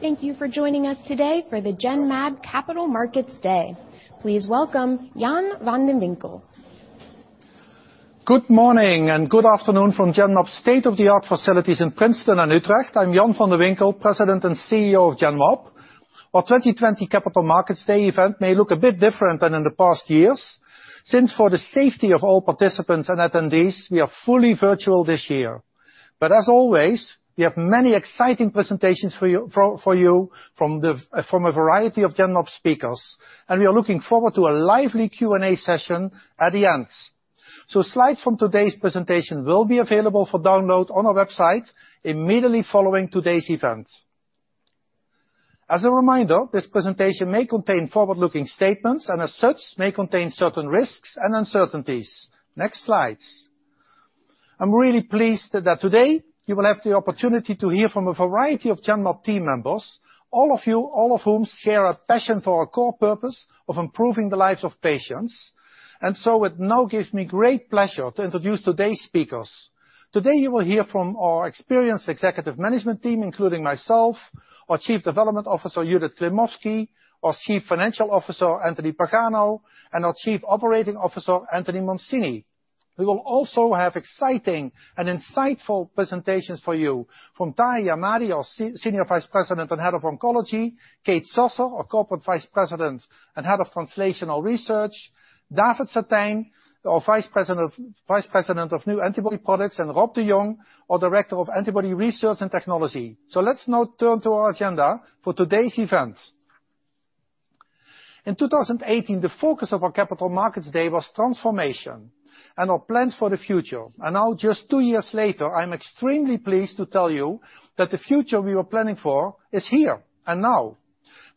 Thank you for joining us today for the Genmab Capital Markets Day. Please welcome Jan van de Winkel. Good morning, good afternoon from Genmab's state-of-the-art facilities in Princeton and Utrecht. I'm Jan van de Winkel, President and CEO of Genmab. Our 2020 Capital Markets Day event may look a bit different than in the past years, since for the safety of all participants and attendees, we are fully virtual this year. As always, we have many exciting presentations for you from a variety of Genmab speakers, and we are looking forward to a lively Q&A session at the end. Slides from today's presentation will be available for download on our website immediately following today's event. As a reminder, this presentation may contain forward-looking statements, and as such, may contain certain risks and uncertainties. Next slides. I'm really pleased that today you will have the opportunity to hear from a variety of Genmab team members, all of whom share a passion for our core purpose of improving the lives of patients. It now gives me great pleasure to introduce today's speakers. Today you will hear from our experienced Executive Management Team, including myself, our Chief Development Officer, Judith Klimovsky, our Chief Financial Officer, Anthony Pagano, and our Chief Operating Officer, Anthony Mancini. We will also have exciting and insightful presentations for you from Tahi Ahmadi, our Senior Vice President and Head of Oncology, Kate Sasser, our Corporate Vice President and Head of Translational Research, David Satijn, our Vice President of New Antibody Products, and Rob de Jong, our Director of Antibody Research and Technology. Let's now turn to our agenda for today's event. In 2018, the focus of our Capital Markets Day was transformation and our plans for the future. Now, just two years later, I'm extremely pleased to tell you that the future we were planning for is here and now.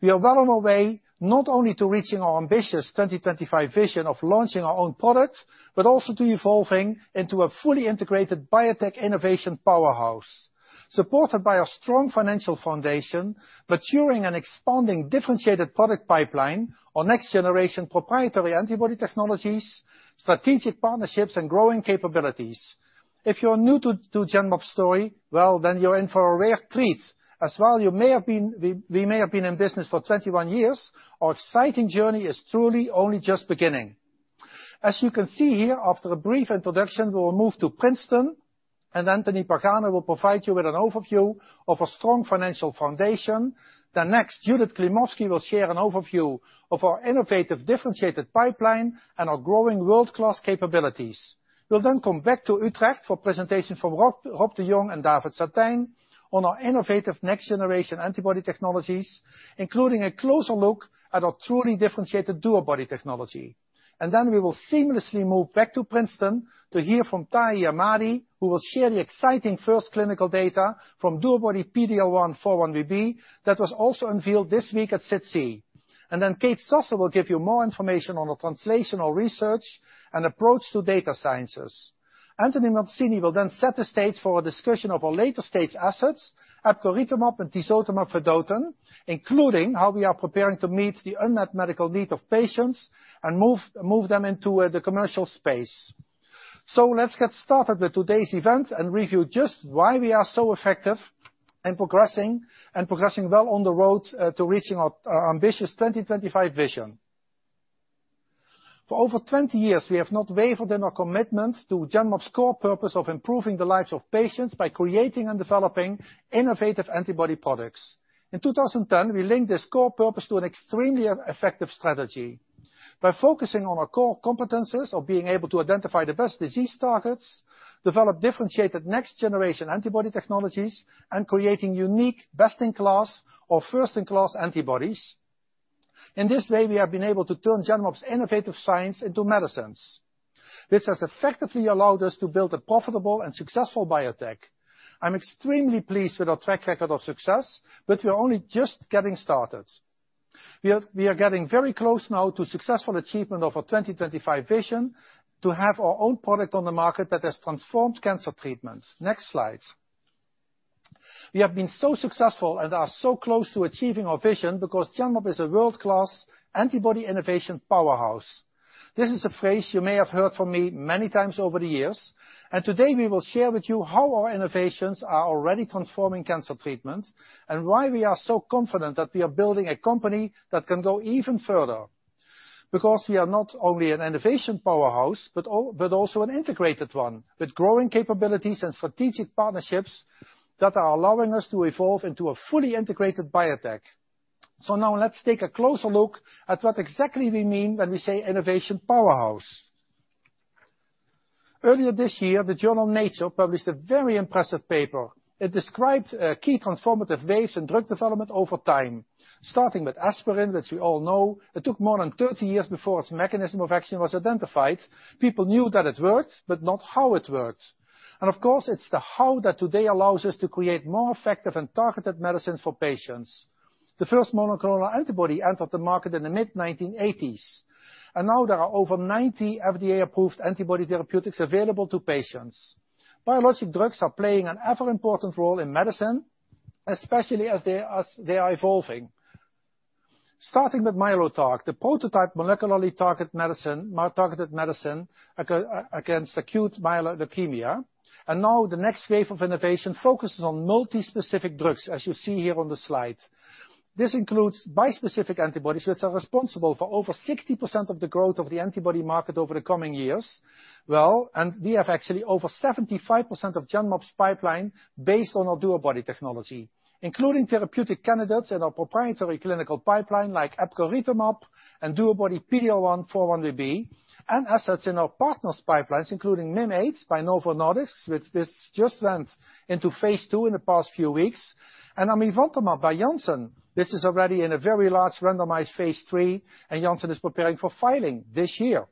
We are well on our way, not only to reaching our ambitious 2025 vision of launching our own product, but also to evolving into a fully integrated biotech innovation powerhouse, supported by our strong financial foundation, maturing and expanding differentiated product pipeline, our next-generation proprietary antibody technologies, strategic partnerships, and growing capabilities. If you're new to Genmab's story, well, then you're in for a rare treat. As while we may have been in business for 21 years, our exciting journey is truly only just beginning. As you can see here, after a brief introduction, we will move to Princeton, and Anthony Pagano will provide you with an overview of our strong financial foundation. Next, Judith Klimovsky will share an overview of our innovative, differentiated pipeline and our growing world-class capabilities. We will come back to Utrecht for presentations from Rob de Jong and David Satijn on our innovative next-generation antibody technologies, including a closer look at our truly differentiated DuoBody technology. We will seamlessly move back to Princeton to hear from Tahi Ahmadi, who will share the exciting first clinical data from DuoBody PD-L1/4-1BB that was also unveiled this week at SITC. Kate Sasser will give you more information on our translational research and approach to data sciences. Anthony Mancini will then set the stage for a discussion of our later-stage assets, epcoritamab and tisotumab vedotin, including how we are preparing to meet the unmet medical need of patients and move them into the commercial space. Let's get started with today's event and review just why we are so effective and progressing well on the road to reaching our ambitious 2025 vision. For over 20 years, we have not wavered in our commitment to Genmab's core purpose of improving the lives of patients by creating and developing innovative antibody products. In 2010, we linked this core purpose to an extremely effective strategy. By focusing on our core competencies of being able to identify the best disease targets, develop differentiated next-generation antibody technologies, and creating unique, best-in-class or first-in-class antibodies. In this way, we have been able to turn Genmab's innovative science into medicines. This has effectively allowed us to build a profitable and successful biotech. I'm extremely pleased with our track record of success, but we are only just getting started. We are getting very close now to successful achievement of our 2025 vision to have our own product on the market that has transformed cancer treatment. Next slide. We have been so successful and are so close to achieving our vision because Genmab is a world-class antibody innovation powerhouse. This is a phrase you may have heard from me many times over the years, and today we will share with you how our innovations are already transforming cancer treatment and why we are so confident that we are building a company that can go even further. Because we are not only an innovation powerhouse but also an integrated one with growing capabilities and strategic partnerships that are allowing us to evolve into a fully integrated biotech. Now let's take a closer look at what exactly we mean when we say innovation powerhouse. Earlier this year, the journal "Nature" published a very impressive paper. It described key transformative waves in drug development over time, starting with aspirin, which we all know. It took more than 30 years before its mechanism of action was identified. People knew that it worked, but not how it worked. Of course, it's the how that today allows us to create more effective and targeted medicines for patients. The first monoclonal antibody entered the market in the mid-1980s, and now there are over 90 FDA-approved antibody therapeutics available to patients. Biologic drugs are playing an ever-important role in medicine, especially as they are evolving. Starting with Mylotarg, the prototype molecularly targeted medicine against acute myeloid leukemia. Now the next wave of innovation focuses on multi-specific drugs, as you see here on the slide. This includes bispecific antibodies that are responsible for over 60% of the growth of the antibody market over the coming years. We have actually over 75% of Genmab's pipeline based on our DuoBody technology, including therapeutic candidates in our proprietary clinical pipeline like epcoritamab and DuoBody PD-L1x4-1BB, and assets in our partners' pipelines including Mim8 by Novo Nordisk, which just went into phase II in the past few weeks, and amivantamab by Janssen, which is already in a very large randomized phase III, and Janssen is preparing for filing this year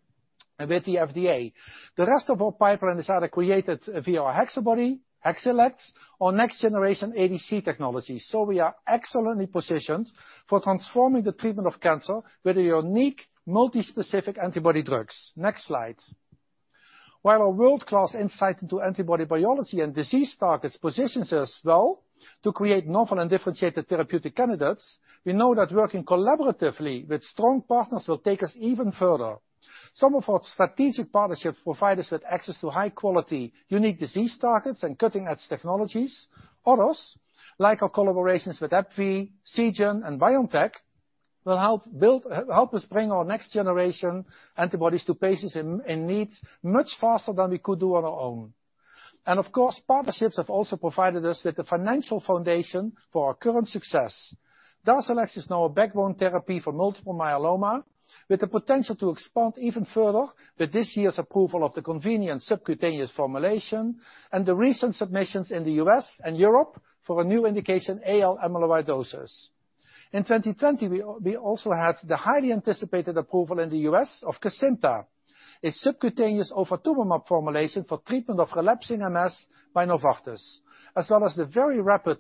with the FDA. The rest of our pipeline is either created via our HexaBody, HexElect, or next generation ADC technology. We are excellently positioned for transforming the treatment of cancer with unique multi-specific antibody drugs. Next slide. While our world-class insight into antibody biology and disease targets positions us well to create novel and differentiated therapeutic candidates, we know that working collaboratively with strong partners will take us even further. Some of our strategic partnerships provide us with access to high quality, unique disease targets and cutting-edge technologies. Others, like our collaborations with AbbVie, Seagen, and BioNTech, will help us bring our next generation antibodies to patients in need much faster than we could do on our own. Of course, partnerships have also provided us with the financial foundation for our current success. DARZALEX is now a backbone therapy for multiple myeloma, with the potential to expand even further with this year's approval of the convenient subcutaneous formulation and the recent submissions in the U.S. and Europe for a new indication, AL amyloidosis. In 2020, we also had the highly anticipated approval in the U.S. of Kesimpta, a subcutaneous ofatumumab formulation for treatment of relapsing MS by Novartis, as well as the very rapid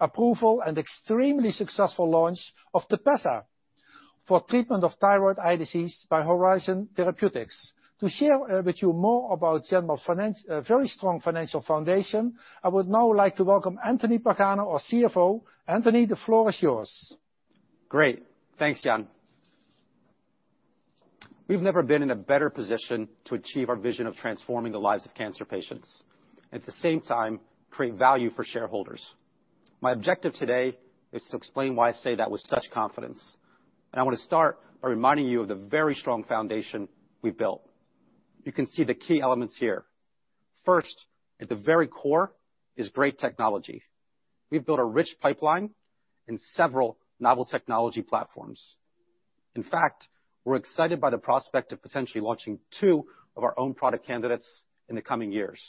approval and extremely successful launch of TEPEZZA for treatment of Thyroid Eye Disease by Horizon Therapeutics. To share with you more about Genmab's very strong financial foundation, I would now like to welcome Anthony Pagano, our CFO. Anthony, the floor is yours. Great, thanks, Jan. We've never been in a better position to achieve our vision of transforming the lives of cancer patients, at the same time, create value for shareholders. My objective today is to explain why I say that with such confidence. I want to start by reminding you of the very strong foundation we've built. You can see the key elements here. First, at the very core is great technology. We've built a rich pipeline and several novel technology platforms. In fact, we're excited by the prospect of potentially launching two of our own product candidates in the coming years.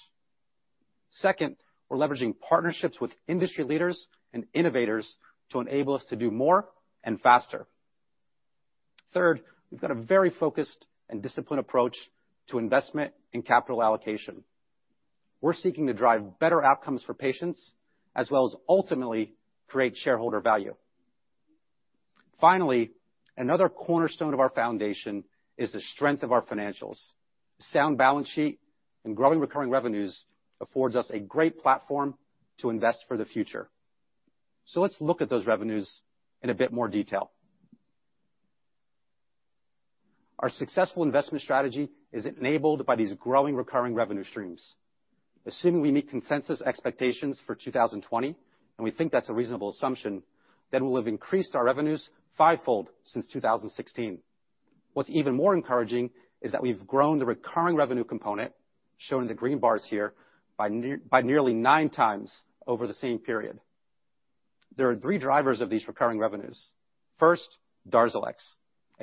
Second, we're leveraging partnerships with industry leaders and innovators to enable us to do more and faster. Third, we've got a very focused and disciplined approach to investment and capital allocation. We're seeking to drive better outcomes for patients as well as ultimately create shareholder value. Finally, another cornerstone of our foundation is the strength of our financials. Sound balance sheet and growing recurring revenues affords us a great platform to invest for the future. Let's look at those revenues in a bit more detail. Our successful investment strategy is enabled by these growing recurring revenue streams. Assume we meet consensus expectations for 2020, and we think that's a reasonable assumption, then we'll have increased our revenues fivefold since 2016. What's even more encouraging is that we've grown the recurring revenue component, shown in the green bars here, by nearly 9x over the same period. There are three drivers of these recurring revenues. First,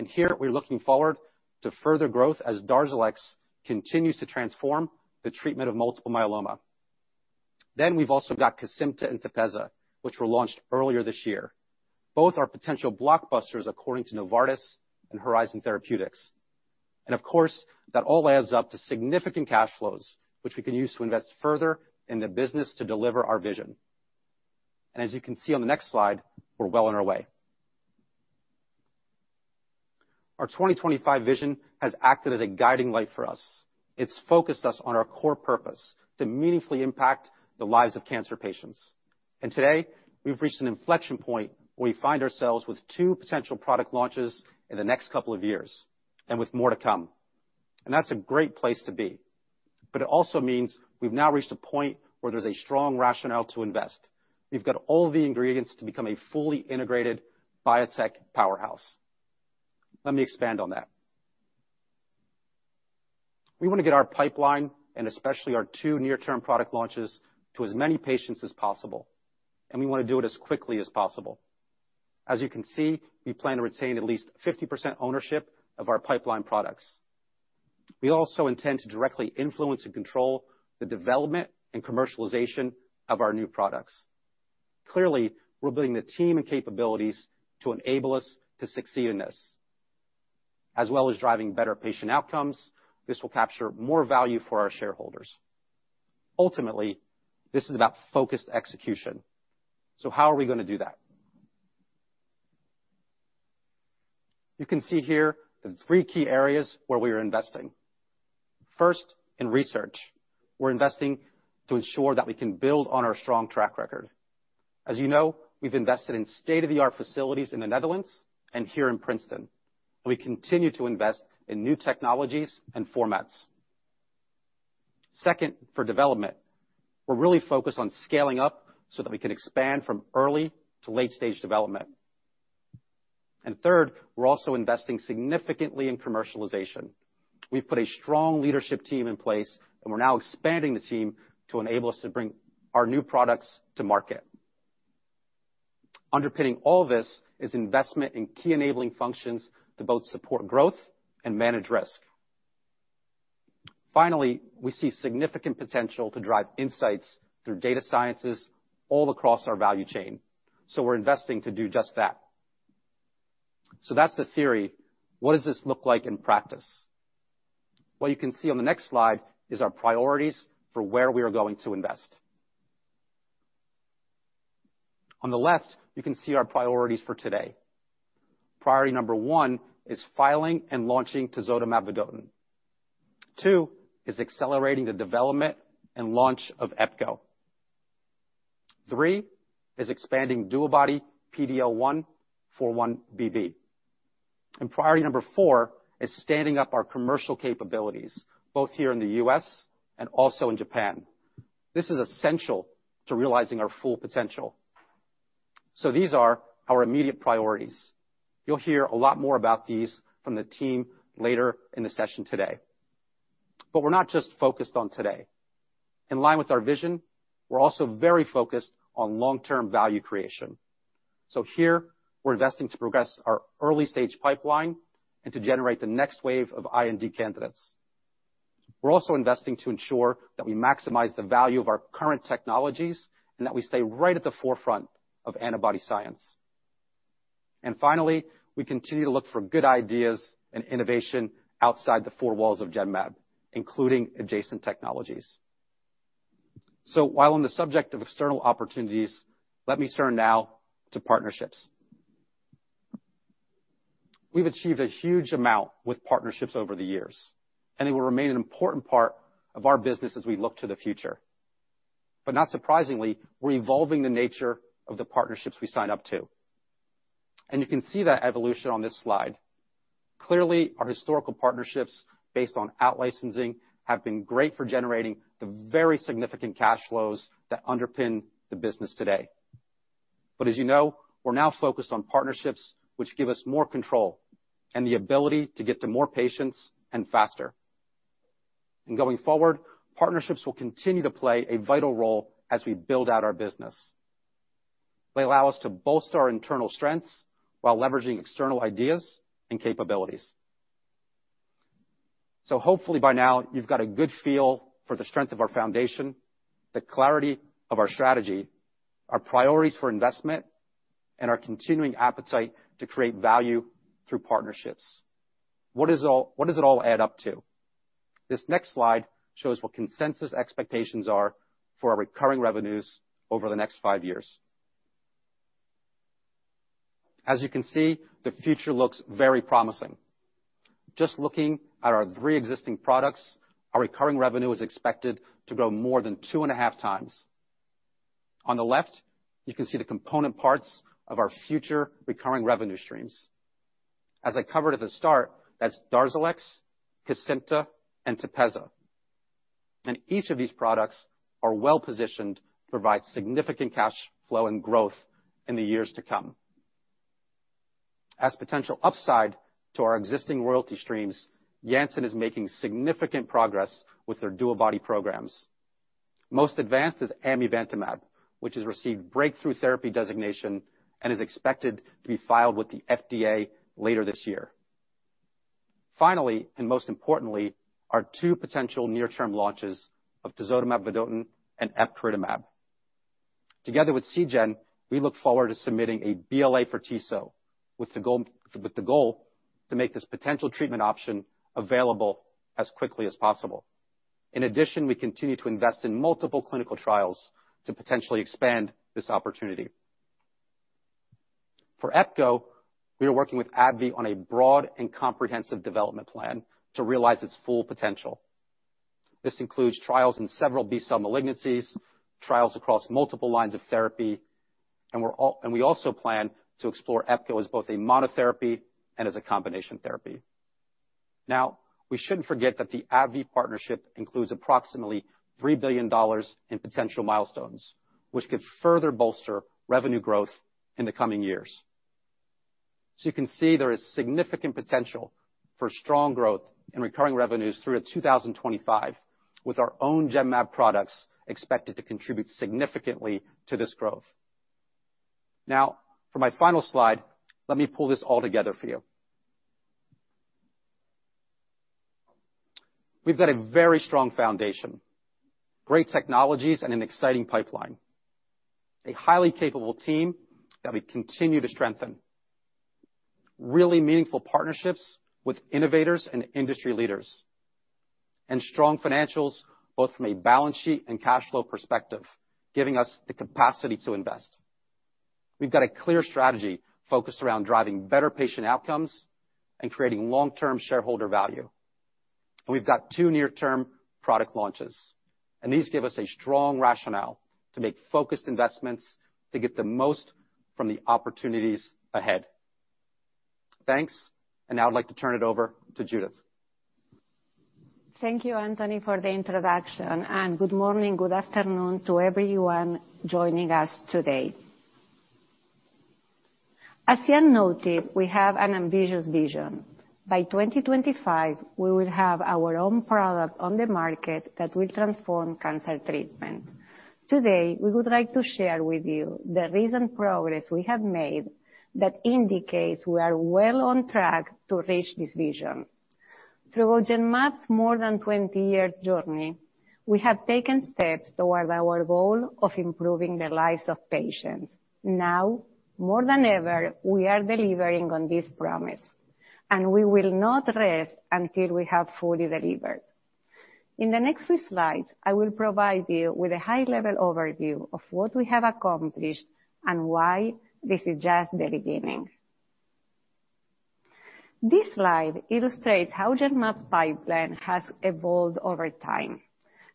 DARZALEX. Here we're looking forward to further growth as DARZALEX continues to transform the treatment of multiple myeloma. We've also got Kesimpta and TEPEZZA, which were launched earlier this year. Both are potential blockbusters according to Novartis and Horizon Therapeutics. Of course, that all adds up to significant cash flows, which we can use to invest further in the business to deliver our vision. As you can see on the next slide, we're well on our way. Our 2025 vision has acted as a guiding light for us. It's focused us on our core purpose to meaningfully impact the lives of cancer patients. Today, we've reached an inflection point where we find ourselves with two potential product launches in the next couple of years, and with more to come. That's a great place to be. It also means we've now reached a point where there's a strong rationale to invest. We've got all the ingredients to become a fully integrated biotech powerhouse. Let me expand on that. We want to get our pipeline, and especially our two near-term product launches, to as many patients as possible, and we want to do it as quickly as possible. As you can see, we plan to retain at least 50% ownership of our pipeline products. We also intend to directly influence and control the development and commercialization of our new products. Clearly, we're building the team and capabilities to enable us to succeed in this. As well as driving better patient outcomes, this will capture more value for our shareholders. Ultimately, this is about focused execution. How are we going to do that? You can see here the three key areas where we are investing. First, in research, we're investing to ensure that we can build on our strong track record. As you know, we've invested in state-of-the-art facilities in the Netherlands and here in Princeton. We continue to invest in new technologies and formats. Second, for development, we're really focused on scaling up so that we can expand from early to late-stage development. Third, we're also investing significantly in commercialization. We've put a strong leadership team in place, and we're now expanding the team to enable us to bring our new products to market. Underpinning all this is investment in key enabling functions to both support growth and manage risk. Finally, we see significant potential to drive insights through data sciences all across our value chain, we're investing to do just that. That's the theory. What does this look like in practice? What you can see on the next slide is our priorities for where we are going to invest. On the left, you can see our priorities for today. Priority number one is filing and launching tisotumab vedotin. Two is accelerating the development and launch of epcor. Three is expanding DuoBody PD-L1/4-1BB. Priority number four is standing up our commercial capabilities, both here in the U.S. and also in Japan. This is essential to realizing our full potential. These are our immediate priorities, you'll hear a lot more about these from the team later in the session today. We're not just focused on today. In line with our vision, we're also very focused on long-term value creation. Here, we're investing to progress our early-stage pipeline and to generate the next wave of IND candidates. We're also investing to ensure that we maximize the value of our current technologies and that we stay right at the forefront of antibody science. Finally, we continue to look for good ideas and innovation outside the four walls of Genmab, including adjacent technologies. While on the subject of external opportunities, let me turn now to partnerships. We've achieved a huge amount with partnerships over the years, and they will remain an important part of our business as we look to the future. Not surprisingly, we're evolving the nature of the partnerships we sign up to. You can see that evolution on this slide. Clearly, our historical partnerships based on out-licensing have been great for generating the very significant cash flows that underpin the business today. As you know, we're now focused on partnerships which give us more control and the ability to get to more patients and faster. Going forward, partnerships will continue to play a vital role as we build out our business. They allow us to bolster our internal strengths while leveraging external ideas and capabilities. Hopefully by now you've got a good feel for the strength of our foundation, the clarity of our strategy, our priorities for investment, and our continuing appetite to create value through partnerships. What does it all add up to? This next slide shows what consensus expectations are for our recurring revenues over the next five years. As you can see, the future looks very promising. Just looking at our three existing products, our recurring revenue is expected to grow more than 2.5x. On the left, you can see the component parts of our future recurring revenue streams. As I covered at the start, that's DARZALEX, Kesimpta, and TEPEZZA, and each of these products are well-positioned to provide significant cash flow and growth in the years to come. As potential upside to our existing royalty streams, Janssen is making significant progress with their DuoBody programs. Most advanced is amivantamab, which has received breakthrough therapy designation and is expected to be filed with the FDA later this year. Finally, and most importantly, our two potential near-term launches of tisotumab vedotin and epcoritamab. Together with Seagen, we look forward to submitting a BLA for tiso, with the goal to make this potential treatment option available as quickly as possible. In addition, we continue to invest in multiple clinical trials to potentially expand this opportunity. For epcor, we are working with AbbVie on a broad and comprehensive development plan to realize its full potential. This includes trials in several B-cell malignancies, trials across multiple lines of therapy, and we also plan to explore epcor as both a monotherapy and as a combination therapy. We shouldn't forget that the AbbVie partnership includes approximately $3 billion in potential milestones, which could further bolster revenue growth in the coming years. You can see there is significant potential for strong growth in recurring revenues through to 2025, with our own Genmab products expected to contribute significantly to this growth. For my final slide, let me pull this all together for you. We've got a very strong foundation, great technologies, and an exciting pipeline, a highly capable team that we continue to strengthen, really meaningful partnerships with innovators and industry leaders, and strong financials both from a balance sheet and cash flow perspective, giving us the capacity to invest. We've got a clear strategy focused around driving better patient outcomes and creating long-term shareholder value. We've got two near-term product launches, these give us a strong rationale to make focused investments to get the most from the opportunities ahead. Thanks. Now I'd like to turn it over to Judith. Thank you, Anthony, for the introduction, and good morning, good afternoon to everyone joining us today. As Jan noted, we have an ambitious vision. By 2025, we will have our own product on the market that will transform cancer treatment. Today, we would like to share with you the recent progress we have made that indicates we are well on track to reach this vision. Through Genmab's more than 20-year journey, we have taken steps towards our goal of improving the lives of patients. Now, more than ever, we are delivering on this promise, and we will not rest until we have fully delivered. In the next few slides, I will provide you with a high-level overview of what we have accomplished and why this is just the beginning. This slide illustrates how Genmab's pipeline has evolved over time.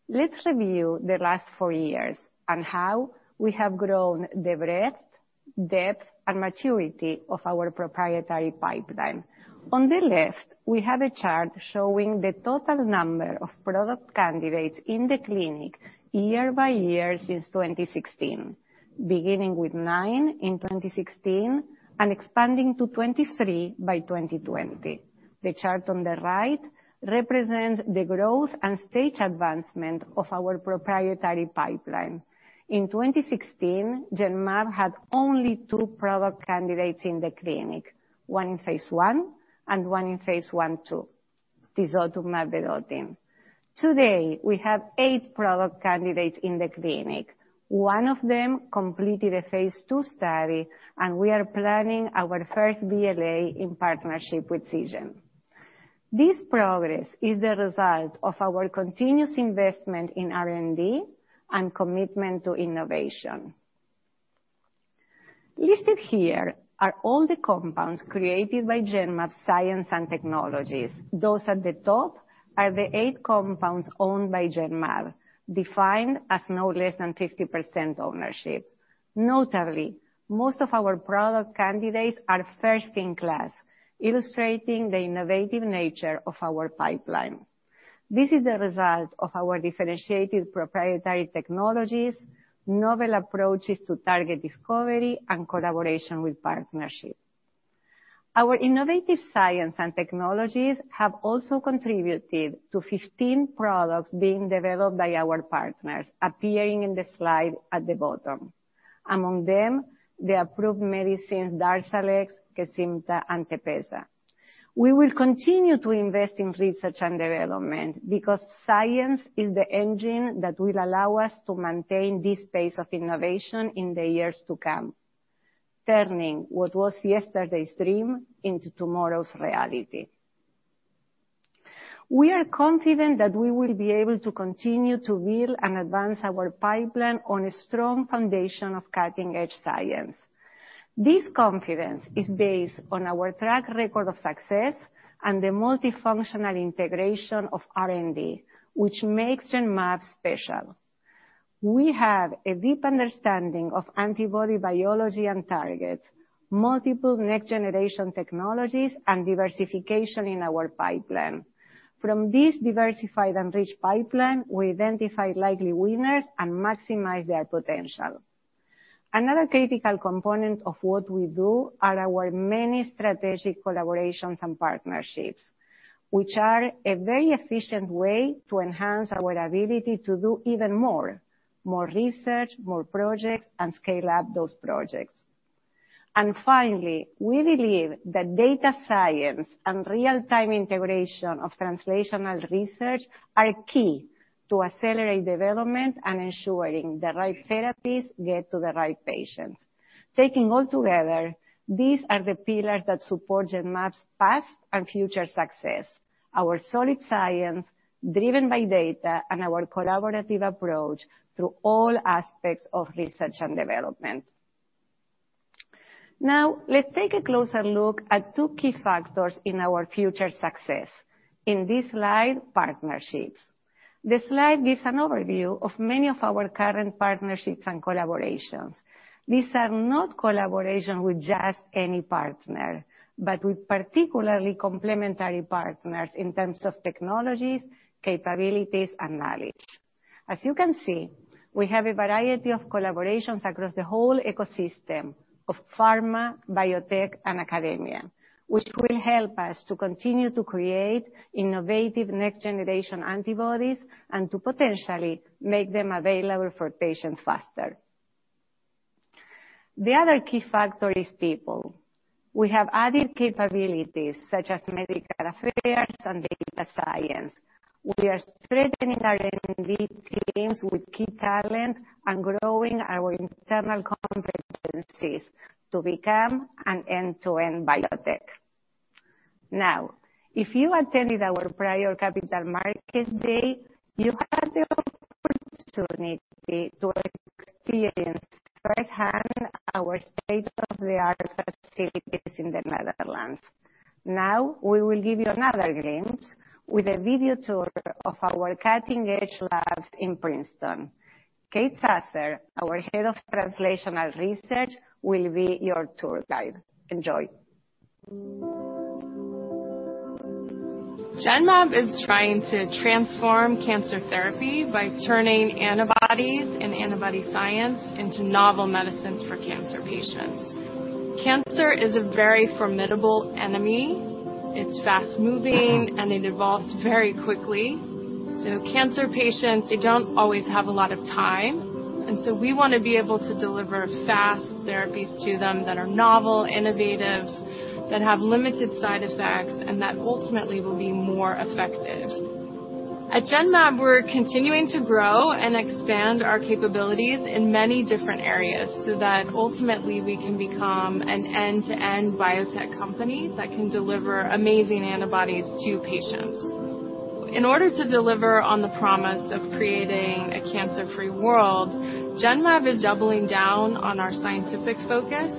Let's review the last four years and how we have grown the breadth, depth, and maturity of our proprietary pipeline. On the left, we have a chart showing the total number of product candidates in the clinic year by year since 2016, beginning with nine in 2016 and expanding to 23 by 2020. The chart on the right represents the growth and stage advancement of our proprietary pipeline. In 2016, Genmab had only two product candidates in the clinic, one in phase I and one in phase I/II. Today, we have eight product candidates in the clinic. One of them completed a phase II study, and we are planning our first BLA in partnership with Seagen. This progress is the result of our continuous investment in R&D and commitment to innovation. Listed here are all the compounds created by Genmab Science and Technologies. Those at the top are the eight compounds owned by Genmab, defined as no less than 50% ownership. Notably, most of our product candidates are first in class, illustrating the innovative nature of our pipeline. This is the result of our differentiated proprietary technologies, novel approaches to target discovery, and collaboration with partnerships. Our innovative science and technologies have also contributed to 15 products being developed by our partners, appearing in the slide at the bottom. Among them, the approved medicines DARZALEX, Kesimpta, and TEPEZZA. We will continue to invest in research and development because science is the engine that will allow us to maintain this pace of innovation in the years to come, turning what was yesterday's dream into tomorrow's reality. We are confident that we will be able to continue to build and advance our pipeline on a strong foundation of cutting-edge science. This confidence is based on our track record of success and the multifunctional integration of R&D, which makes Genmab special. We have a deep understanding of antibody biology and targets, multiple next-generation technologies, and diversification in our pipeline. From this diversified and rich pipeline, we identify likely winners and maximize their potential. Another critical component of what we do are our many strategic collaborations and partnerships, which are a very efficient way to enhance our ability to do even more. More research, more projects, scale up those projects. Finally, we believe that data science and real-time integration of translational research are key to accelerate development and ensuring the right therapies get to the right patients. Taken all together, these are the pillars that support Genmab's past and future success, our solid science, driven by data, and our collaborative approach through all aspects of research and development. Now, let's take a closer look at two key factors in our future success. In this slide, partnerships. This slide gives an overview of many of our current partnerships and collaborations. These are not collaborations with just any partner, but with particularly complementary partners in terms of technologies, capabilities, and knowledge. As you can see, we have a variety of collaborations across the whole ecosystem of pharma, biotech, and academia, which will help us to continue to create innovative next-generation antibodies and to potentially make them available for patients faster. The other key factor is people. We have added capabilities such as medical affairs and data science. We are strengthening our R&D teams with key talent and growing our internal competencies to become an end-to-end biotech. Now, if you attended our prior Capital Markets Day, you had the opportunity to experience firsthand our state-of-the-art facilities in the Netherlands. We will give you another glimpse with a video tour of our cutting-edge labs in Princeton. Kate Sasser, our head of translational research, will be your tour guide. Enjoy. Genmab is trying to transform cancer therapy by turning antibodies and antibody science into novel medicines for cancer patients. Cancer is a very formidable enemy, it's fast-moving and it evolves very quickly. Cancer patients, they don't always have a lot of time, and so we want to be able to deliver fast therapies to them that are novel, innovative, that have limited side effects, and that ultimately will be more effective. At Genmab, we're continuing to grow and expand our capabilities in many different areas so that ultimately we can become an end-to-end biotech company that can deliver amazing antibodies to patients. In order to deliver on the promise of creating a cancer-free world, Genmab is doubling down on our scientific focus.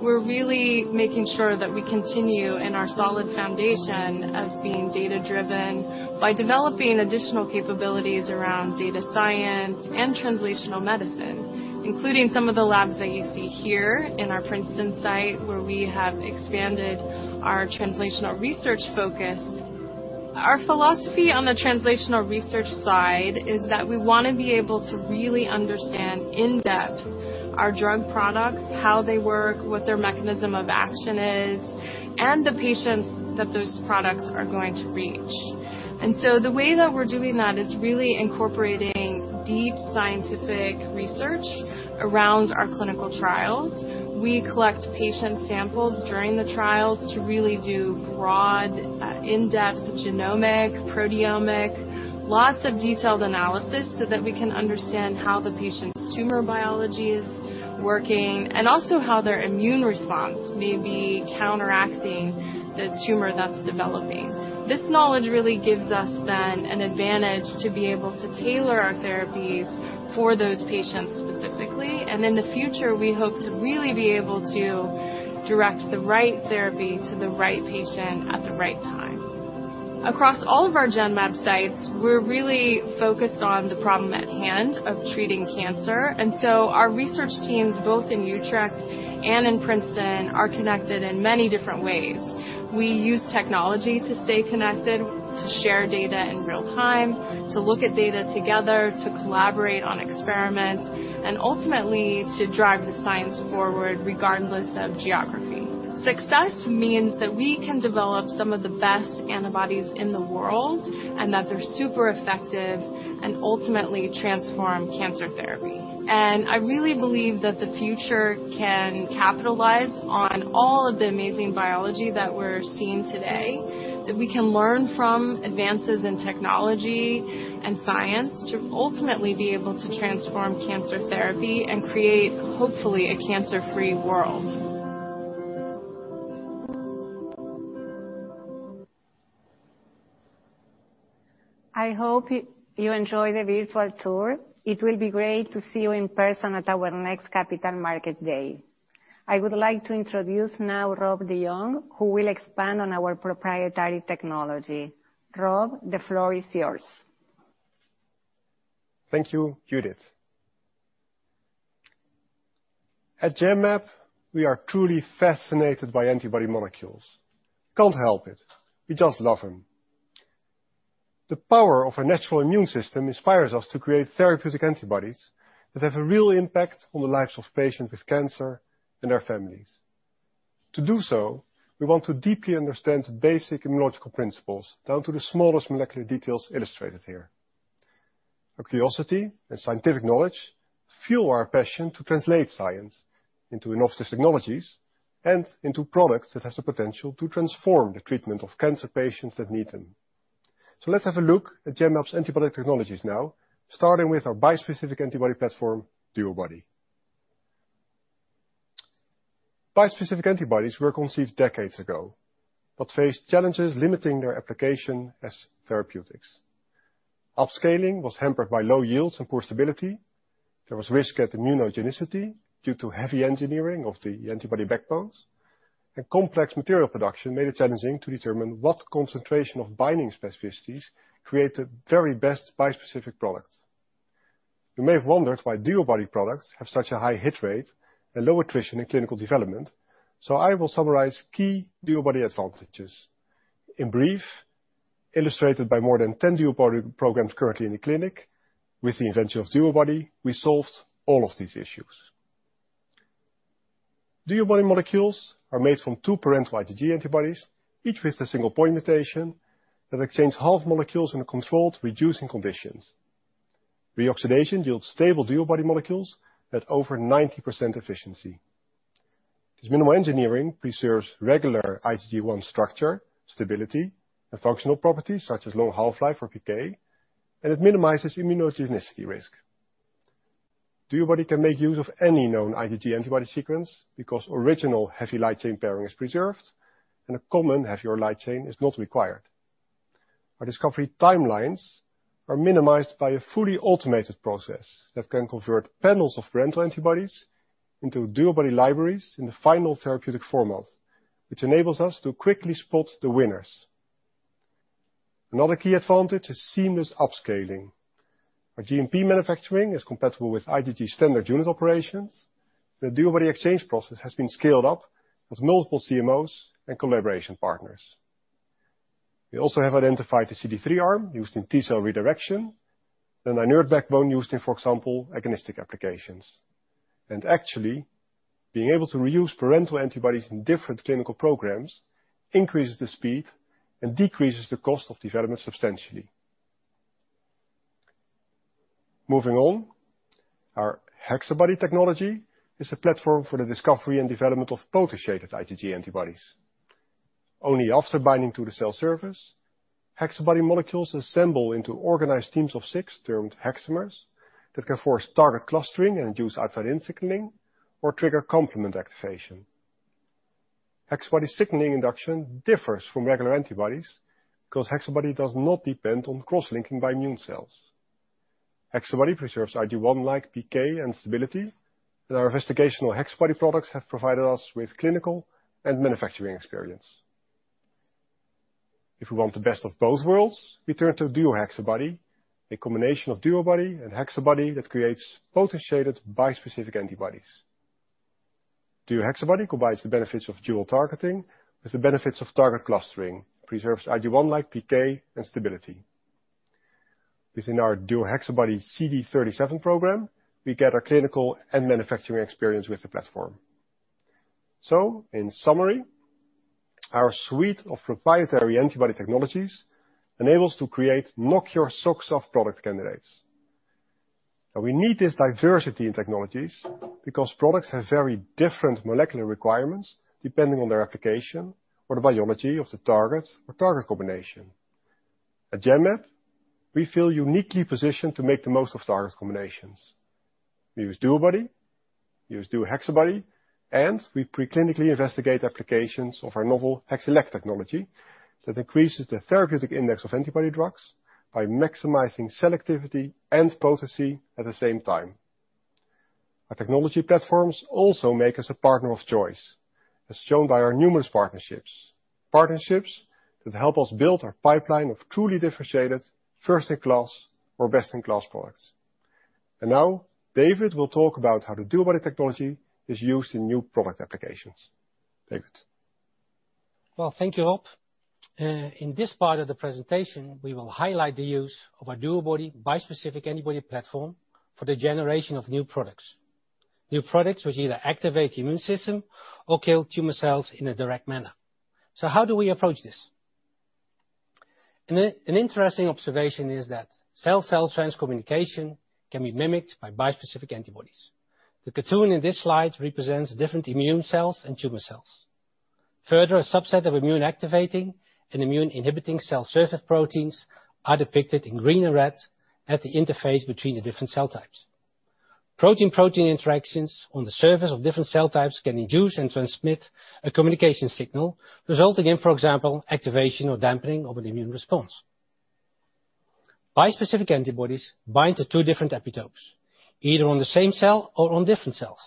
We're really making sure that we continue in our solid foundation of being data-driven by developing additional capabilities around data science and translational medicine, including some of the labs that you see here in our Princeton site, where we have expanded our translational research focus. Our philosophy on the translational research side is that we want to be able to really understand in depth our drug products, how they work, what their mechanism of action is, and the patients that those products are going to reach. The way that we're doing that is really incorporating deep scientific research around our clinical trials. We collect patient samples during the trials to really do broad, in-depth genomic, proteomic, lots of detailed analysis, so that we can understand how the patient's tumor biology is working, and also how their immune response may be counteracting the tumor that's developing. This knowledge really gives us then an advantage to be able to tailor our therapies for those patients specifically. In the future, we hope to really be able to direct the right therapy to the right patient at the right time. Across all of our Genmab sites, we're really focused on the problem at hand of treating cancer, and so our research teams, both in Utrecht and in Princeton, are connected in many different ways. We use technology to stay connected, to share data in real time, to look at data together, to collaborate on experiments, and ultimately to drive the science forward regardless of geography. Success means that we can develop some of the best antibodies in the world, and that they're super effective and ultimately transform cancer therapy. I really believe that the future can capitalize on all of the amazing biology that we're seeing today, that we can learn from advances in technology and science to ultimately be able to transform cancer therapy and create, hopefully, a cancer-free world. I hope you enjoy the virtual tour, it will be great to see you in person at our next Capital Market Day. I would like to introduce now Rob de Jong, who will expand on our proprietary technology. Rob, the floor is yours. Thank you, Judith. At Genmab, we are truly fascinated by antibody molecules. Can't help it, we just love them. The power of our natural immune system inspires us to create therapeutic antibodies that have a real impact on the lives of patients with cancer and their families. To do so, we want to deeply understand basic immunological principles, down to the smallest molecular details illustrated here. Our curiosity and scientific knowledge fuel our passion to translate science into innovative technologies and into products that have the potential to transform the treatment of cancer patients that need them. Let's have a look at Genmab's antibody technologies now, starting with our bispecific antibody platform, DuoBody. Bispecific antibodies were conceived decades ago, faced challenges limiting their application as therapeutics. Upscaling was hampered by low yields and poor stability. There was risk of immunogenicity due to heavy engineering of the antibody backbones. Complex material production made it challenging to determine what concentration of binding specificities create the very best bispecific product. You may have wondered why DuoBody products have such a high hit rate and low attrition in clinical development, so I will summarize key DuoBody advantages. In brief, illustrated by more than 10 DuoBody programs currently in the clinic, with the invention of DuoBody, we solved all of these issues. DuoBody molecules are made from two parental IgG antibodies, each with a single point mutation that exchange half molecules in controlled reducing conditions. Reoxidation yields stable DuoBody molecules at over 90% efficiency. This minimal engineering preserves regular IgG1 structure, stability, and functional properties such as long half-life or PK, and it minimizes immunogenicity risk. DuoBody can make use of any known IgG antibody sequence because original heavy light chain pairing is preserved and a common heavy or light chain is not required. Our discovery timelines are minimized by a fully automated process that can convert panels of parental antibodies into DuoBody libraries in the final therapeutic format, which enables us to quickly spot the winners. Another key advantage is seamless upscaling. Our GMP manufacturing is compatible with IgG standard unit operations. The DuoBody exchange process has been scaled up with multiple CMOs and collaboration partners. We also have identified the CD3 arm used in T-cell redirection and a inert backbone used in, for example, agonistic applications. Actually, being able to reuse parental antibodies in different clinical programs increases the speed and decreases the cost of development substantially. Moving on, our HexaBody technology is a platform for the discovery and development of potentiated IgG antibodies. Only after binding to the cell surface, HexaBody molecules assemble into organized teams of six termed hexamers that can force target clustering and induce outside-in signaling or trigger complement activation. HexaBody signaling induction differs from regular antibodies because HexaBody does not depend on cross-linking by immune cells. HexaBody preserves IgG1 like PK and stability, and our investigational HexaBody products have provided us with clinical and manufacturing experience. If we want the best of both worlds, we turn to DuoHexaBody, a combination of DuoBody and HexaBody that creates potentiated bispecific antibodies. DuoHexaBody combines the benefits of dual targeting with the benefits of target clustering, preserves IgG1 like PK and stability. Within our DuoHexaBody-CD37 program, we get our clinical and manufacturing experience with the platform. In summary, our suite of proprietary antibody technologies enables to create knock-your-socks-off product candidates. We need this diversity in technologies because products have very different molecular requirements depending on their application or the biology of the target or target combination. At Genmab, we feel uniquely positioned to make the most of target combinations. We use DuoBody, we use DuoHexaBody, and we pre-clinically investigate applications of our novel HexElect technology that increases the therapeutic index of antibody drugs by maximizing selectivity and potency at the same time. Our technology platforms also make us a partner of choice, as shown by our numerous partnerships that help us build our pipeline of truly differentiated first-in-class or best-in-class products. Now David will talk about how the DuoBody technology is used in new product applications. David. Thank you, Rob. In this part of the presentation, we will highlight the use of our DuoBody bispecific antibody platform for the generation of new products. New products which either activate the immune system or kill tumor cells in a direct manner. How do we approach this? An interesting observation is that cell-cell trans communication can be mimicked by bispecific antibodies. The cartoon in this slide represents different immune cells and tumor cells. Further, a subset of immune activating and immune inhibiting cell surface proteins are depicted in green and red at the interface between the different cell types. Protein-protein interactions on the surface of different cell types can induce and transmit a communication signal, resulting in, for example, activation or dampening of an immune response. Bispecific antibodies bind to two different epitopes, either on the same cell or on different cells.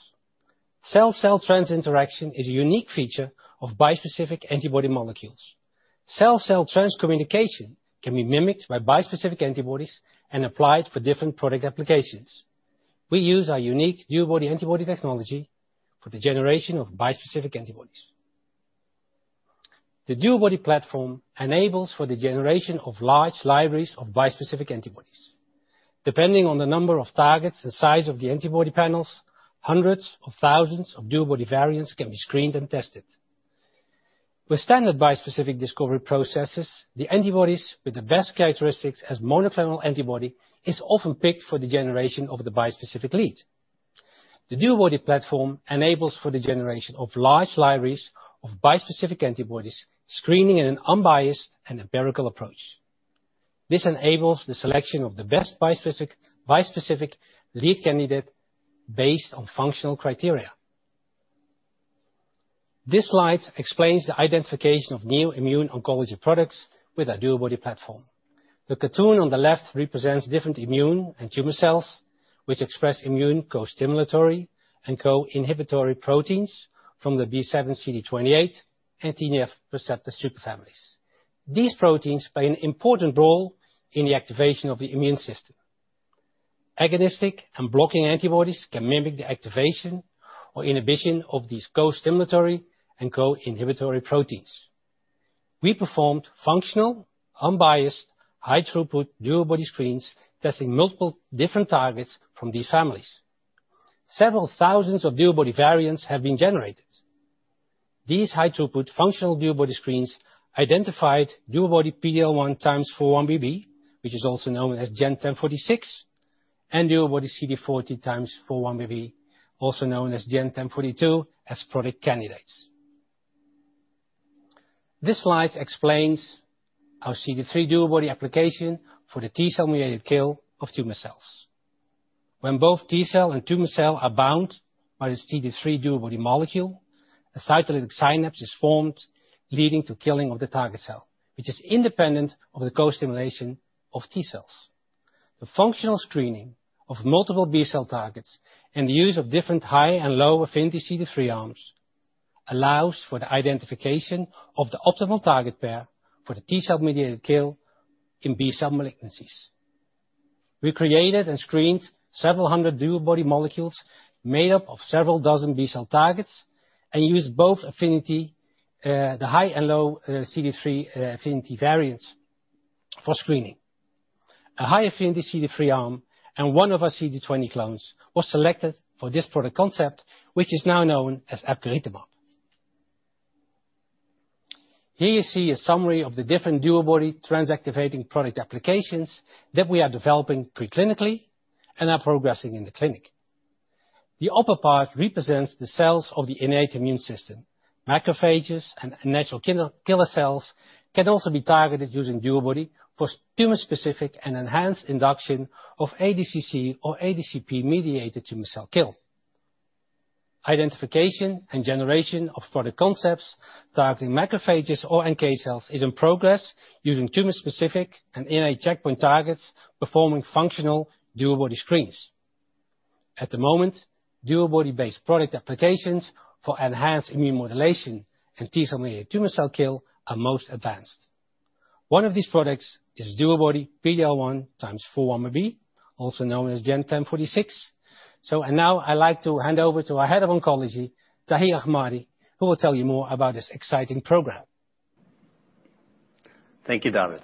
Cell-cell trans interaction is a unique feature of bispecific antibody molecules. Cell-cell trans communication can be mimicked by bispecific antibodies and applied for different product applications. We use our unique DuoBody antibody technology for the generation of bispecific antibodies. The DuoBody platform enables for the generation of large libraries of bispecific antibodies. Depending on the number of targets, the size of the antibody panels, hundreds of thousands of DuoBody variants can be screened and tested. With standard bispecific discovery processes, the antibodies with the best characteristics as monoclonal antibody is often picked for the generation of the bispecific lead. The DuoBody platform enables for the generation of large libraries of bispecific antibodies, screening in an unbiased and empirical approach. This enables the selection of the best bispecific lead candidate based on functional criteria. This slide explains the identification of new immune oncology products with our DuoBody platform. The cartoon on the left represents different immune and tumor cells, which express immune costimulatory and coinhibitory proteins from the B7, CD28, and TNF receptor superfamilies. These proteins play an important role in the activation of the immune system. Agonistic and blocking antibodies can mimic the activation or inhibition of these costimulatory and coinhibitory proteins. We performed functional, unbiased, high-throughput DuoBody screens testing multiple different targets from these families. Several thousands of DuoBody variants have been generated. These high-throughput functional DuoBody screens identified DuoBody PD-L1x4-1BB, which is also known as GEN1046, and DuoBody CD40x4-1BB, also known as GEN1042, as product candidates. This slide explains our CD3 DuoBody application for the T-cell mediated kill of tumor cells. When both T-cell and tumor cell are bound by the CD3 DuoBody molecule, a cytolytic synapse is formed, leading to killing of the target cell, which is independent of the co-stimulation of T-cells. The functional screening of multiple B-cell targets and the use of different high and low affinity CD3 arms allows for the identification of the optimal target pair for the T-cell mediated kill in B-cell malignancies. We created and screened several hundred DuoBody molecules made up of several dozen B-cell targets and used both affinity, the high and low CD3 affinity variants for screening. A high affinity CD3 arm and one of our CD20 clones was selected for this product concept, which is now known as epcoritamab. Here you see a summary of the different DuoBody trans-activating product applications that we are developing pre-clinically and are progressing in the clinic. The upper part represents the cells of the innate immune system. Macrophages and natural killer cells can also be targeted using DuoBody for tumor-specific and enhanced induction of ADCC or ADCP-mediated tumor cell kill. Identification and generation of product concepts targeting macrophages or NK cells is in progress using tumor-specific and innate checkpoint targets, performing functional DuoBody screens. At the moment, DuoBody-based product applications for enhanced immune modulation and T-cell-mediated tumor cell kill are most advanced. One of these products is DuoBody PD-L1x4-1BB, also known as GEN1046. Now I like to hand over to our head of oncology, Tahi Ahmadi, who will tell you more about this exciting program. Thank you, David.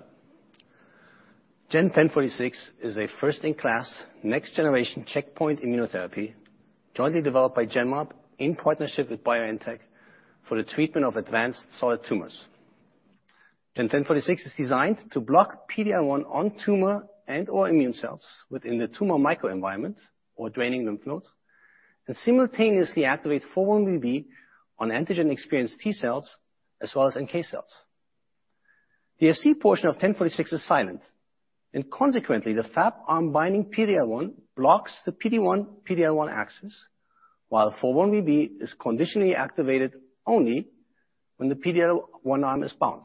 GEN1046 is a first-in-class, next-generation checkpoint immunotherapy, jointly developed by Genmab in partnership with BioNTech for the treatment of advanced solid tumors. GEN1046 is designed to block PD-L1 on tumor and/or immune cells within the tumor microenvironment or draining lymph nodes, and simultaneously activate 4-1BB on antigen-experienced T-cells as well as NK cells. The Fc portion of 1046 is silent, and consequently, the Fab arm binding PD-L1 blocks the PD-1/PD-L1 axis, while 4-1BB is conditionally activated only when the PD-L1 arm is bound.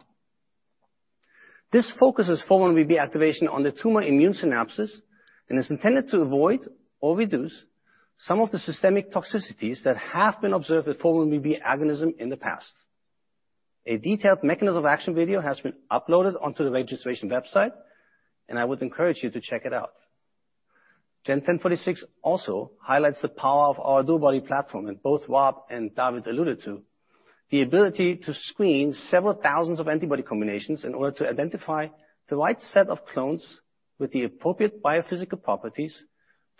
This focuses 4-1BB activation on the tumor immune synapses and is intended to avoid or reduce some of the systemic toxicities that have been observed with 4-1BB agonism in the past. A detailed mechanism of action video has been uploaded onto the registration website. I would encourage you to check it out. GEN1046 also highlights the power of our DuoBody platform, and both Rob and David alluded to the ability to screen several thousands of antibody combinations in order to identify the right set of clones with the appropriate biophysical properties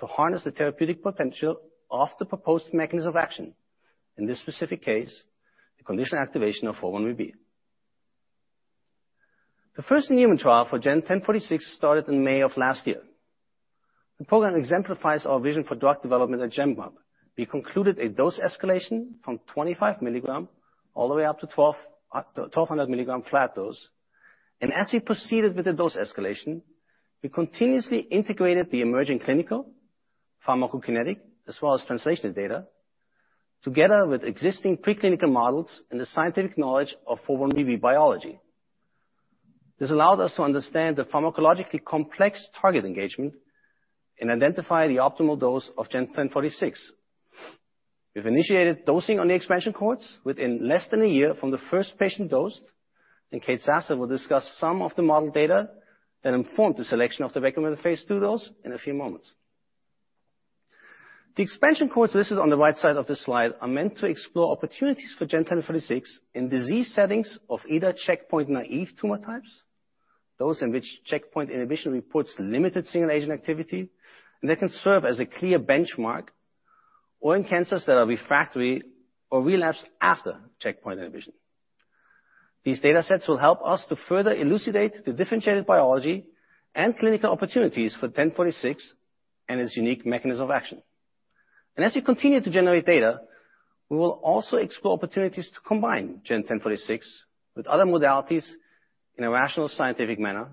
to harness the therapeutic potential of the proposed mechanism of action. In this specific case, the conditional activation of 4-1BB. The first human trial for GEN1046 started in May of last year. The program exemplifies our vision for drug development at Genmab. We concluded a dose escalation from 25 mg all the way up to 1,200 milligrams flat dose. As we proceeded with the dose escalation, we continuously integrated the emerging clinical, pharmacokinetic, as well as translational data together with existing preclinical models and the scientific knowledge of 4-1BB biology. This allowed us to understand the pharmacologically complex target engagement and identify the optimal dose of GEN1046. We've initiated dosing on the expansion cohorts within less than a year from the first patient dosed. Kate Sasser will discuss some of the model data that informed the selection of the recommended phase II dose in a few moments. The expansion cohorts listed on the right side of this slide are meant to explore opportunities for GEN1046 in disease settings of either checkpoint-naïve tumor types, those in which checkpoint inhibition reports limited single-agent activity, and that can serve as a clear benchmark, or in cancers that are refractory or relapsed after checkpoint inhibition. These data sets will help us to further elucidate the differentiated biology and clinical opportunities for 1046 and its unique mechanism of action. As we continue to generate data, we will also explore opportunities to combine GEN1046 with other modalities in a rational scientific manner,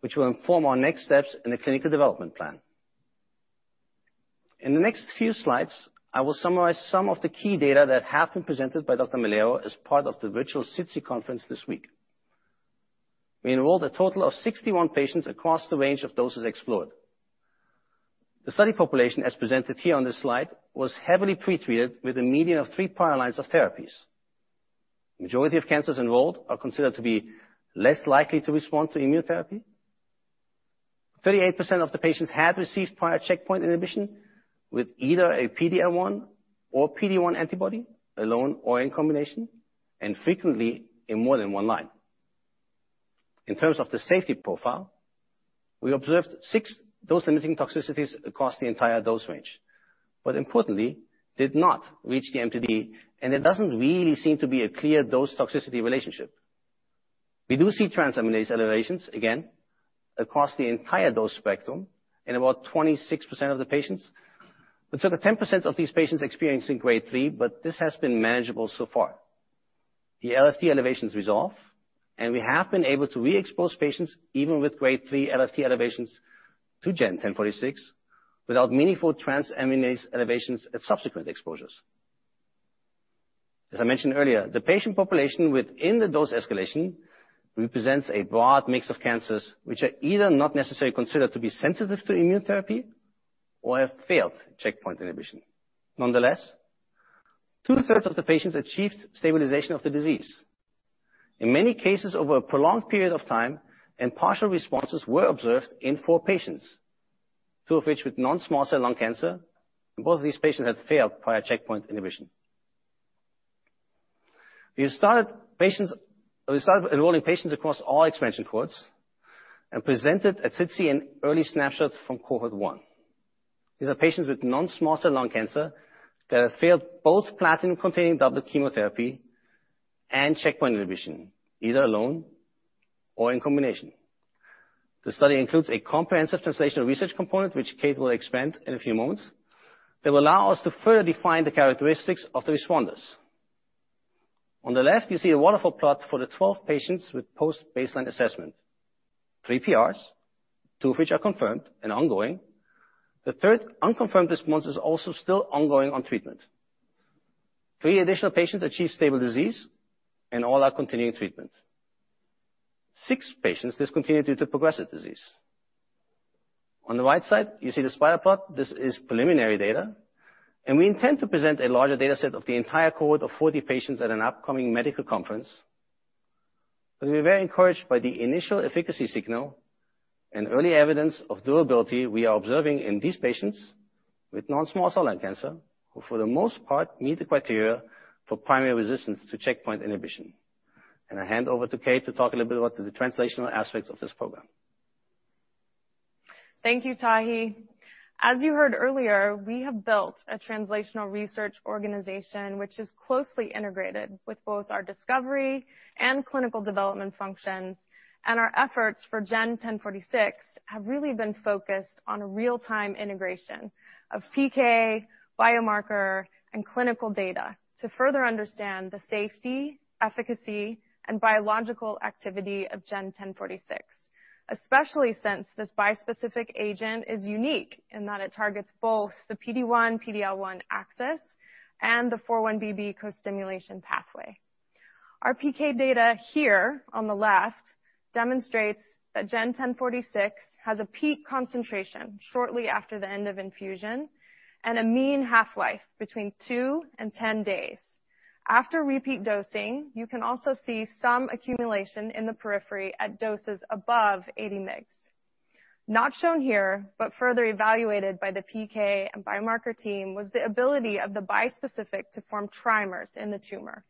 which will inform our next steps in the clinical development plan. In the next few slides, I will summarize some of the key data that have been presented by Dr. Melero as part of the virtual SITC conference this week. We enrolled a total of 61 patients across the range of doses explored. The study population, as presented here on this slide, was heavily pre-treated with a median of three prior lines of therapies. Majority of cancers enrolled are considered to be less likely to respond to immunotherapy. 38% of the patients had received prior checkpoint inhibition with either a PD-L1 or PD-1 antibody alone or in combination, and frequently in more than one line. In terms of the safety profile, we observed six dose-limiting toxicities across the entire dose range, but importantly, did not reach the MTD, and there doesn't really seem to be a clear dose toxicity relationship. We do see transaminase elevations, again, across the entire dose spectrum in about 26% of the patients. The 10% of these patients experiencing Grade 3, but this has been manageable so far. The LFT elevations resolve, and we have been able to re-expose patients even with Grade 3 LFT elevations to GEN1046 without meaningful transaminase elevations at subsequent exposures. As I mentioned earlier, the patient population within the dose escalation represents a broad mix of cancers, which are either not necessarily considered to be sensitive to immunotherapy or have failed checkpoint inhibition. Nonetheless, two-thirds of the patients achieved stabilization of the disease. In many cases, over a prolonged period of time, partial responses were observed in four patients, two of which with non-small cell lung cancer, both of these patients had failed prior checkpoint inhibition. We started enrolling patients across all expansion cohorts presented at SITC an early snapshot from Cohort 1. These are patients with non-small cell lung cancer that have failed both platinum-containing doublet chemotherapy and checkpoint inhibition, either alone or in combination. The study includes a comprehensive translational research component, which Kate will expand in a few moments, that will allow us to further define the characteristics of the responders. On the left, you see a waterfall plot for the 12 patients with post-baseline assessment, three PRs, two of which are confirmed and ongoing. The third unconfirmed response is also still ongoing on treatment. Three additional patients achieved stable disease, all are continuing treatment. Six patients discontinued due to progressive disease. On the right side, you see the spider plot. This is preliminary data, and we intend to present a larger data set of the entire cohort of 40 patients at an upcoming medical conference. We are very encouraged by the initial efficacy signal and early evidence of durability we are observing in these patients with non-small cell lung cancer, who for the most part meet the criteria for primary resistance to checkpoint inhibition. I hand over to Kate to talk a little bit about the translational aspects of this program. Thank you, Tahi. As you heard earlier, we have built a translational research organization which is closely integrated with both our discovery and clinical development functions. Our efforts for GEN1046 have really been focused on real-time integration of PK, biomarker, and clinical data to further understand the safety, efficacy, and biological activity of GEN1046. Especially since this bispecific agent is unique in that it targets both the PD-1, PD-L1 axis and the 4-1BB co-stimulation pathway. Our PK data here on the left demonstrates that GEN1046 has a peak concentration shortly after the end of infusion and a mean half-life between two and 10 days. After repeat dosing, you can also see some accumulation in the periphery at doses above 80 mg. Not shown here, but further evaluated by the PK and biomarker team, was the ability of the bispecific to form trimers in the tumor.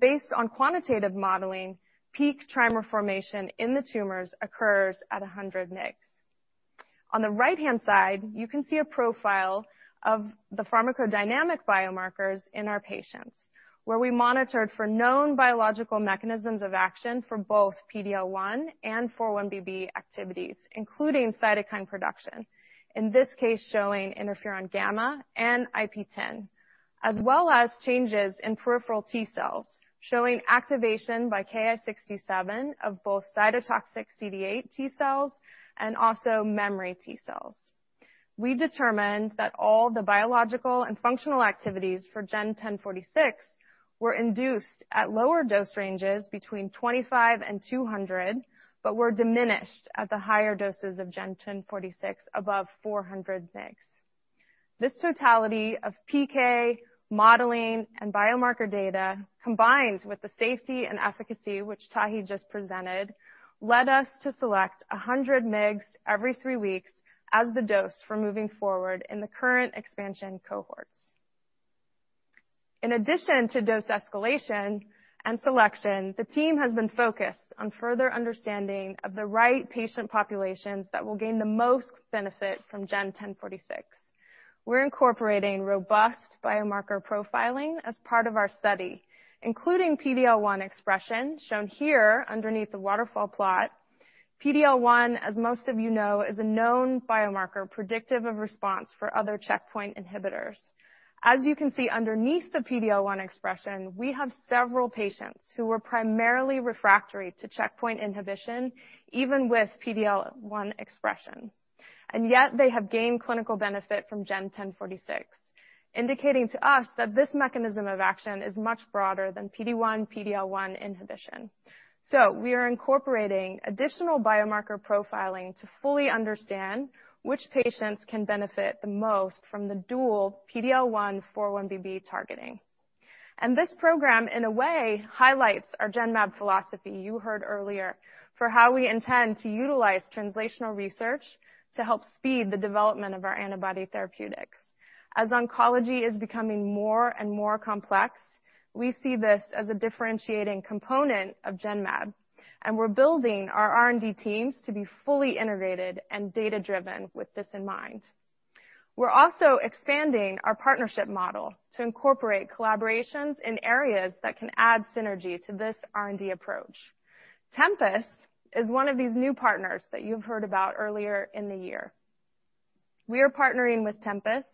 Based on quantitative modeling, peak trimer formation in the tumors occurs at 100 mg. On the right-hand side, you can see a profile of the pharmacodynamic biomarkers in our patients, where we monitored for known biological mechanisms of action for both PD-L1 and 4-1BB activities, including cytokine production. In this case, showing interferon gamma and IP-10, as well as changes in peripheral T-cells, showing activation by Ki-67 of both cytotoxic CD8 T-cells and also memory T-cells. We determined that all the biological and functional activities for GEN1046 were induced at lower dose ranges between 25 mg and 200 mg, but were diminished at the higher doses of GEN1046 above 400 mg. This totality of PK, modeling, and biomarker data, combined with the safety and efficacy which Tahi just presented, led us to select 100 mg every three weeks as the dose for moving forward in the current expansion cohorts. In addition to dose escalation and selection, the team has been focused on further understanding of the right patient populations that will gain the most benefit from GEN1046. We're incorporating robust biomarker profiling as part of our study, including PD-L1 expression, shown here underneath the waterfall plot. PD-L1, as most of you know, is a known biomarker predictive of response for other checkpoint inhibitors. As you can see underneath the PD-L1 expression, we have several patients who were primarily refractory to checkpoint inhibition, even with PD-L1 expression. Yet they have gained clinical benefit from GEN1046, indicating to us that this mechanism of action is much broader than PD-1, PD-L1 inhibition. We are incorporating additional biomarker profiling to fully understand which patients can benefit the most from the dual PD-L1/4-1BB targeting. This program, in a way, highlights our Genmab philosophy you heard earlier for how we intend to utilize translational research to help speed the development of our antibody therapeutics. As oncology is becoming more and more complex, we see this as a differentiating component of Genmab, and we're building our R&D teams to be fully integrated and data-driven with this in mind. We're also expanding our partnership model to incorporate collaborations in areas that can add synergy to this R&D approach. Tempus is one of these new partners that you've heard about earlier in the year. We are partnering with Tempus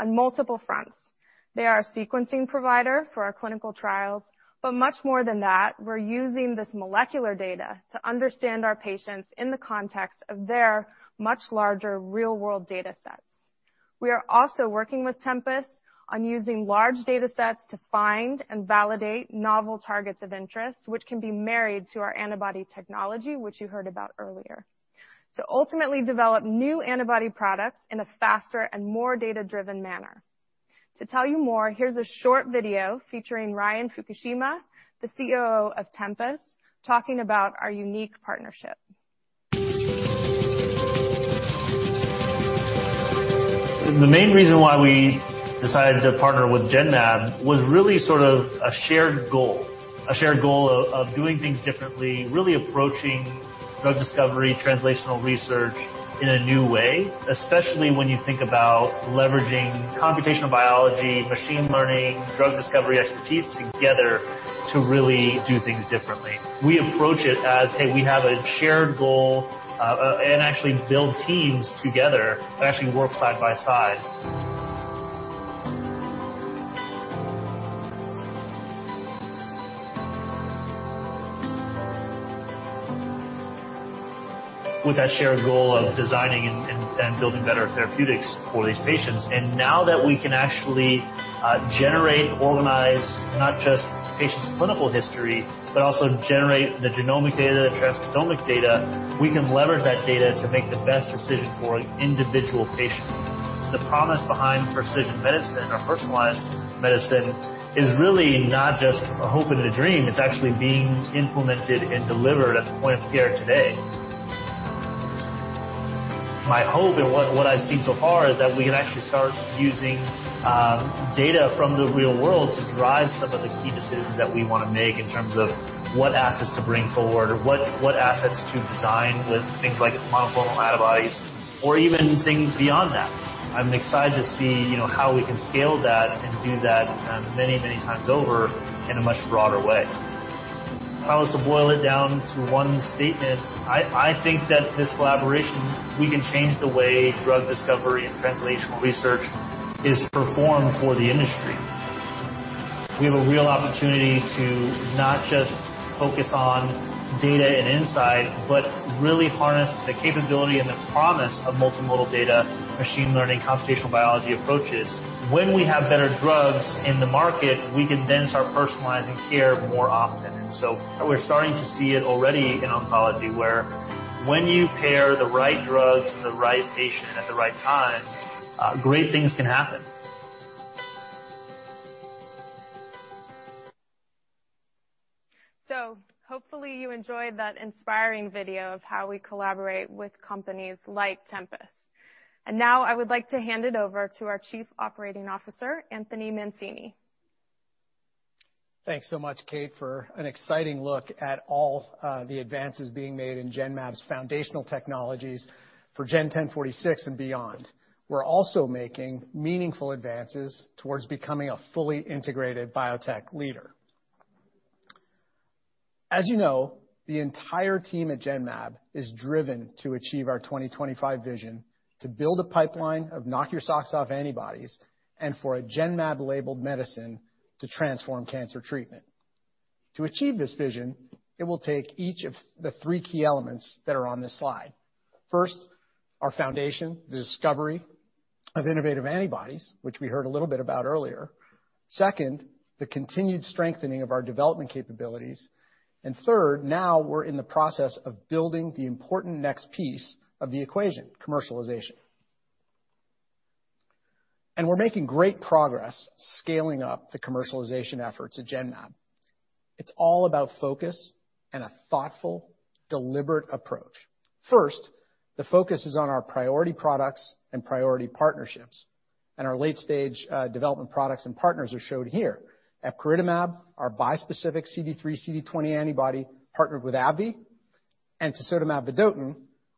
on multiple fronts. They are a sequencing provider for our clinical trials, but much more than that, we're using this molecular data to understand our patients in the context of their much larger real-world datasets. We are also working with Tempus on using large datasets to find and validate novel targets of interest, which can be married to our antibody technology, which you heard about earlier, to ultimately develop new antibody products in a faster and more data-driven manner. To tell you more, here's a short video featuring Ryan Fukushima, the COO of Tempus, talking about our unique partnership. The main reason why we decided to partner with Genmab was really sort of a shared goal, a shared goal of doing things differently, really approaching drug discovery, translational research in a new way, especially when you think about leveraging computational biology, machine learning, drug discovery expertise together to really do things differently. We approach it as, "Hey, we have a shared goal," and actually build teams together and actually work side by side. With that shared goal of designing and building better therapeutics for these patients, and now that we can actually generate, organize not just patients' clinical history, but also generate the genomic data, the transcriptomic data, we can leverage that data to make the best decision for an individual patient. The promise behind precision medicine or personalized medicine is really not just a hope and a dream, it's actually being implemented and delivered at the point of care today. My hope and what I've seen so far is that we can actually start using data from the real world to drive some of the key decisions that we wanna make in terms of what assets to bring forward or what assets to design with things like monoclonal antibodies, or even things beyond that. I'm excited to see how we can scale that and do that many, many times over in a much broader way. If I was to boil it down to one statement, I think that this collaboration, we can change the way drug discovery and translational research is performed for the industry. We have a real opportunity to not just focus on data and insight, but really harness the capability and the promise of multimodal data, machine learning, computational biology approaches. When we have better drugs in the market, we can then start personalizing care more often. We're starting to see it already in oncology, where when you pair the right drugs and the right patient at the right time, great things can happen. Hopefully you enjoyed that inspiring video of how we collaborate with companies like Tempus. Now I would like to hand it over to our Chief Operating Officer, Anthony Mancini. Thanks so much, Kate, for an exciting look at all the advances being made in Genmab's foundational technologies for GEN1046 and beyond. We're also making meaningful advances towards becoming a fully integrated biotech leader. As you know, the entire team at Genmab is driven to achieve our 2025 vision to build a pipeline of knock-your-socks-off antibodies and for a Genmab-labeled medicine to transform cancer treatment. To achieve this vision, it will take each of the three key elements that are on this slide. First, our foundation, the discovery of innovative antibodies, which we heard a little bit about earlier. Second, the continued strengthening of our development capabilities. Third, now we're in the process of building the important next piece of the equation, commercialization. We're making great progress scaling up the commercialization efforts at Genmab. It's all about focus and a thoughtful, deliberate approach. First, the focus is on our priority products and priority partnerships, and our late-stage development products and partners are shown here, epcoritamab, our bispecific CD3/CD20 antibody partnered with AbbVie, and tisotumab vedotin,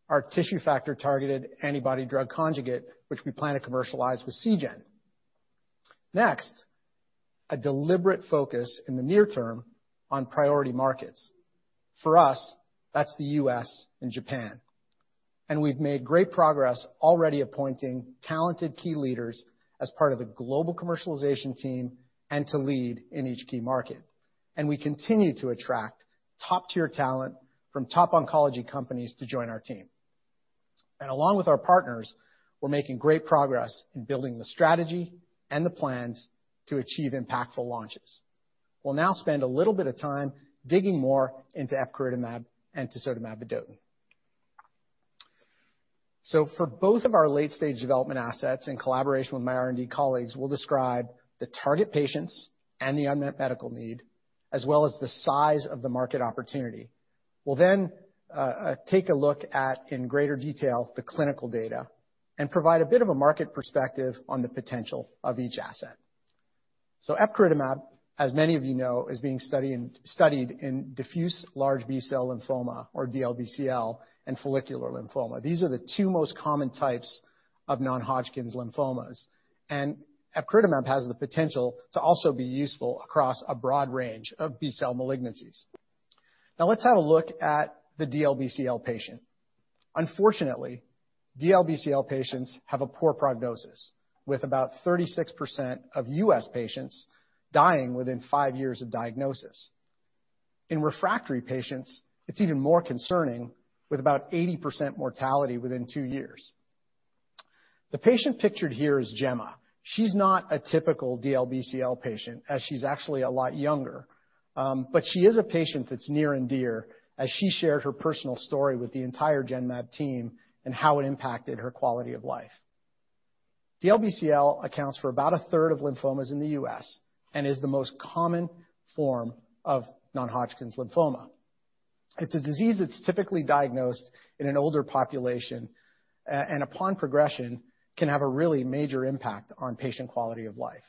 our Tissue Factor-targeted antibody-drug conjugate, which we plan to commercialize with Seagen. A deliberate focus in the near term on priority markets. For us, that's the U.S. and Japan. We've made great progress already appointing talented key leaders as part of the global commercialization team and to lead in each key market. We continue to attract top-tier talent from top oncology companies to join our team. Along with our partners, we're making great progress in building the strategy and the plans to achieve impactful launches. We'll now spend a little bit of time digging more into epcoritamab and tisotumab vedotin. For both of our late-stage development assets in collaboration with my R&D colleagues, we'll describe the target patients and the unmet medical need, as well as the size of the market opportunity. We'll then take a look at, in greater detail, the clinical data and provide a bit of a market perspective on the potential of each asset. Epcoritamab, as many of you know, is being studied in diffuse large B-cell lymphoma, or DLBCL, and follicular lymphoma. These are the two most common types of non-Hodgkin's lymphomas. Epcoritamab has the potential to also be useful across a broad range of B-cell malignancies. Let's have a look at the DLBCL patient. Unfortunately, DLBCL patients have a poor prognosis, with about 36% of U.S. patients dying within five years of diagnosis. In refractory patients, it's even more concerning, with about 80% mortality within two years. The patient pictured here is Gemma. She's not a typical DLBCL patient, as she's actually a lot younger. She is a patient that's near and dear, as she shared her personal story with the entire Genmab team and how it impacted her quality of life. DLBCL accounts for about a third of lymphomas in the U.S. and is the most common form of non-Hodgkin's lymphoma. It's a disease that's typically diagnosed in an older population, and upon progression, can have a really major impact on patient quality of life.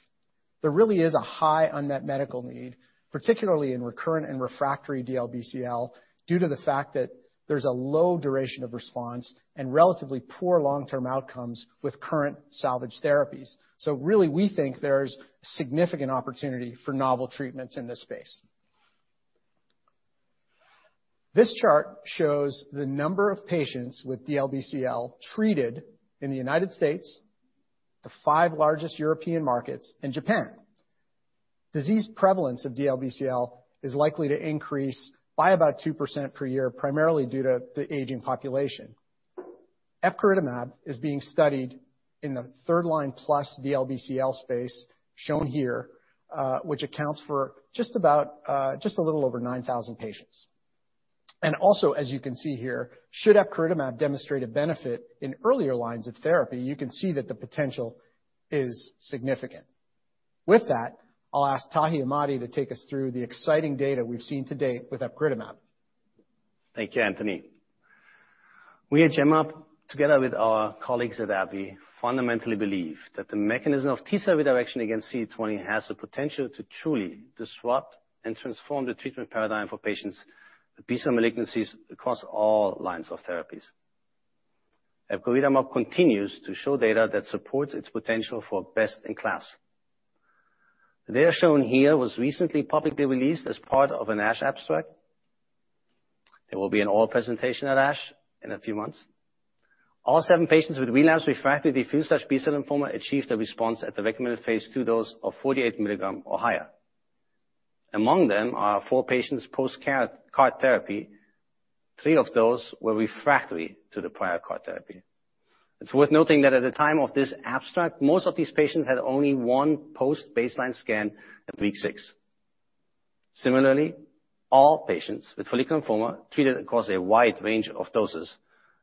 There really is a high unmet medical need, particularly in recurrent and refractory DLBCL, due to the fact that there's a low duration of response and relatively poor long-term outcomes with current salvage therapies. Really, we think there's significant opportunity for novel treatments in this space. This chart shows the number of patients with DLBCL treated in the U.S., the five largest European markets, and Japan. Disease prevalence of DLBCL is likely to increase by about 2% per year, primarily due to the aging population. Epcoritamab is being studied in the third-line plus DLBCL space, shown here, which accounts for just a little over 9,000 patients. Also, as you can see here, should epcoritamab demonstrate a benefit in earlier lines of therapy, you can see that the potential is significant. With that, I'll ask Tahi Ahmadi to take us through the exciting data we've seen to date with epcoritamab. Thank you, Anthony. We at Genmab, together with our colleagues at AbbVie, fundamentally believe that the mechanism of T-cell redirection against CD20 has the potential to truly disrupt and transform the treatment paradigm for patients with B-cell malignancies across all lines of therapies. Epcoritamab continues to show data that supports its potential for best-in-class. The data shown here was recently publicly released as part of an ASH abstract. There will be an oral presentation at ASH in a few months. All seven patients with relapsed refractory diffuse large B-cell lymphoma achieved a response at the recommended phase II dose of 48 mg or higher. Among them are four patients post-CAR therapy, three of those were refractory to the prior CAR therapy. It's worth noting that at the time of this abstract, most of these patients had only one post-baseline scan at week six. Similarly, all patients with follicular lymphoma treated across a wide range of doses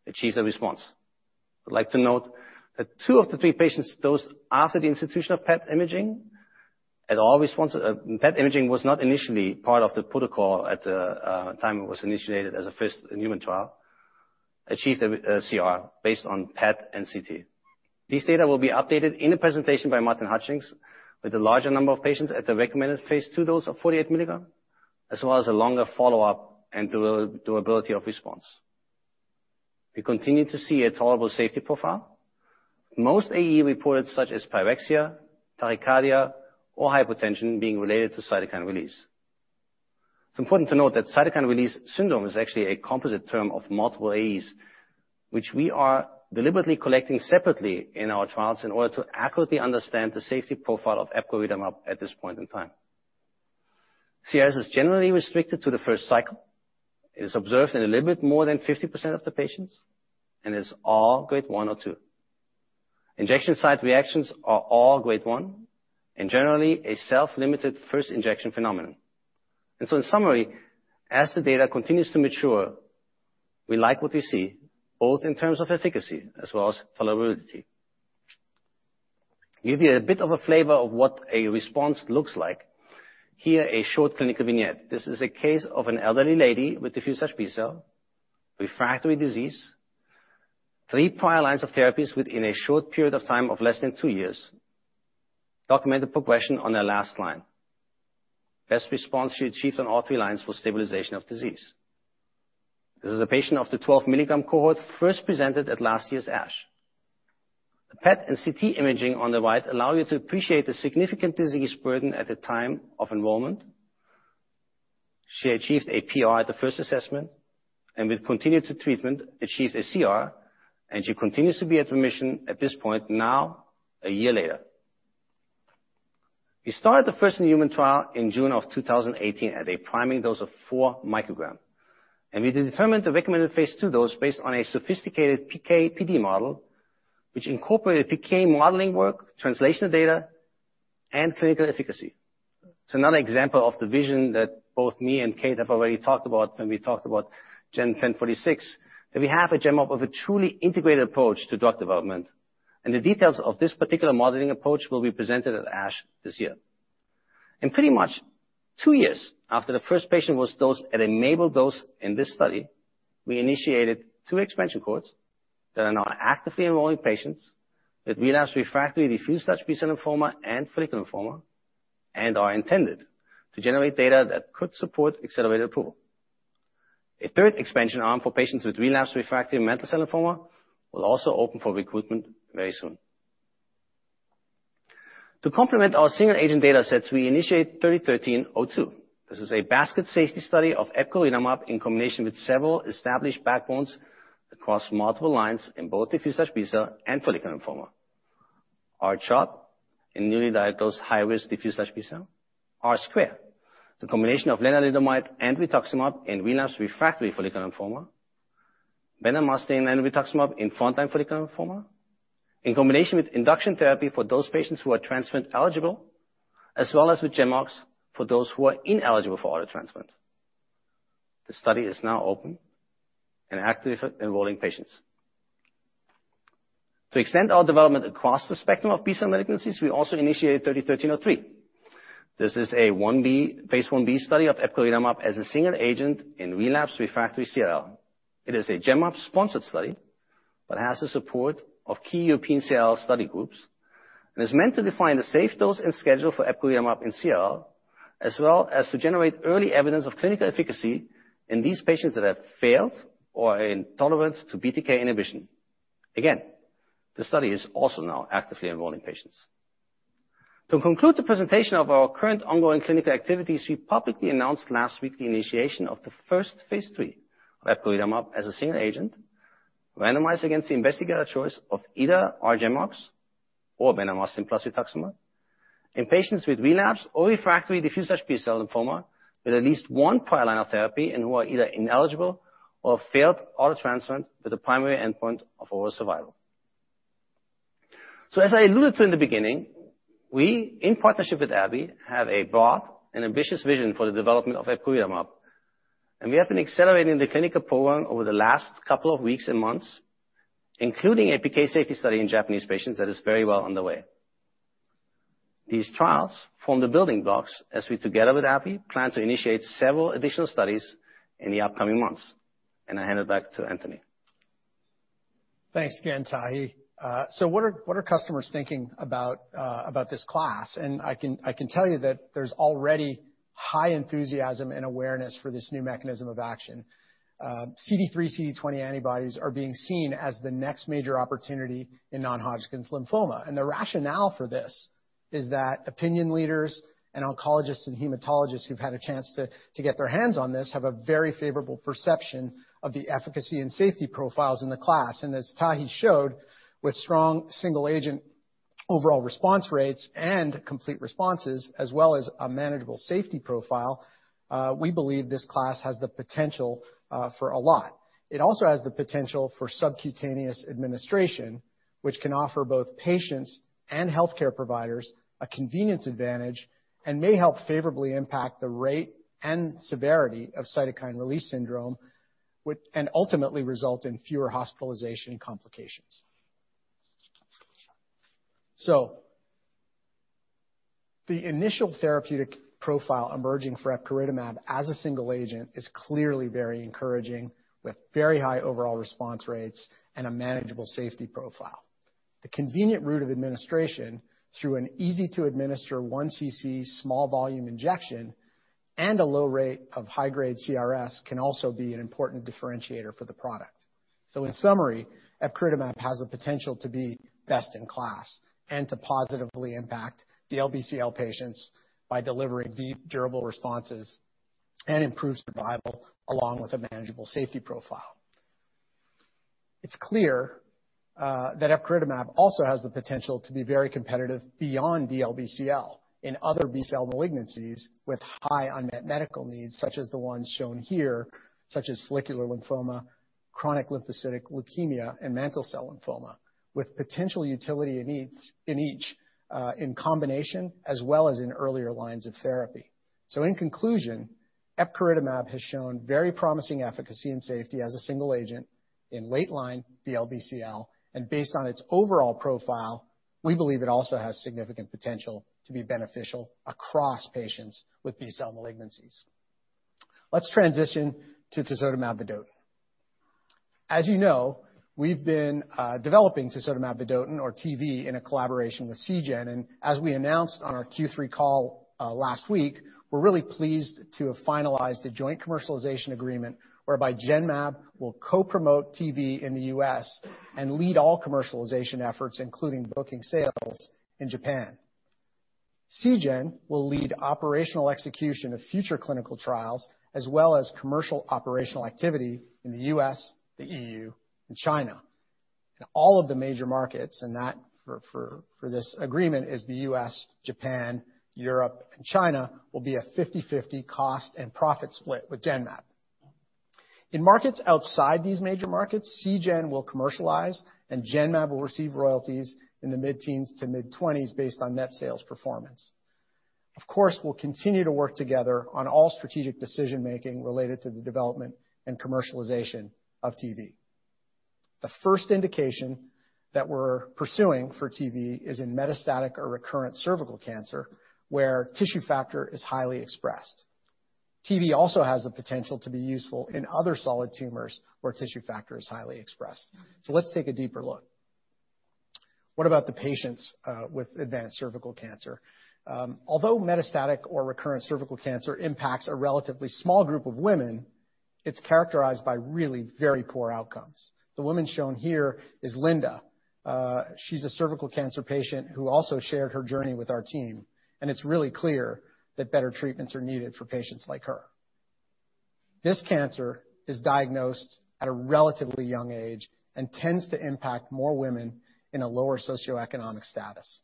achieved a response. I'd like to note that two of the three patients dosed after the institution of PET imaging, and although PET imaging was not initially part of the protocol at the time it was initiated as a first human trial, achieved a CR based on PET and CT. These data will be updated in a presentation by Martin Hutchings with a larger number of patients at the recommended phase II dose of 48 mg, as well as a longer follow-up and durability of response. We continue to see a tolerable safety profile, most AE reports, such as pyrexia, tachycardia, or hypotension, being related to cytokine release. It is important to note that cytokine release syndrome is actually a composite term of multiple AEs, which we are deliberately collecting separately in our trials in order to accurately understand the safety profile of epcoritamab at this point in time. CRS is generally restricted to the first cycle. It is observed in a little bit more than 50% of the patients and is all Grade 1 or 2. Injection site reactions are all Grade 1, and generally a self-limited first injection phenomenon. In summary, as the data continues to mature, we like what we see, both in terms of efficacy as well as tolerability. Give you a bit of a flavor of what a response looks like. Here, a short clinical vignette; this is a case of an elderly lady with diffuse large B-cell, refractory disease. Three prior lines of therapies within a short period of time of less than two years. Documented progression on her last line. Best response she achieved on all three lines was stabilization of disease. This is a patient of the 12 mg cohort first presented at last year's ASH. The PET and CT imaging on the right allow you to appreciate the significant disease burden at the time of enrollment. She achieved a PR at the first assessment, and with continued treatment, achieved a CR, and she continues to be at remission at this point now, a year later. We started the first human trial in June of 2018 at a priming dose of 4 μg, and we determined the recommended phase II dose based on a sophisticated PK/PD model, which incorporated PK modeling work, translational data, and clinical efficacy. It's another example of the vision that both me and Kate have already talked about when we talked about GEN1046, that we have at Genmab of a truly integrated approach to drug development. The details of this particular modeling approach will be presented at ASH this year. Pretty much two years after the first patient was dosed and enabled dose in this study, we initiated two expansion cohorts that are now actively enrolling patients with relapsed refractory diffuse large B-cell lymphoma and follicular lymphoma, and are intended to generate data that could support accelerated approval. A third expansion arm for patients with relapsed refractory mantle cell lymphoma will also open for recruitment very soon. To complement our single-agent data sets, we initiate 3013-02. This is a basket safety study of epcoritamab in combination with several established backbones across multiple lines in both diffuse large B-cell and follicular lymphoma. R-CHOP in newly diagnosed high-risk diffuse large B-cell. R-squared, the combination of lenalidomide and rituximab in relapsed refractory follicular lymphoma, bendamustine and rituximab in front line follicular lymphoma. In combination with induction therapy for those patients who are transplant eligible, as well as with GemOx for those who are ineligible for auto transplant. The study is now open and actively enrolling patients. To extend our development across the spectrum of B-cell malignancies, we also initiated 3013-03. This is a phase Ib study of epcoritamab as a single agent in relapsed refractory CLL. It is a Genmab-sponsored study, but has the support of key European CLL study groups, and is meant to define the safe dose and schedule for epcoritamab in CLL, as well as to generate early evidence of clinical efficacy in these patients that have failed or are intolerant to BTK inhibition. Again, the study is also now actively enrolling patients. To conclude the presentation of our current ongoing clinical activities, we publicly announced last week the initiation of the first phase III of epcoritamab as a single agent, randomized against the investigator choice of either R-GemOx or bendamustine plus rituximab in patients with relapse or refractory diffuse large B-cell lymphoma, with at least one prior line of therapy and who are either ineligible or failed auto transplant with a primary endpoint of overall survival. As I alluded to in the beginning, we, in partnership with AbbVie, have a broad and ambitious vision for the development of epcoritamab, and we have been accelerating the clinical program over the last couple of weeks and months, including a PK safety study in Japanese patients that is very well underway. These trials form the building blocks as we, together with AbbVie, plan to initiate several additional studies in the upcoming months. I hand it back to Anthony. Thanks again, Tahi. What are customers thinking about this class? I can tell you that there's already high enthusiasm and awareness for this new mechanism of action. CD3/CD20 antibodies are being seen as the next major opportunity in non-Hodgkin Lymphoma. The rationale for this is that opinion leaders and oncologists and hematologists who've had a chance to get their hands on this have a very favorable perception of the efficacy and safety profiles in the class. As Tahi showed, with strong single-agent overall response rates and complete responses, as well as a manageable safety profile, we believe this class has the potential for a lot. It also has the potential for subcutaneous administration, which can offer both patients and healthcare providers a convenience advantage, and may help favorably impact the rate and severity of cytokine release syndrome, and ultimately result in fewer hospitalization complications. The initial therapeutic profile emerging for epcoritamab as a single agent is clearly very encouraging, with very high overall response rates and a manageable safety profile. The convenient route of administration through an easy-to-administer 1cc small volume injection and a low rate of high-grade CRS can also be an important differentiator for the product. In summary, epcoritamab has the potential to be best in class and to positively impact DLBCL patients by delivering deep durable responses and improve survival along with a manageable safety profile. It is clear that epcoritamab also has the potential to be very competitive beyond DLBCL in other B-cell malignancies with high unmet medical needs, such as the ones shown here, such as follicular lymphoma, chronic lymphocytic leukemia, and mantle cell lymphoma, with potential utility in each in combination as well as in earlier lines of therapy. In conclusion, epcoritamab has shown very promising efficacy and safety as a single agent in late-line DLBCL, and based on its overall profile, we believe it also has significant potential to be beneficial across patients with B-cell malignancies. Let's transition to tisotumab vedotin. As you know, we've been developing tisotumab vedotin, or TV, in a collaboration with Seagen. As we announced on our Q3 call last week, we're really pleased to have finalized a joint commercialization agreement whereby Genmab will co-promote TV in the U.S. and lead all commercialization efforts, including booking sales in Japan. Seagen will lead operational execution of future clinical trials, as well as commercial operational activity in the U.S., the EU, and China. All of the major markets, and that for this agreement is the U.S., Japan, Europe, and China, will be a 50/50 cost and profit split with Genmab. In markets outside these major markets, Seagen will commercialize and Genmab will receive royalties in the mid-teens to mid-20s based on net sales performance. Of course, we'll continue to work together on all strategic decision-making related to the development and commercialization of TV. The first indication that we're pursuing for TV is in metastatic or recurrent cervical cancer, where tissue factor is highly expressed. TV also has the potential to be useful in other solid tumors where tissue factor is highly expressed. Let's take a deeper look. What about the patients with advanced cervical cancer? Although metastatic or recurrent cervical cancer impacts a relatively small group of women, it's characterized by really very poor outcomes. The woman shown here is Linda. She's a cervical cancer patient who also shared her journey with our team, and it's really clear that better treatments are needed for patients like her. This cancer is diagnosed at a relatively young age and tends to impact more women in a lower socioeconomic status.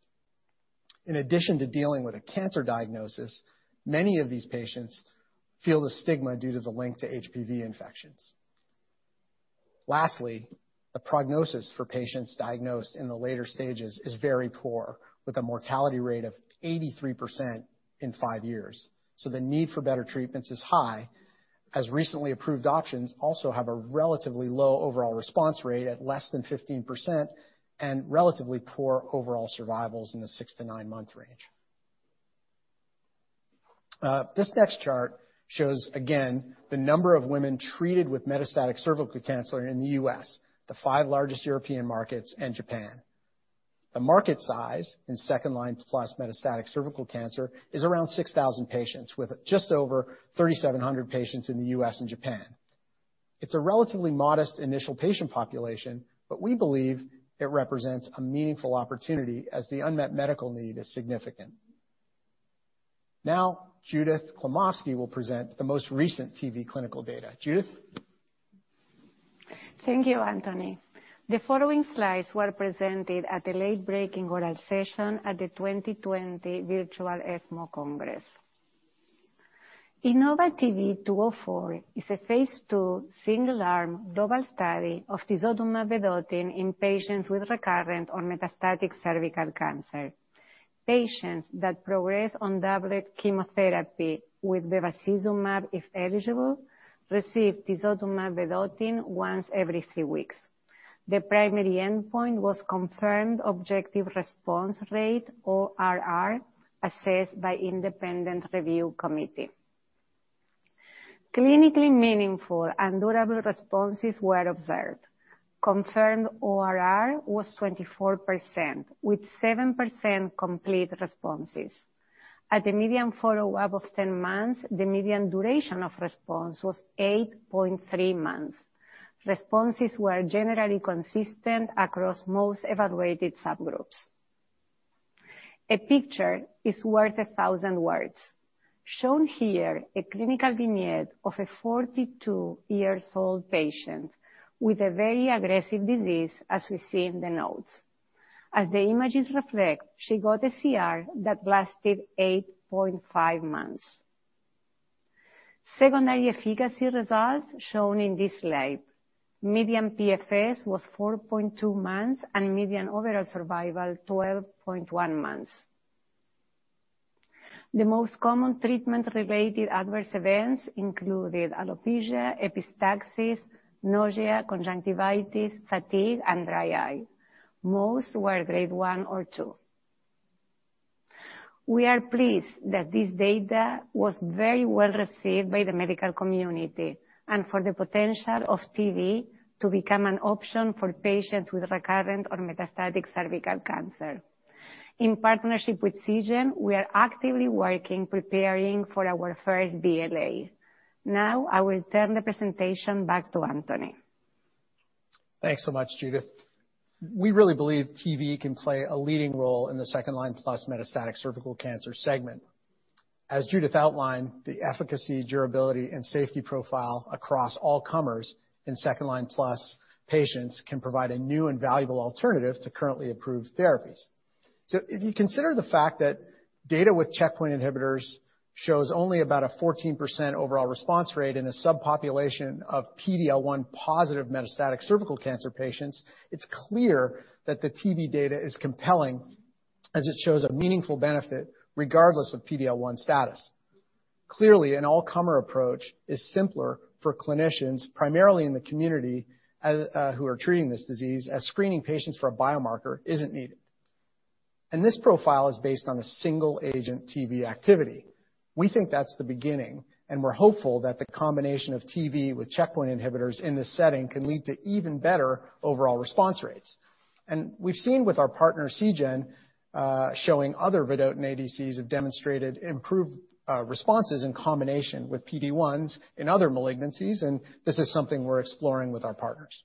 In addition to dealing with a cancer diagnosis, many of these patients feel the stigma due to the link to HPV infections. Lastly, the prognosis for patients diagnosed in the later stages is very poor, with a mortality rate of 83% in five years. The need for better treatments is high, as recently approved options also have a relatively low overall response rate at less than 15% and relatively poor overall survivals in the six to nine month range. This next chart shows, again, the number of women treated with metastatic cervical cancer in the U.S., the five largest European markets, and Japan. The market size in second-line plus metastatic cervical cancer is around 6,000 patients, with just over 3,700 patients in the U.S. and Japan. It's a relatively modest initial patient population, but we believe it represents a meaningful opportunity as the unmet medical need is significant. Now, Judith Klimovsky will present the most recent TV clinical data. Judith? Thank you, Anthony. The following slides were presented at a late-breaking oral session at the 2020 virtual ESMO Congress. InnovaTV 204 is a phase II single-arm global study of tisotumab vedotin in patients with recurrent or metastatic cervical cancer. Patients that progress on doublet chemotherapy with bevacizumab, if eligible, receive tisotumab vedotin once every three weeks. The primary endpoint was confirmed objective response rate, ORR, assessed by independent review committee. Clinically meaningful and durable responses were observed. Confirmed ORR was 24%, with 7% complete responses. At the median follow-up of 10 months, the median duration of response was 8.3 months. Responses were generally consistent across most evaluated subgroups. A picture is worth a thousand words. Shown here, a clinical vignette of a 42-year-old patient with a very aggressive disease, as we see in the notes. As the images reflect, she got a CR that lasted 8.5 months. Secondary efficacy results shown in this slide. Median PFS was 4.2 months, and median overall survival, 12.1 months. The most common treatment-related adverse events included alopecia, epistaxis, nausea, conjunctivitis, fatigue, and dry eye. Most were Grade 1 or 2. We are pleased that this data was very well received by the medical community and for the potential of TV to become an option for patients with recurrent or metastatic cervical cancer. In partnership with Seagen, we are actively working, preparing for our first BLA. I will turn the presentation back to Anthony. Thanks so much, Judith. We really believe TV can play a leading role in the second-line plus metastatic cervical cancer segment. As Judith outlined, the efficacy, durability, and safety profile across all comers in second-line plus patients can provide a new and valuable alternative to currently approved therapies. If you consider the fact that data with checkpoint inhibitors shows only about a 14% overall response rate in a subpopulation of PD-L1 positive metastatic cervical cancer patients, it's clear that the TV data is compelling, as it shows a meaningful benefit regardless of PD-L1 status. Clearly, an all-comer approach is simpler for clinicians, primarily in the community, who are treating this disease, as screening patients for a biomarker isn't needed. This profile is based on a single agent TV activity. We think that's the beginning, and we're hopeful that the combination of TV with checkpoint inhibitors in this setting can lead to even better overall response rates. We've seen with our partner, Seagen, showing other vedotin ADCs have demonstrated improved responses in combination with PD-1s in other malignancies, and this is something we're exploring with our partners.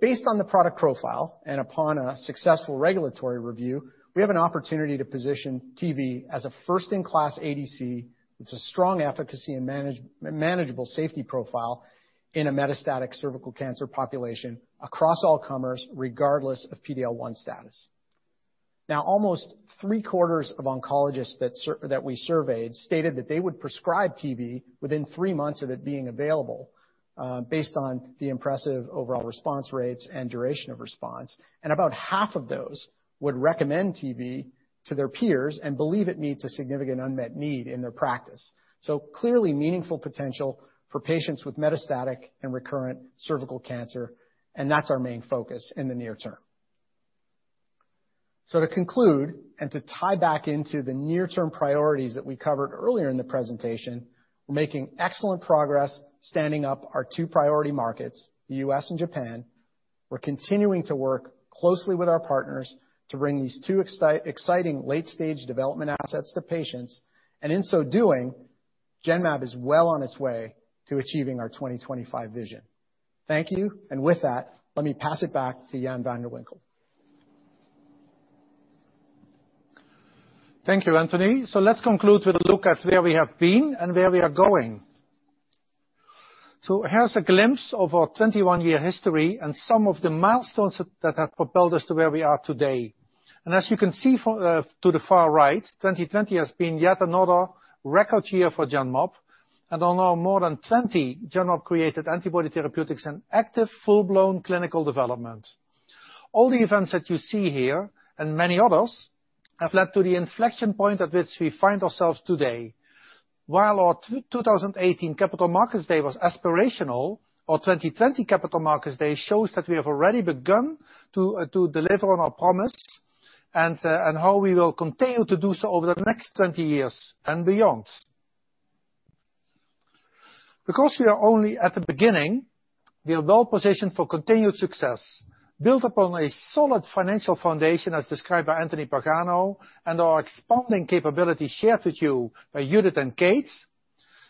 Based on the product profile and upon a successful regulatory review, we have an opportunity to position TV as a first-in-class ADC with a strong efficacy and manageable safety profile in a metastatic cervical cancer population across all comers, regardless of PD-L1 status. Almost three-quarters of oncologists that we surveyed stated that they would prescribe TV within three months of it being available based on the impressive overall response rates and duration of response. About half of those would recommend TV to their peers and believe it meets a significant unmet need in their practice. Clearly meaningful potential for patients with metastatic and recurrent cervical cancer, and that's our main focus in the near term. To conclude, and to tie back into the near-term priorities that we covered earlier in the presentation, we're making excellent progress standing up our two priority markets, the U.S. and Japan. We're continuing to work closely with our partners to bring these two exciting late-stage development assets to patients, and in so doing, Genmab is well on its way to achieving our 2025 vision. Thank you, and with that, let me pass it back to Jan van de Winkel. Thank you, Anthony. Let's conclude with a look at where we have been and where we are going. Here's a glimpse of our 21-year history and some of the milestones that have propelled us to where we are today. As you can see to the far right, 2020 has been yet another record year for Genmab, and there are now more than 20 Genmab-created antibody therapeutics in active, full-blown clinical development. All the events that you see here, and many others, have led to the inflection point at which we find ourselves today. While our 2018 Capital Markets Day was aspirational, our 2020 Capital Markets Day shows that we have already begun to deliver on our promise, and how we will continue to do so over the next 20 years and beyond. Because we are only at the beginning, we are well-positioned for continued success, built upon a solid financial foundation as described by Anthony Pagano, and our expanding capability shared with you by Judith and Kate.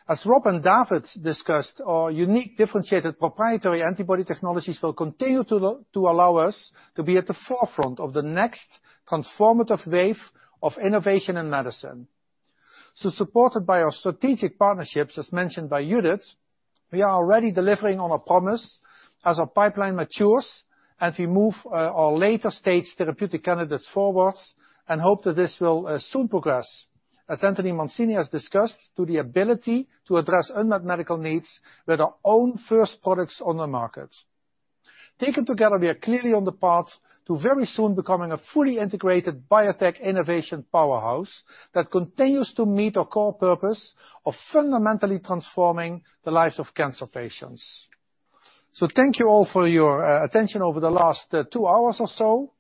As Rob and David discussed, our unique differentiated proprietary antibody technologies will continue to allow us to be at the forefront of the next transformative wave of innovation in medicine. Supported by our strategic partnerships, as mentioned by Judith, we are already delivering on our promise as our pipeline matures and we move our later stage therapeutic candidates forwards and hope that this will soon progress, as Anthony Mancini has discussed, to the ability to address unmet medical needs with our own first products on the market. Taken together, we are clearly on the path to very soon becoming a fully integrated biotech innovation powerhouse that continues to meet our core purpose of fundamentally transforming the lives of cancer patients. Thank you all for your attention over the last two hours or so.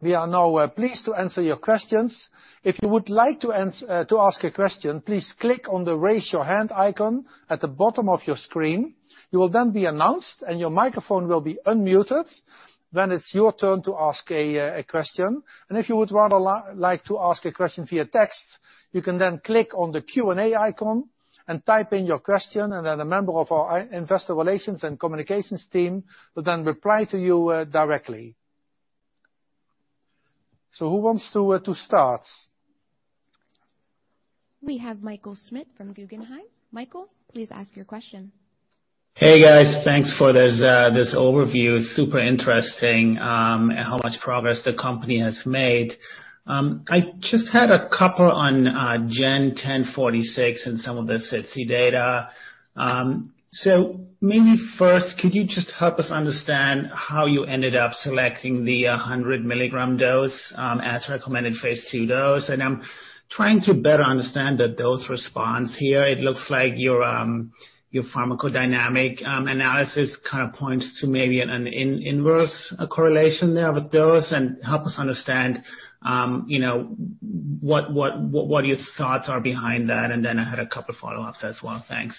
We are now pleased to answer your questions. If you would like to ask a question, please click on the Raise Your Hand icon at the bottom of your screen. You will then be announced, and your microphone will be unmuted when it's your turn to ask a question. If you would rather like to ask a question via text, you can then click on the Q&A icon and type in your question, and then a member of our investor relations and communications team will then reply to you directly. Who wants to start? We have Michael Schmidt from Guggenheim. Michael, please ask your question. Hey guys, thanks for this overview. Super interesting how much progress the company has made. I just had a couple on GEN1046 and some of the SITC data. Maybe first, could you just help us understand how you ended up selecting the 100 mg dose as recommended phase II dose? I'm trying to better understand the dose response here, it looks like your pharmacodynamic analysis kind of points to maybe an inverse correlation there with dose, and help us understand what your thoughts are behind that, and then I had a couple follow-ups as well. Thanks.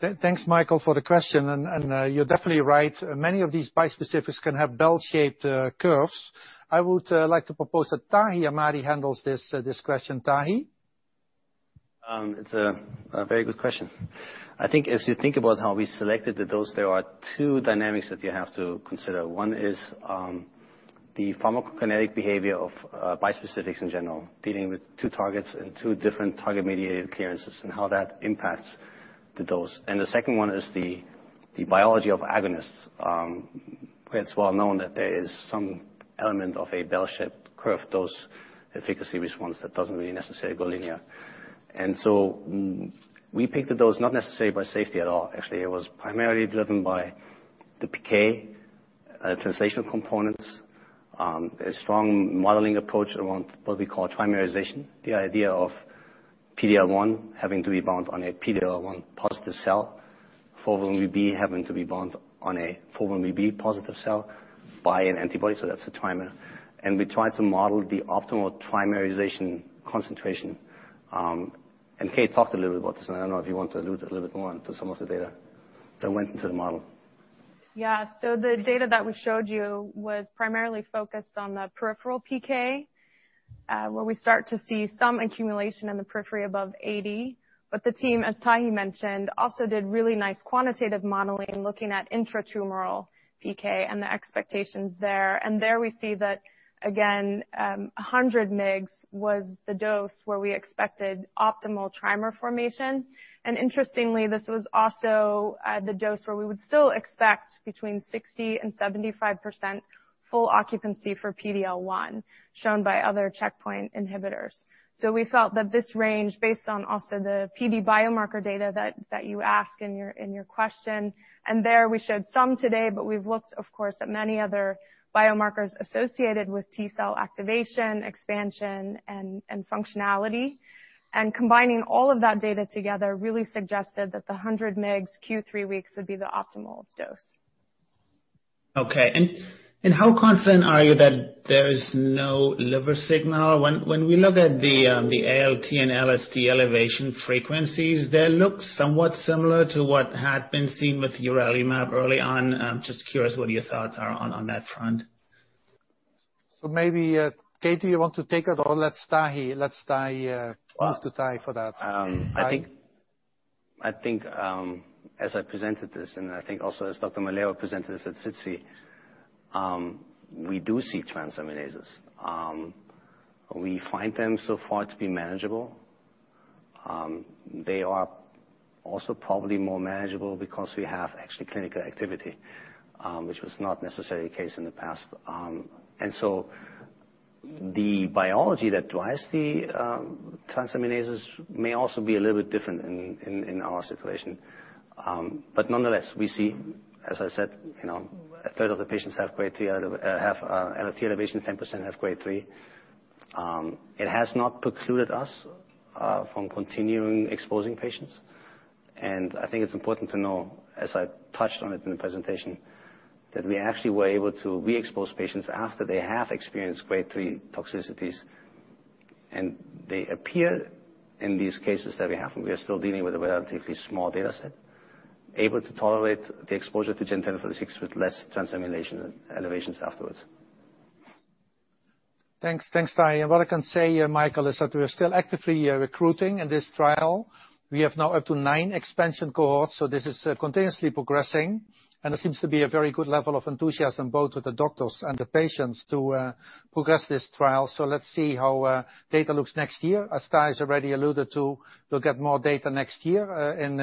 Thanks, Michael, for the question, and you're definitely right. Many of these bispecifics can have bell-shaped curves. I would like to propose that Tahi Ahmadi handles this question. Tahi? It's a very good question. I think as you think about how we selected the dose, there are two dynamics that you have to consider. One is the pharmacokinetic behavior of bispecifics in general, dealing with two targets and two different target-mediated clearances, and how that impacts the dose. The second one is the biology of agonists. It's well known that there is some element of a bell-shaped curve dose efficacy response that doesn't really necessarily go linear. We picked the dose not necessarily by safety at all. Actually, it was primarily driven by the PK translational components, a strong modeling approach around what we call trimerization, the idea of PD-L1 having to be bound on a PD-L1 positive cell, 4-1BB having to be bound on a 4-1BB positive cell by an antibody, so that's the trimer. We tried to model the optimal trimerization concentration. Kate talked a little bit about this, and I don't know if you want to allude a little bit more onto some of the data that went into the model. The data that we showed you was primarily focused on the peripheral PK, where we start to see some accumulation in the periphery above 80 mg. The team, as Tahi mentioned, also did really nice quantitative modeling looking at intratumoral PK and the expectations there. There we see that, again, 100 mg was the dose where we expected optimal trimer formation. Interestingly, this was also the dose where we would still expect between 60% and 75% full occupancy for PD-L1, shown by other checkpoint inhibitors. We felt that this range, based on also the PD biomarker data that you ask in your question, and there we showed some today, but we've looked, of course, at many other biomarkers associated with T-cell activation, expansion, and functionality. Combining all of that data together really suggested that the 100 mg q3 weeks would be the optimal dose. How confident are you that there is no liver signal? When we look at the ALT and AST elevation frequencies, they look somewhat similar to what had been seen with urelumab early on. I'm just curious what your thoughts are on that front. Maybe, Kate, you want to take it or let's Tahi. Well, Tahi for that. Tahi? I think as I presented this, and I think also as Dr. Melero presented this at SITC, we do see transaminases. We find them so far to be manageable, they are also probably more manageable because we have actual clinical activity, which was not necessarily the case in the past. The biology that drives the transaminases may also be a little bit different in our situation. Nonetheless, we see, as I said, a third of the patients have ALT elevation, 10% have Grade 3. It has not precluded us from continuing exposing patients. I think it's important to know, as I touched on it in the presentation, that we actually were able to re-expose patients after they have experienced Grade 3 toxicities, and they appear in these cases that we have, and we are still dealing with a relatively small data set, able to tolerate the exposure to GEN1046 with less transaminase elevations afterwards. Thanks, Tahi. What I can say, Michael, is that we are still actively recruiting in this trial. We have now up to nine expansion cohorts, so this is continuously progressing, and there seems to be a very good level of enthusiasm, both with the doctors and the patients to progress this trial. Let's see how data looks next year. As Tahi has already alluded to, we'll get more data next year, in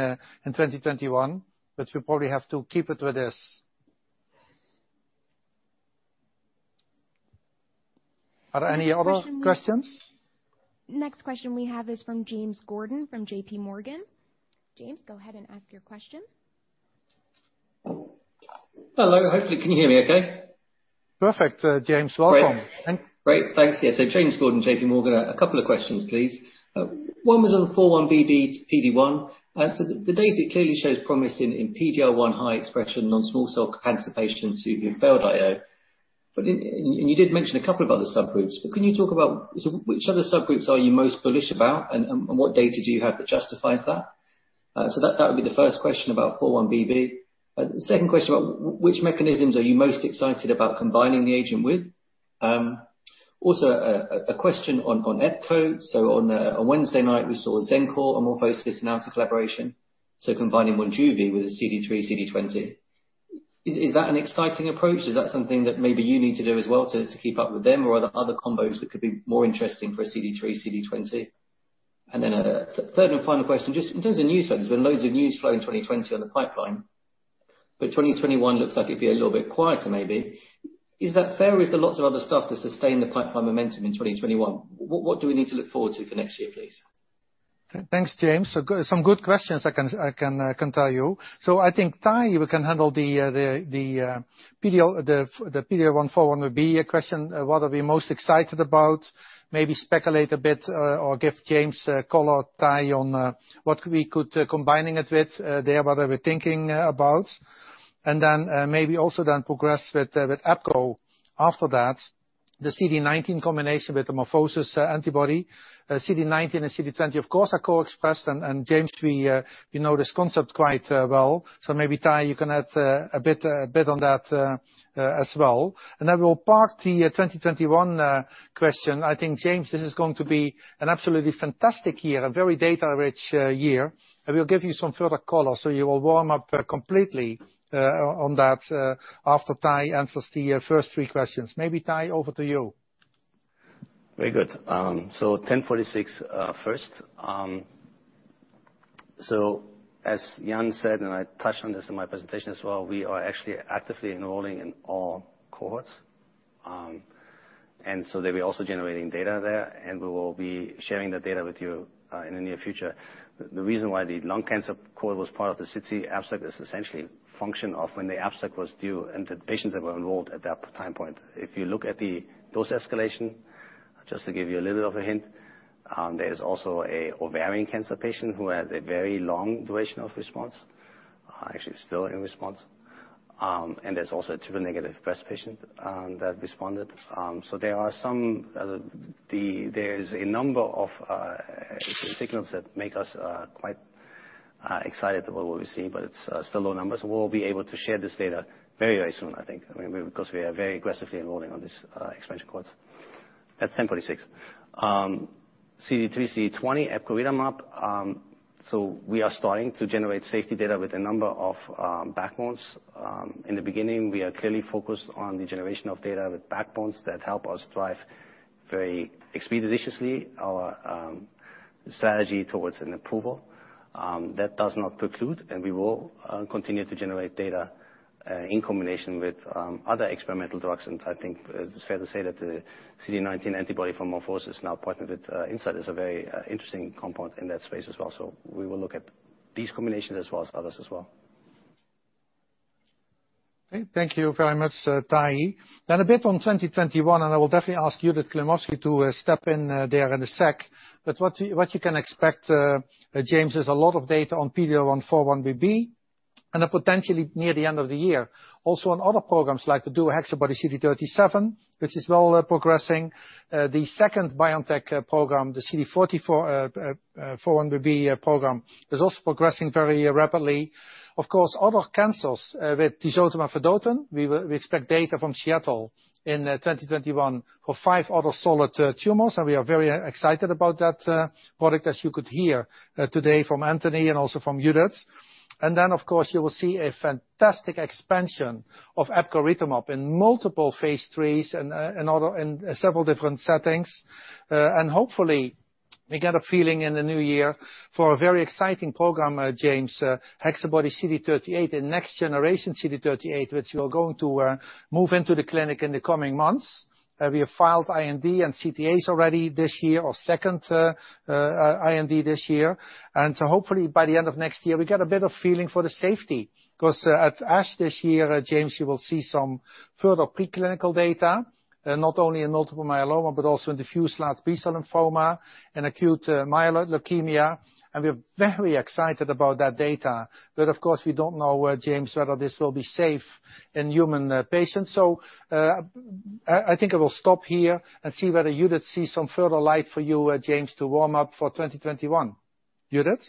2021, we probably have to keep it with this. Are there any other questions? Next question we have is from James Gordon, from JPMorgan. James, go ahead and ask your question. Hello. Hopefully, can you hear me okay? Perfect. James, welcome. Great, thanks. Yeah, James Gordon, JPMorgan. A couple of questions, please. One was on 4-1BB/PD-1. The data clearly shows promise in PD-L1 high expression on small cell cancer patients who have failed IO. You did mention a couple of other subgroups, but can you talk about which other subgroups are you most bullish about, and what data do you have that justifies that? That would be the first question about 4-1BB. The second question, which mechanisms are you most excited about combining the agent with? Also, a question on epcor. On Wednesday night, we saw Xencor and MorphoSys announce a collaboration. Combining MONJUVI with a CD3, CD20, is that an exciting approach? Is that something that maybe you need to do as well to keep up with them, or are there other combos that could be more interesting for a CD3, CD20? A third and final question, just in terms of news feeds, there loads of news flow in 2020 on the pipeline. 2021 looks like it'd be a little bit quieter maybe, is that fair? Is there lots of other stuff to sustain the pipeline momentum in 2021? What do we need to look forward to for next year, please? Thanks, James. Some good questions, I can tell you. I think Tahi, we can handle the PD-L1, 4-1BB question. What are we most excited about? Maybe speculate a bit, or give James color, Tahi, on what we could combining it with there? What are we thinking about? Maybe also then progress with epcor after that. The CD19 combination with the MorphoSys antibody. CD19 and CD20, of course, are co-expressed, James, we know this concept quite well. Maybe Tahi, you can add a bit on that as well. We'll park the 2021 question, I think, James, this is going to be an absolutely fantastic year, a very data-rich year. We'll give you some further color, you will warm up completely on that after Tahi answers the first three questions. Maybe Tahi, over to you. Very good. GEN1046 first. As Jan said, and I touched on this in my presentation as well, we are actually actively enrolling in all cohorts. They'll be also generating data there, and we will be sharing the data with you, in the near future. The reason why the lung cancer cohort was part of the SITC abstract is essentially function of when the abstract was due, and the patients that were enrolled at that time point. If you look at the dose escalation, just to give you a little bit of a hint, there is also an ovarian cancer patient who has a very long duration of response. Actually still in response. There's also a triple-negative breast patient that responded. There is a number of signals that make us quite excited about what we see, but it's still low numbers. We'll be able to share this data very, very soon, I think, because we are very aggressively enrolling on these expansion cohorts. That's GEN1046. CD3, CD20, epcoritamab, we are starting to generate safety data with a number of backbones. In the beginning, we are clearly focused on the generation of data with backbones that help us drive very expeditiously our strategy towards an approval. That does not preclude, and we will continue to generate data in combination with other experimental drugs. I think it's fair to say that the CD19 antibody from MorphoSys, now partnered with Incyte, is a very interesting compound in that space as well. We will look at these combinations as well as others as well. Okay. Thank you very much, Tahi. A bit on 2021, and I will definitely ask Judith Klimovsky to step in there in a sec. What you can expect, James, is a lot of data on PD-L1/4-1BB. Potentially near the end of the year. On other programs like the DuoHexaBody-CD37, which is well progressing. The second BioNTech program, the CD44/4-1BB program, is also progressing very rapidly. Of course, other cancers with tisotumab vedotin, we expect data from Seattle in 2021 for five other solid tumors, and we are very excited about that product, as you could hear today from Anthony and also from Judith. Of course, you will see a fantastic expansion of epcoritamab in multiple phase III and several different settings. Hopefully we get a feeling in the new year for a very exciting program, James, HexaBody-CD38 and next generation CD38, which we are going to move into the clinic in the coming months. We have filed IND and CTAs already this year or second IND this year. Hopefully by the end of next year, we get a bit of feeling for the safety. Because at ASH this year, James, you will see some further preclinical data, not only in multiple myeloma, but also in diffuse large B-cell lymphoma and acute myeloid leukemia, and we are very excited about that data. Of course, we don't know, James, whether this will be safe in human patients. I think I will stop here and see whether Judith see some further light for you, James, to warm up for 2021. Judith?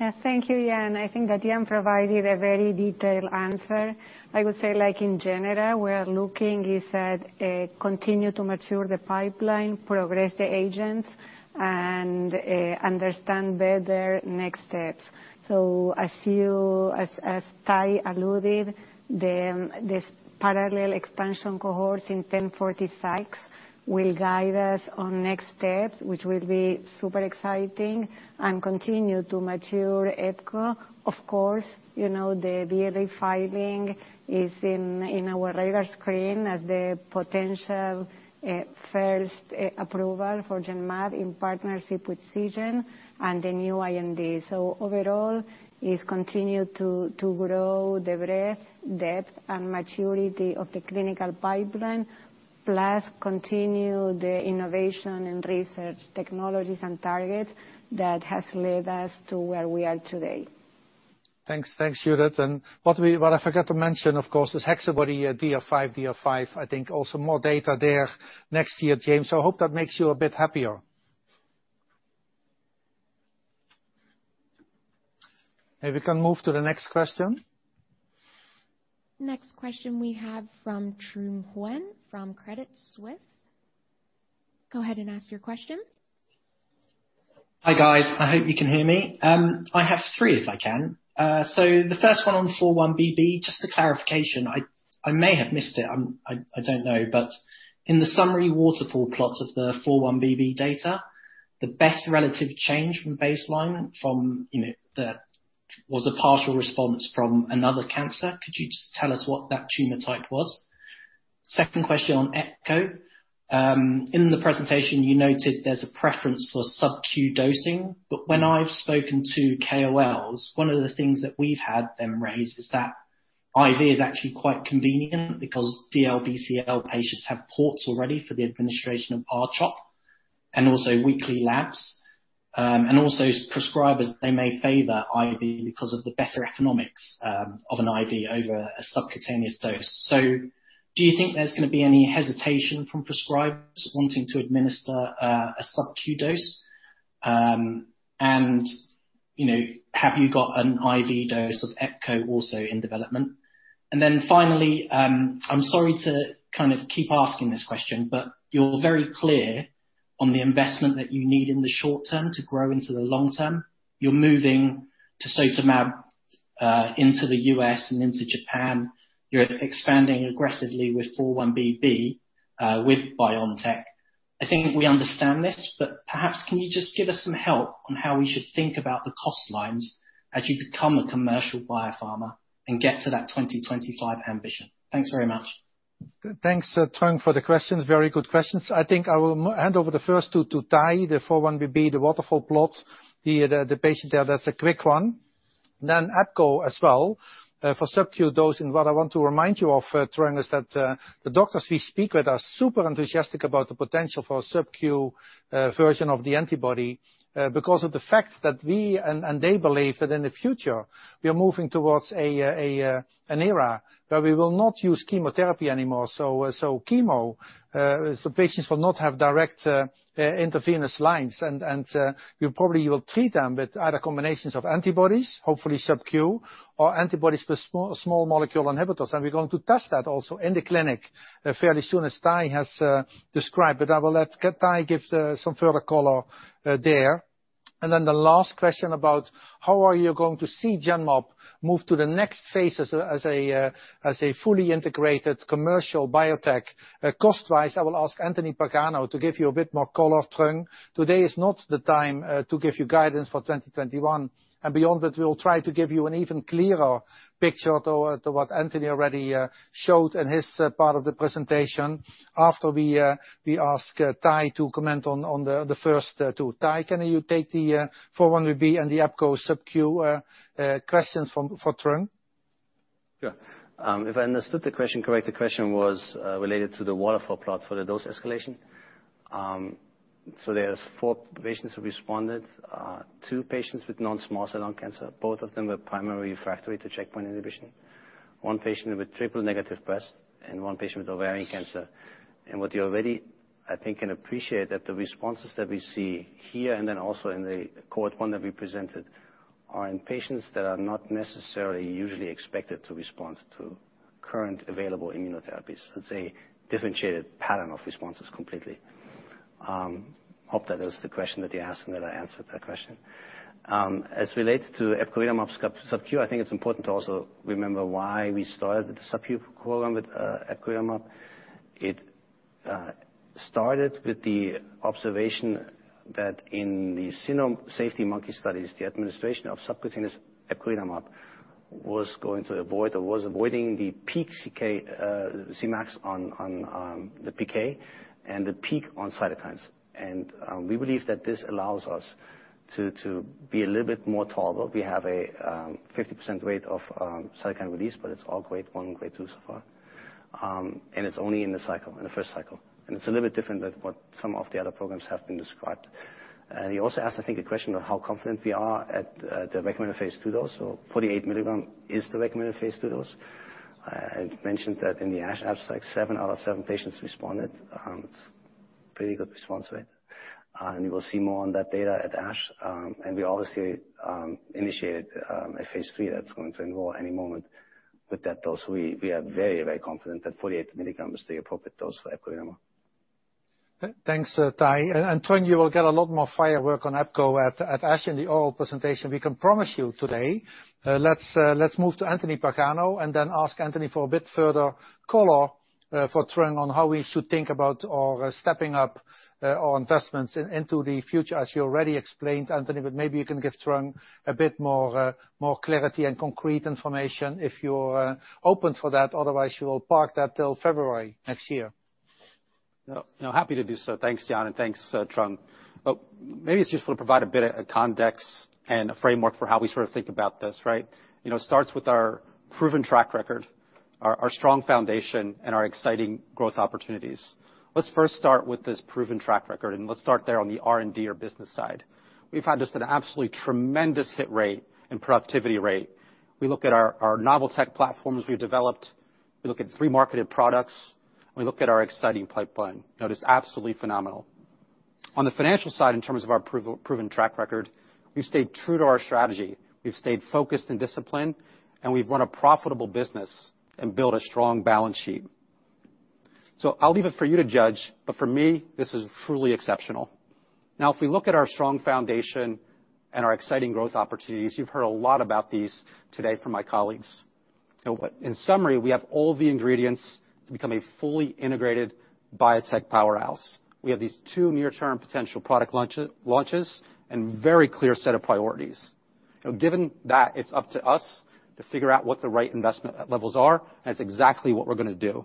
Yes. Thank you, Jan. I think that Jan provided a very detailed answer. I would say, in general, we are looking to continue to mature the pipeline, progress the agents, and understand better next steps. As Tahi alluded, this parallel expansion cohorts in GEN1040 [sites] will guide us on next steps, which will be super exciting, and continue to mature epcor. Of course, the BLA filing is in our radar screen as the potential first approval for Genmab in partnership with Seagen and the new IND. Overall, it's continue to grow the breadth, depth, and maturity of the clinical pipeline, plus continue the innovation in research technologies and targets that has led us to where we are today. Thanks, Judith. What I forgot to mention, of course, is HexaBody-DR5/DR5. I think also more data there next year, James. Hope that makes you a bit happier. Maybe we can move to the next question. Next question we have from Truong Nguyen from Credit Suisse. Go ahead and ask your question. Hi, guys. I hope you can hear me. I have three if I can. The first one on 4-1BB, just a clarification. I may have missed it, I don't know, but in the summary waterfall plots of the 4-1BB data, the best relative change from baseline was a partial response from another cancer. Could you just tell us what that tumor type was? Second question on epcor. In the presentation, you noted there's a preference for sub-Q dosing, but when I've spoken to KOLs, one of the things that we've had them raise is that IV is actually quite convenient because DLBCL patients have ports already for the administration of R-CHOP and also weekly labs. Also prescribers, they may favor IV because of the better economics of an IV over a subcutaneous dose. Do you think there's going to be any hesitation from prescribers wanting to administer a sub-Q dose? Have you got an IV dose of epcor also in development? Finally, I'm sorry to kind of keep asking this question, you're very clear on the investment that you need in the short term to grow into the long term. You're moving tisotumab into the U.S. and into Japan. You're expanding aggressively with 4-1BB with BioNTech. I think we understand this, perhaps can you just give us some help on how we should think about the cost lines as you become a commercial biopharma and get to that 2025 ambition? Thanks very much. Thanks, Truong, for the questions. Very good questions. I think I will hand over the first two to Tahi, the 4-1BB, the waterfall plot, the patient data. That's a quick one, epcor as well. For sub-Q dosing, what I want to remind you of, Truong, is that the doctors we speak with are super enthusiastic about the potential for sub-Q version of the antibody because of the fact that we and they believe that in the future, we are moving towards an era where we will not use chemotherapy anymore. Chemo, patients will not have direct intravenous lines, and we probably will treat them with either combinations of antibodies, hopefully sub-Q or antibodies with small molecule inhibitors. We're going to test that also in the clinic fairly soon as Tahi has described. I will let Tahi give some further color there. The last question about how are you going to see Genmab move to the next phase as a fully integrated commercial biotech? Cost-wise, I will ask Anthony Pagano to give you a bit more color, Truong. Today is not the time to give you guidance for 2021. Beyond that, we will try to give you an even clearer picture to what Anthony already showed in his part of the presentation after we ask Tahi to comment on the first two. Tahi, can you take the 4-1BB and the epcor sub-Q questions for Truong? Sure. If I understood the question correct, the question was related to the waterfall plot for the dose escalation. There's four patients who responded; two patients with non-small cell lung cancer, both of them were primary refractory to checkpoint inhibition. One patient with triple-negative breast and one patient with ovarian cancer. What you already, I think, can appreciate that the responses that we see here and then also in the Cohort 1 that we presented are in patients that are not necessarily usually expected to respond to current available immunotherapies. It's a differentiated pattern of responses completely. Hope that is the question that you asked and that I answered that question. As related to epcoritamab sub-Q, I think it's important to also remember why we started the sub-Q program with epcoritamab. It started with the observation that in the cyno safety monkey studies, the administration of subcutaneous epcoritamab was going to avoid or was avoiding the peak Cmax on the PK and the peak on cytokines. We believe that this allows us to be a little bit more tolerable. We have a 50% rate of cytokine release, but it's all Grade 1 and Grade 2 so far, it's only in the first cycle. It's a little bit different than what some of the other programs have been described. You also asked, I think, a question of how confident we are at the recommended phase II dose. 48 mg is the recommended phase II dose. I had mentioned that in the ASH abstract, seven out of seven patients responded. It's pretty good response rate. We will see more on that data at ASH. We obviously initiated a phase III that's going to enroll any moment with that dose. We are very confident that 48 mg is the appropriate dose for epcoritamab. Thanks, Tahi. Truong, you will get a lot more firework on epcor at ASH in the oral presentation, we can promise you today. Let's move to Anthony Pagano and then ask Anthony for a bit further color for Truong on how we should think about our stepping up our investments into the future, as you already explained. Anthony, maybe you can give Truong a bit more clarity and concrete information if you're open for that. Otherwise, you will park that till February next year. No, happy to do so. Thanks, Jan, and thanks, Truong. Maybe it's useful to provide a bit of context and a framework for how we sort of think about this, right? It starts with our proven track record, our strong foundation, and our exciting growth opportunities. Let's first start with this proven track record, and let's start there on the R&D or business side. We've had just an absolutely tremendous hit rate and productivity rate. We look at our novel tech platforms we've developed, we look at three marketed products, and we look at our exciting pipeline. Now, it is absolutely phenomenal. On the financial side, in terms of our proven track record, we've stayed true to our strategy. We've stayed focused and disciplined, and we've run a profitable business and built a strong balance sheet. I'll leave it for you to judge, but for me, this is truly exceptional. If we look at our strong foundation and our exciting growth opportunities, you've heard a lot about these today from my colleagues. In summary, we have all the ingredients to become a fully integrated biotech powerhouse. We have these two near-term potential product launches and very clear set of priorities. Given that, it's up to us to figure out what the right investment levels are, and that's exactly what we're going to do.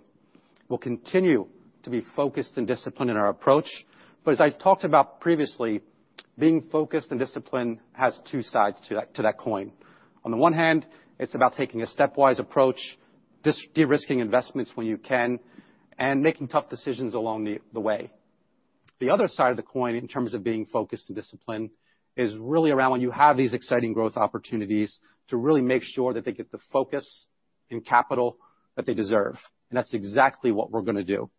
We'll continue to be focused and disciplined in our approach. As I've talked about previously, being focused and disciplined has two sides to that coin. On the one hand, it's about taking a stepwise approach, de-risking investments when you can, and making tough decisions along the way. The other side of the coin, in terms of being focused and disciplined, is really around when you have these exciting growth opportunities to really make sure that they get the focus and capital that they deserve. That's exactly what we're going to do.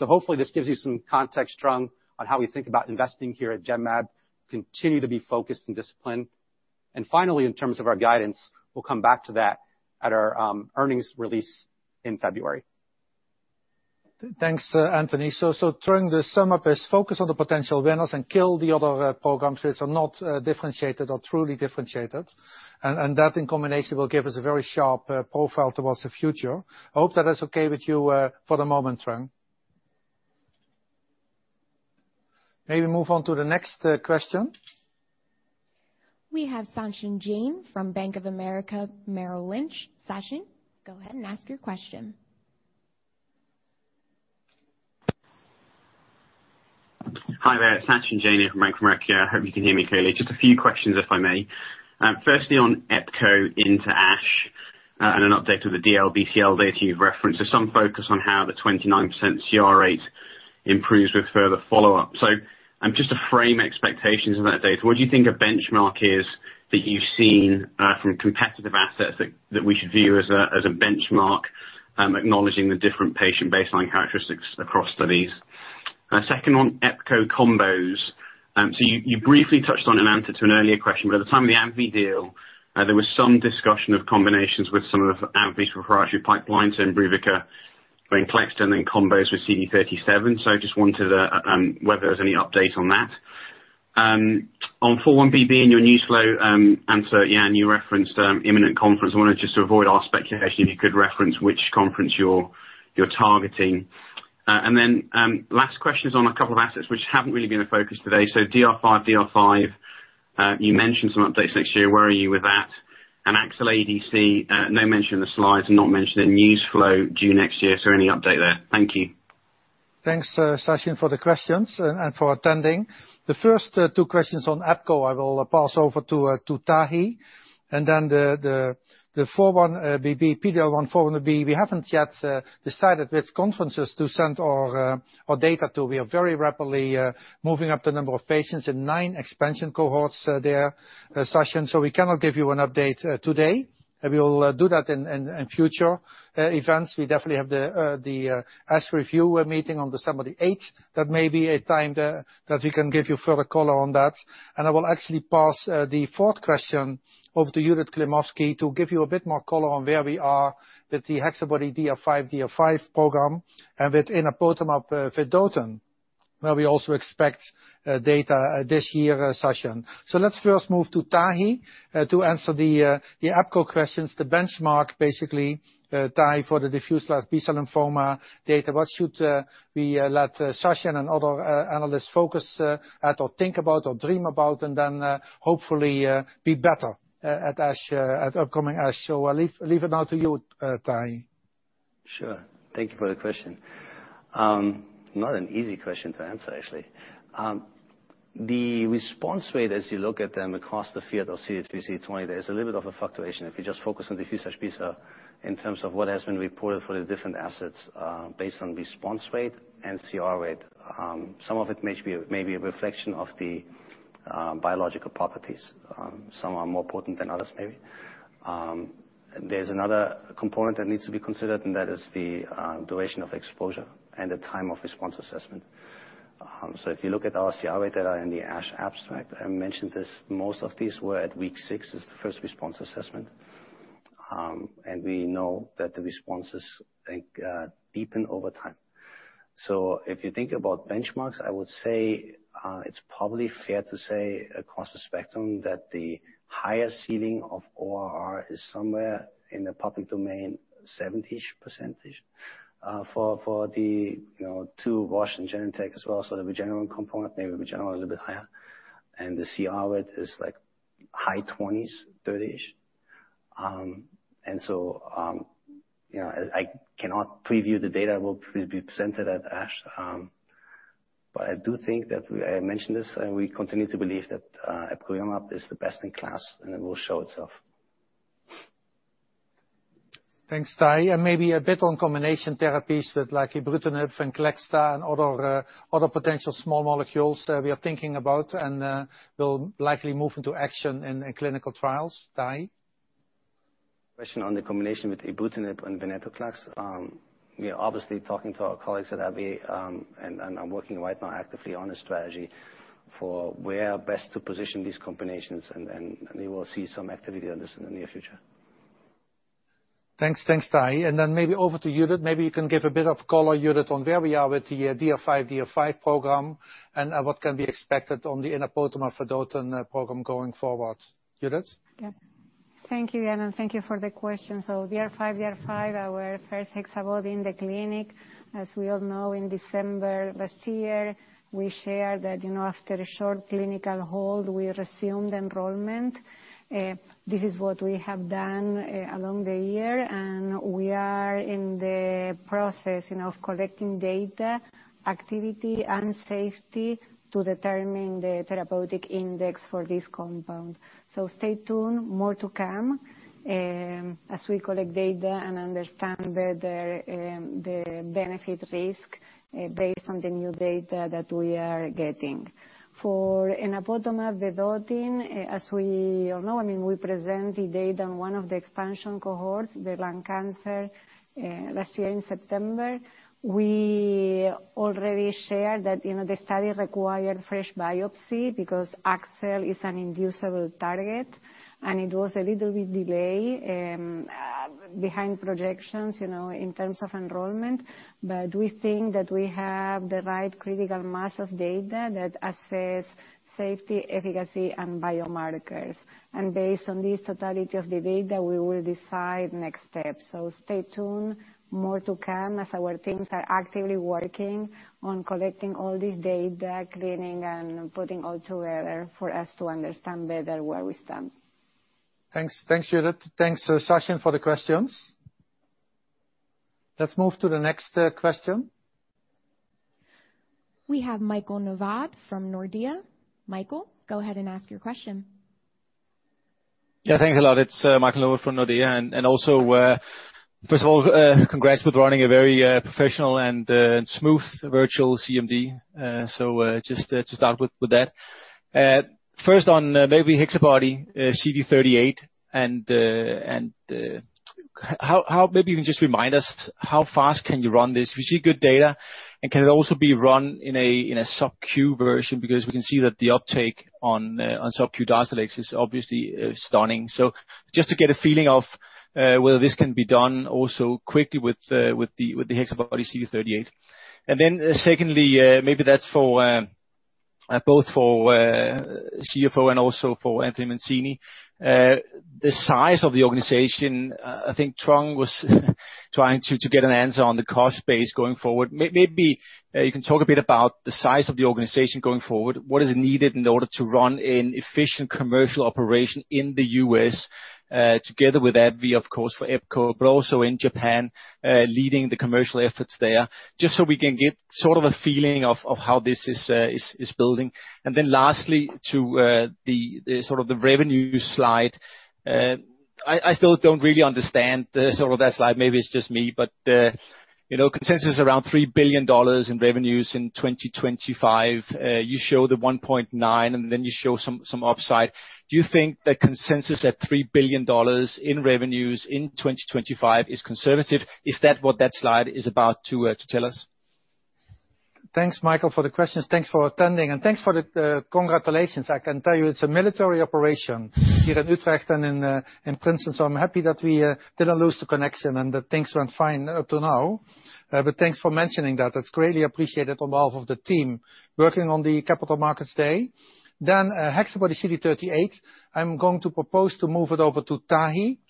Hopefully this gives you some context, Truong, on how we think about investing here at Genmab, continue to be focused and disciplined. Finally, in terms of our guidance, we'll come back to that at our earnings release in February. Thanks, Anthony. Truong, the sum up is focus on the potential winners and kill the other programs which are not differentiated or truly differentiated. That in combination will give us a very sharp profile towards the future. Hope that is okay with you for the moment, Truong. Maybe move on to the next question. We have Sachin Jain from Bank of America Merrill Lynch. Sachin, go ahead and ask your question. Hi there, Sachin Jain here from Bank of America. I hope you can hear me clearly. Just a few questions, if I may. Firstly, on epcor into ASH and an update of the DLBCL data you've referenced. There's some focus on how the 29% CR rate improves with further follow-up. Just to frame expectations on that data, what do you think a benchmark is that you've seen from competitive assets that we should view as a benchmark, acknowledging the different patient baseline characteristics across studies? Second, on epcor combos. You briefly touched on an answer to an earlier question, but at the time of the AbbVie deal, there was some discussion of combinations with some of AbbVie's proprietary pipelines, Imbruvica, Venclexta, and then combos with CD37. I just wondered whether there was any update on that. On 4-1BB in your news flow answer, Jan, you referenced imminent conference. I wanted just to avoid our speculation if you could reference which conference you're targeting. Last question is on a couple of assets which haven't really been a focus today, HexaBody-DR5/DR5 you mentioned some updates next year, where are you with that? AXL-ADC, no mention in the slides and not mentioned in news flow due next year, any update there? Thank you. Thanks, Sachin, for the questions and for attending. The first two questions on epcor I will pass over to Tahi. Then the PD-L1/4-1BB, we haven't yet decided which conferences to send our data to. We are very rapidly moving up the number of patients in nine expansion cohorts there, Sachin. We cannot give you an update today, we will do that in future events. We definitely have the ASH review meeting on December 8th. That may be a time that we can give you further color on that. I will actually pass the fourth question over to Judith Klimovsky to give you a bit more color on where we are with the HexaBody-DR5/DR5 program and with enapotamab vedotin, where we also expect data this year, Sachin. Let's first move to Tahi to answer the epcor questions, the benchmark, basically, Tahi, for the diffuse large B-cell lymphoma data. What should we let Sachin and other analysts focus at or think about or dream about, and then hopefully be better at upcoming ASH. I leave it now to you, Tahi. Sure, thank you for the question. Not an easy question to answer, actually. The response rate as you look at them across the field of CD20, there's a little bit of a fluctuation. If you just focus on diffuse large B-cell, in terms of what has been reported for the different assets based on response rate and CR rate. Some of it may be a reflection of the biological properties, some are more potent than others maybe. There's another component that needs to be considered, and that is the duration of exposure and the time of response assessment. If you look at our CR data in the ASH abstract, I mentioned this, most of these were at week six as the first response assessment. We know that the responses deepen over time. If you think about benchmarks, I would say it's probably fair to say across the spectrum that the highest ceiling of ORR is somewhere in the public domain, 70%. For the two Roche and Genentech as well, so the Regeneron component, maybe Regeneron a little bit higher, and the CR rate is high 20%, 30%. I cannot preview the data will be presented at ASH. I do think that I mentioned this, and we continue to believe that epcoritamab is the best in class, and it will show itself. Thanks, Tahi. Maybe a bit on combination therapies with ibrutinib and Venclexta and other potential small molecules we are thinking about and will likely move into action in clinical trials. Tahi? Question on the combination with ibrutinib and venetoclax. We are obviously talking to our colleagues at AbbVie, I'm working right now actively on a strategy for where best to position these combinations, we will see some activity on this in the near future. Thanks, thanks, Tahi. Then maybe over to Judith. Maybe you can give a bit of color, Judith, on where we are with the HexaBody-DR5/DR5 program and what can be expected on the enapotamab vedotin program going forward. Judith? Yeah. Thank you, Jan. Thank you for the question. HexaBody-DR5/DR5, our first HexaBody in the clinic. As we all know, in December last year, we shared that after a short clinical hold, we resumed enrollment. This is what we have done along the year. We are in the process of collecting data, activity, and safety to determine the therapeutic index for this compound. Stay tuned, more to come as we collect data and understand better the benefit-risk based on the new data that we are getting. For enapotamab vedotin, as we all know, we present the data on one of the expansion cohorts, the lung cancer, last year in September. We already shared that the study required fresh biopsy because AXL is an inducible target. It was a little bit delay behind projections in terms of enrollment. We think that we have the right critical mass of data that assess safety, efficacy, and biomarkers. Based on this totality of the data, we will decide next steps. Stay tuned, more to come as our teams are actively working on collecting all this data, cleaning, and putting all together for us to understand better where we stand. Thanks, thanks, Judith. Thanks, Sachin, for the questions. Let's move to the next question. We have Michael Novod from Nordea. Michael, go ahead and ask your question. Thanks a lot. It's Michael Novod from Nordea. First of all, congrats with running a very professional and smooth virtual CMD. Just to start with that. First on maybe HexaBody-CD38 and maybe you can just remind us how fast can you run this? We see good data, and can it also be run in a sub-Q version? We can see that the uptake on sub-Q DARZALEX is obviously stunning. Just to get a feeling of whether this can be done also quickly with the HexaBody-CD38. Secondly, maybe that's both for CFO and also for Anthony Mancini. The size of the organization, I think Truong was trying to get an answer on the cost base going forward. Maybe you can talk a bit about the size of the organization going forward. What is needed in order to run an efficient commercial operation in the U.S. together with AbbVie, of course, for epcor, also in Japan leading the commercial efforts there, just so we can get sort of a feeling of how this is building. Lastly, to the sort of the revenue slide. I still don't really understand the sort of that slide. Maybe it's just me, the consensus around $3 billion in revenues in 2025, you show the $1.9 billion, you show some upside. Do you think the consensus at $3 billion in revenues in 2025 is conservative? Is that what that slide is about to tell us? Thanks, Michael, for the questions. Thanks for attending, and thanks for the congratulations. I can tell you it's a military operation here in Utrecht and in Princeton, so I'm happy that we didn't lose the connection and that things went fine up to now. Thanks for mentioning that. That's greatly appreciated on behalf of the team working on the Capital Markets Day. HexaBody-CD38, I'm going to propose to move it over to Tahi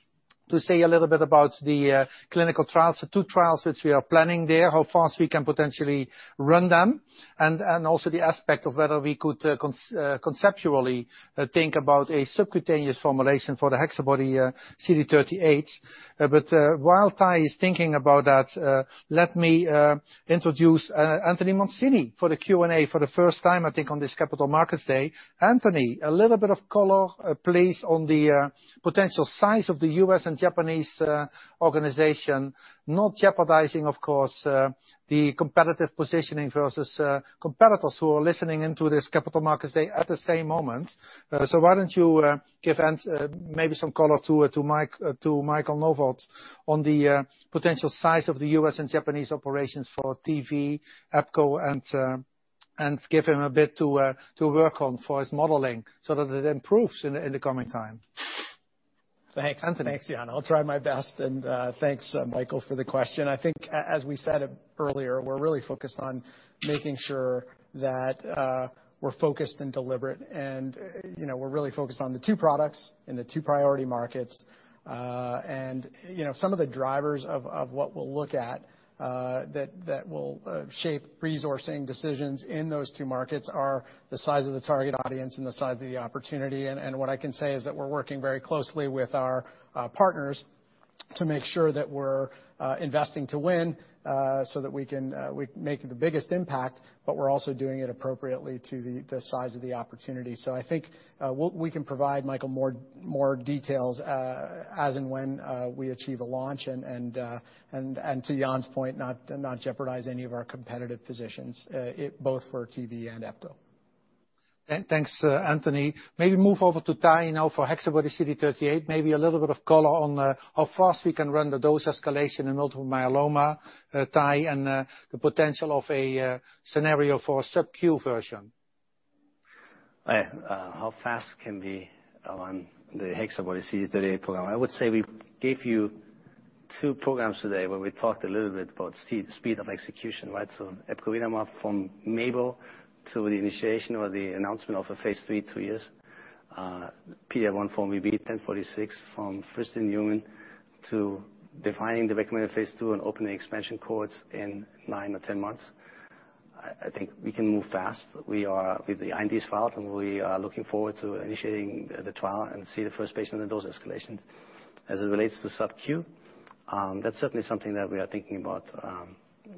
to say a little bit about the clinical trials, the two trials which we are planning there, how fast we can potentially run them, and also the aspect of whether we could conceptually think about a subcutaneous formulation for the HexaBody-CD38. While Tahi is thinking about that, let me introduce Anthony Mancini for the Q&A for the first time, I think, on this Capital Markets Day. Anthony, a little bit of color, please, on the potential size of the U.S. and Japanese organization, not jeopardizing, of course the competitive positioning versus competitors who are listening into this Capital Markets Day at the same moment. Why don't you give maybe some color to Michael Novod on the potential size of the U.S. and Japanese operations for TV, epcor, and give him a bit to work on for his modeling so that it improves in the coming time. Thanks. Anthony? Thanks, Jan, I'll try my best. Thanks, Michael, for the question. I think, as we said earlier, we're really focused on making sure that we're focused and deliberate, and we're really focused on the two products in the two priority markets. Some of the drivers of what we'll look at that will shape resourcing decisions in those two markets are the size of the target audience and the size of the opportunity. What I can say is that we're working very closely with our partners to make sure that we're investing to win, so that we can make the biggest impact, but we're also doing it appropriately to the size of the opportunity. I think we can provide, Michael, more details as and when we achieve a launch, and to Jan's point, not jeopardize any of our competitive positions, both for TV and epcor. Thanks, Anthony. Maybe move over to Tahi now for HexaBody-CD38, maybe a little bit of color on how fast we can run the dose escalation in multiple myeloma, Tahi, and the potential of a scenario for a sub-Q version. How fast can we run the HexaBody-CD38 program? I would say we gave you two programs today where we talked a little bit about speed of execution, that's epcoritamab from Genmab to the initiation or the announcement of a phase III, two years. PD-L1 GEN1046 from first-in-human to defining the recommended phase II and opening expansion cohorts in nine or 10 months. I think we can move fast. We are with the INDs filed, and we are looking forward to initiating the trial and see the first patient in those escalations. As it relates to sub-Q, that's certainly something that we are thinking about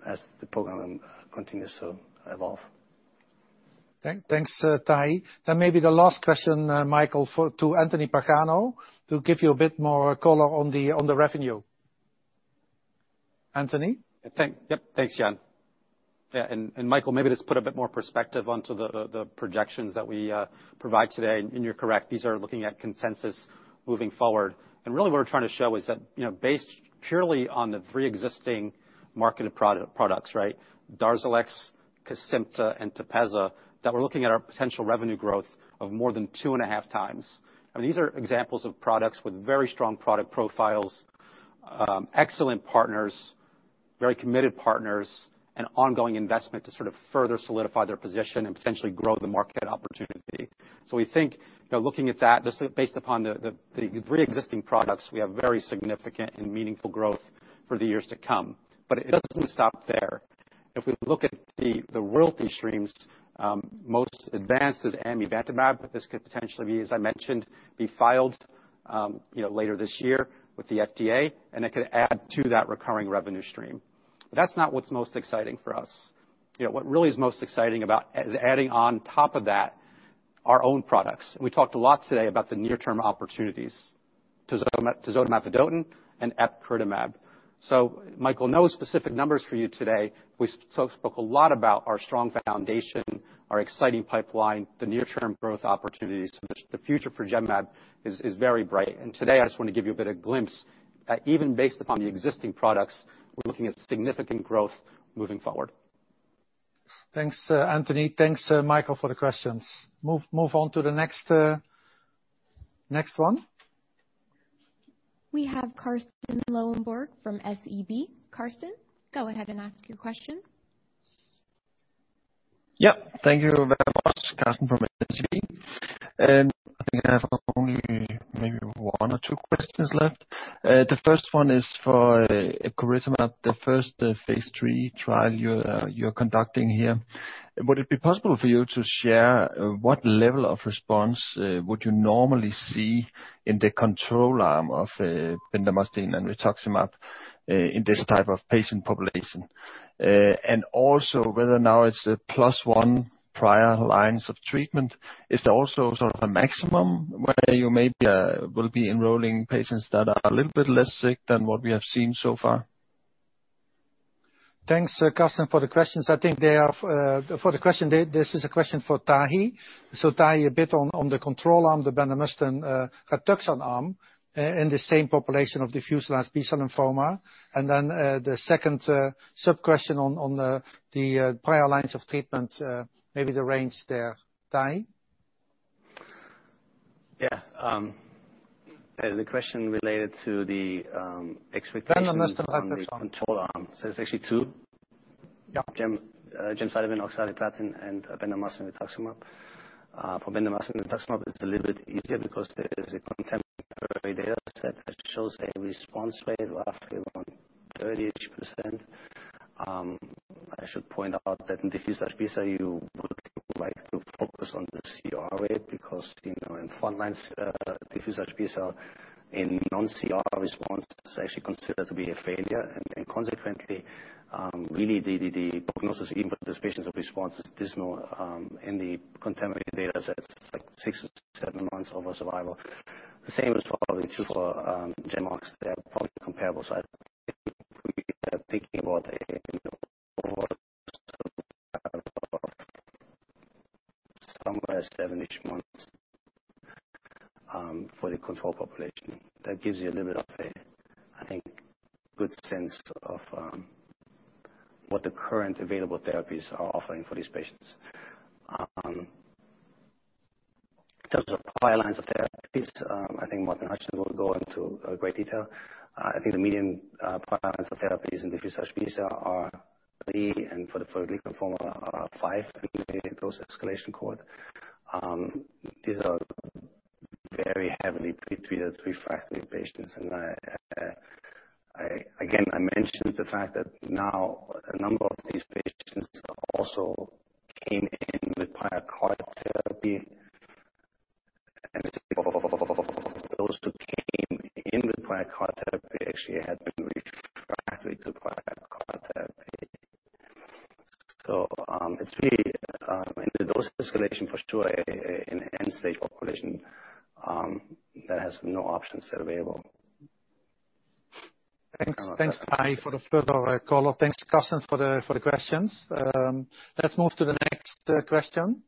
as the program continues to evolve. Thanks, Tahi. Maybe the last question, Michael, to Anthony Pagano, to give you a bit more color on the revenue. Anthony? Yep. Thanks, Jan. Michael, maybe just put a bit more perspective onto the projections that we provide today. You're correct, these are looking at consensus moving forward. Really what we're trying to show is that based purely on the three existing marketed products, DARZALEX, Kesimpta, and TEPEZZA, that we're looking at our potential revenue growth of more than 2x. I mean, these are examples of products with very strong product profiles, excellent partners, very committed partners, and ongoing investment to sort of further solidify their position and potentially grow the market opportunity. We think, looking at that, just based upon the three existing products, we have very significant and meaningful growth for the years to come. It doesn't stop there. If we look at the royalty streams, most advanced is amivantamab, but this could potentially be, as I mentioned, be filed later this year with the FDA, and it could add to that recurring revenue stream. That's not what's most exciting for us. What really is most exciting about is adding on top of that our own products. We talked a lot today about the near-term opportunities, tisotumab vedotin and epcoritamab. Michael, no specific numbers for you today. We spoke a lot about our strong foundation, our exciting pipeline, the near-term growth opportunities. The future for Genmab is very bright. Today, I just want to give you a bit of glimpse that even based upon the existing products, we're looking at significant growth moving forward. Thanks, Anthony. Thanks, Michael, for the questions. Move on to the next one. We have Carsten Lønborg from SEB. Carsten, go ahead and ask your question. Yep. Thank you very much, Carsten from SEB. I think I have only maybe one or two questions left. The first one is for epcoritamab, the first phase III trial you're conducting here. Would it be possible for you to share what level of response would you normally see in the control arm of bendamustine and rituximab in this type of patient population? Whether now it's a plus one prior lines of treatment, is there also sort of a maximum where you maybe will be enrolling patients that are a little bit less sick than what we have seen so far? Thanks, Carsten, for the questions. I think this is a question for Tahi. Tahi, a bit on the control arm, the bendamustine, rituximab arm, in the same population of diffuse large B-cell lymphoma. The second sub-question on the prior lines of treatment, maybe the range there. Tahi? Yeah. The question related to the expectations... Bendamustine, rituximab arm ...on the control arm. It's actually two? Yeah. Gemcitabine oxaliplatin and bendamustine rituximab. For bendamustine rituximab, it's a little bit easier because there is a contemporary data set that shows a response rate of roughly around 30%. I should point out that in Diffuse Large B-cell, you would like to focus on the CR rate, because in front line Diffuse Large B-cell, a non-CR response is actually considered to be a failure. Consequently, really the prognosis, even for those patients who response is dismal, in the contemporary data sets, it's like six to seven months overall survival. The same is probably true for GemOx, they are probably comparable. Thinking about a somewhere seven to eight months for the control population. That gives you a little bit of a, I think, good sense of what the current available therapies are offering for these patients. In terms of prior lines of therapies, I think Martin Hutchings will go into great detail. I think the median prior lines of therapies in diffuse large B-cell are three, and for the follicular lymphoma are five, and those escalation cohort. These are very heavily pre-treated, refractory patients. Again, I mentioned the fact that now a number of these patients also came in with prior CAR therapy. Those who came in with prior CAR therapy actually had been refractory to prior CAR therapy. It's really, in the dose escalation for sure, an end-stage population that has no options available. Thanks, Tahi, for the further color. Thanks, Carsten, for the questions. Let's move to the next question.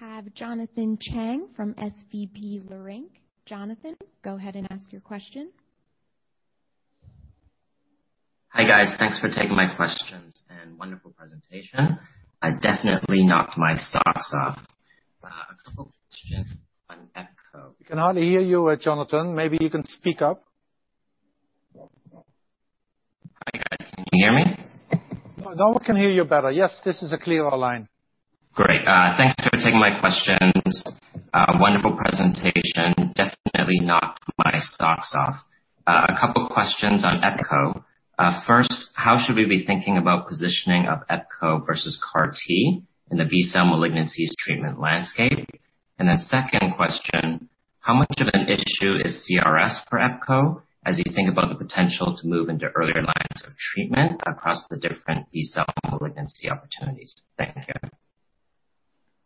We have Jonathan Chang from SVB Leerink. Jonathan, go ahead and ask your question. Hi, guys. Thanks for taking my questions and wonderful presentation. Definitely knocked my socks off. A couple of questions on epcor. We can hardly hear you, Jonathan. Maybe you can speak up. Can you hear me? Now we can hear you better. Yes, this is a clearer line. Great, thanks for taking my questions. Wonderful presentation, definitely knocked my socks off. A couple questions on epcor. First, how should we be thinking about positioning of epcor versus CAR-T in the B-cell malignancies treatment landscape? Second question, how much of an issue is CRS for epcor as you think about the potential to move into earlier lines of treatment across the different B-cell malignancy opportunities? Thank you.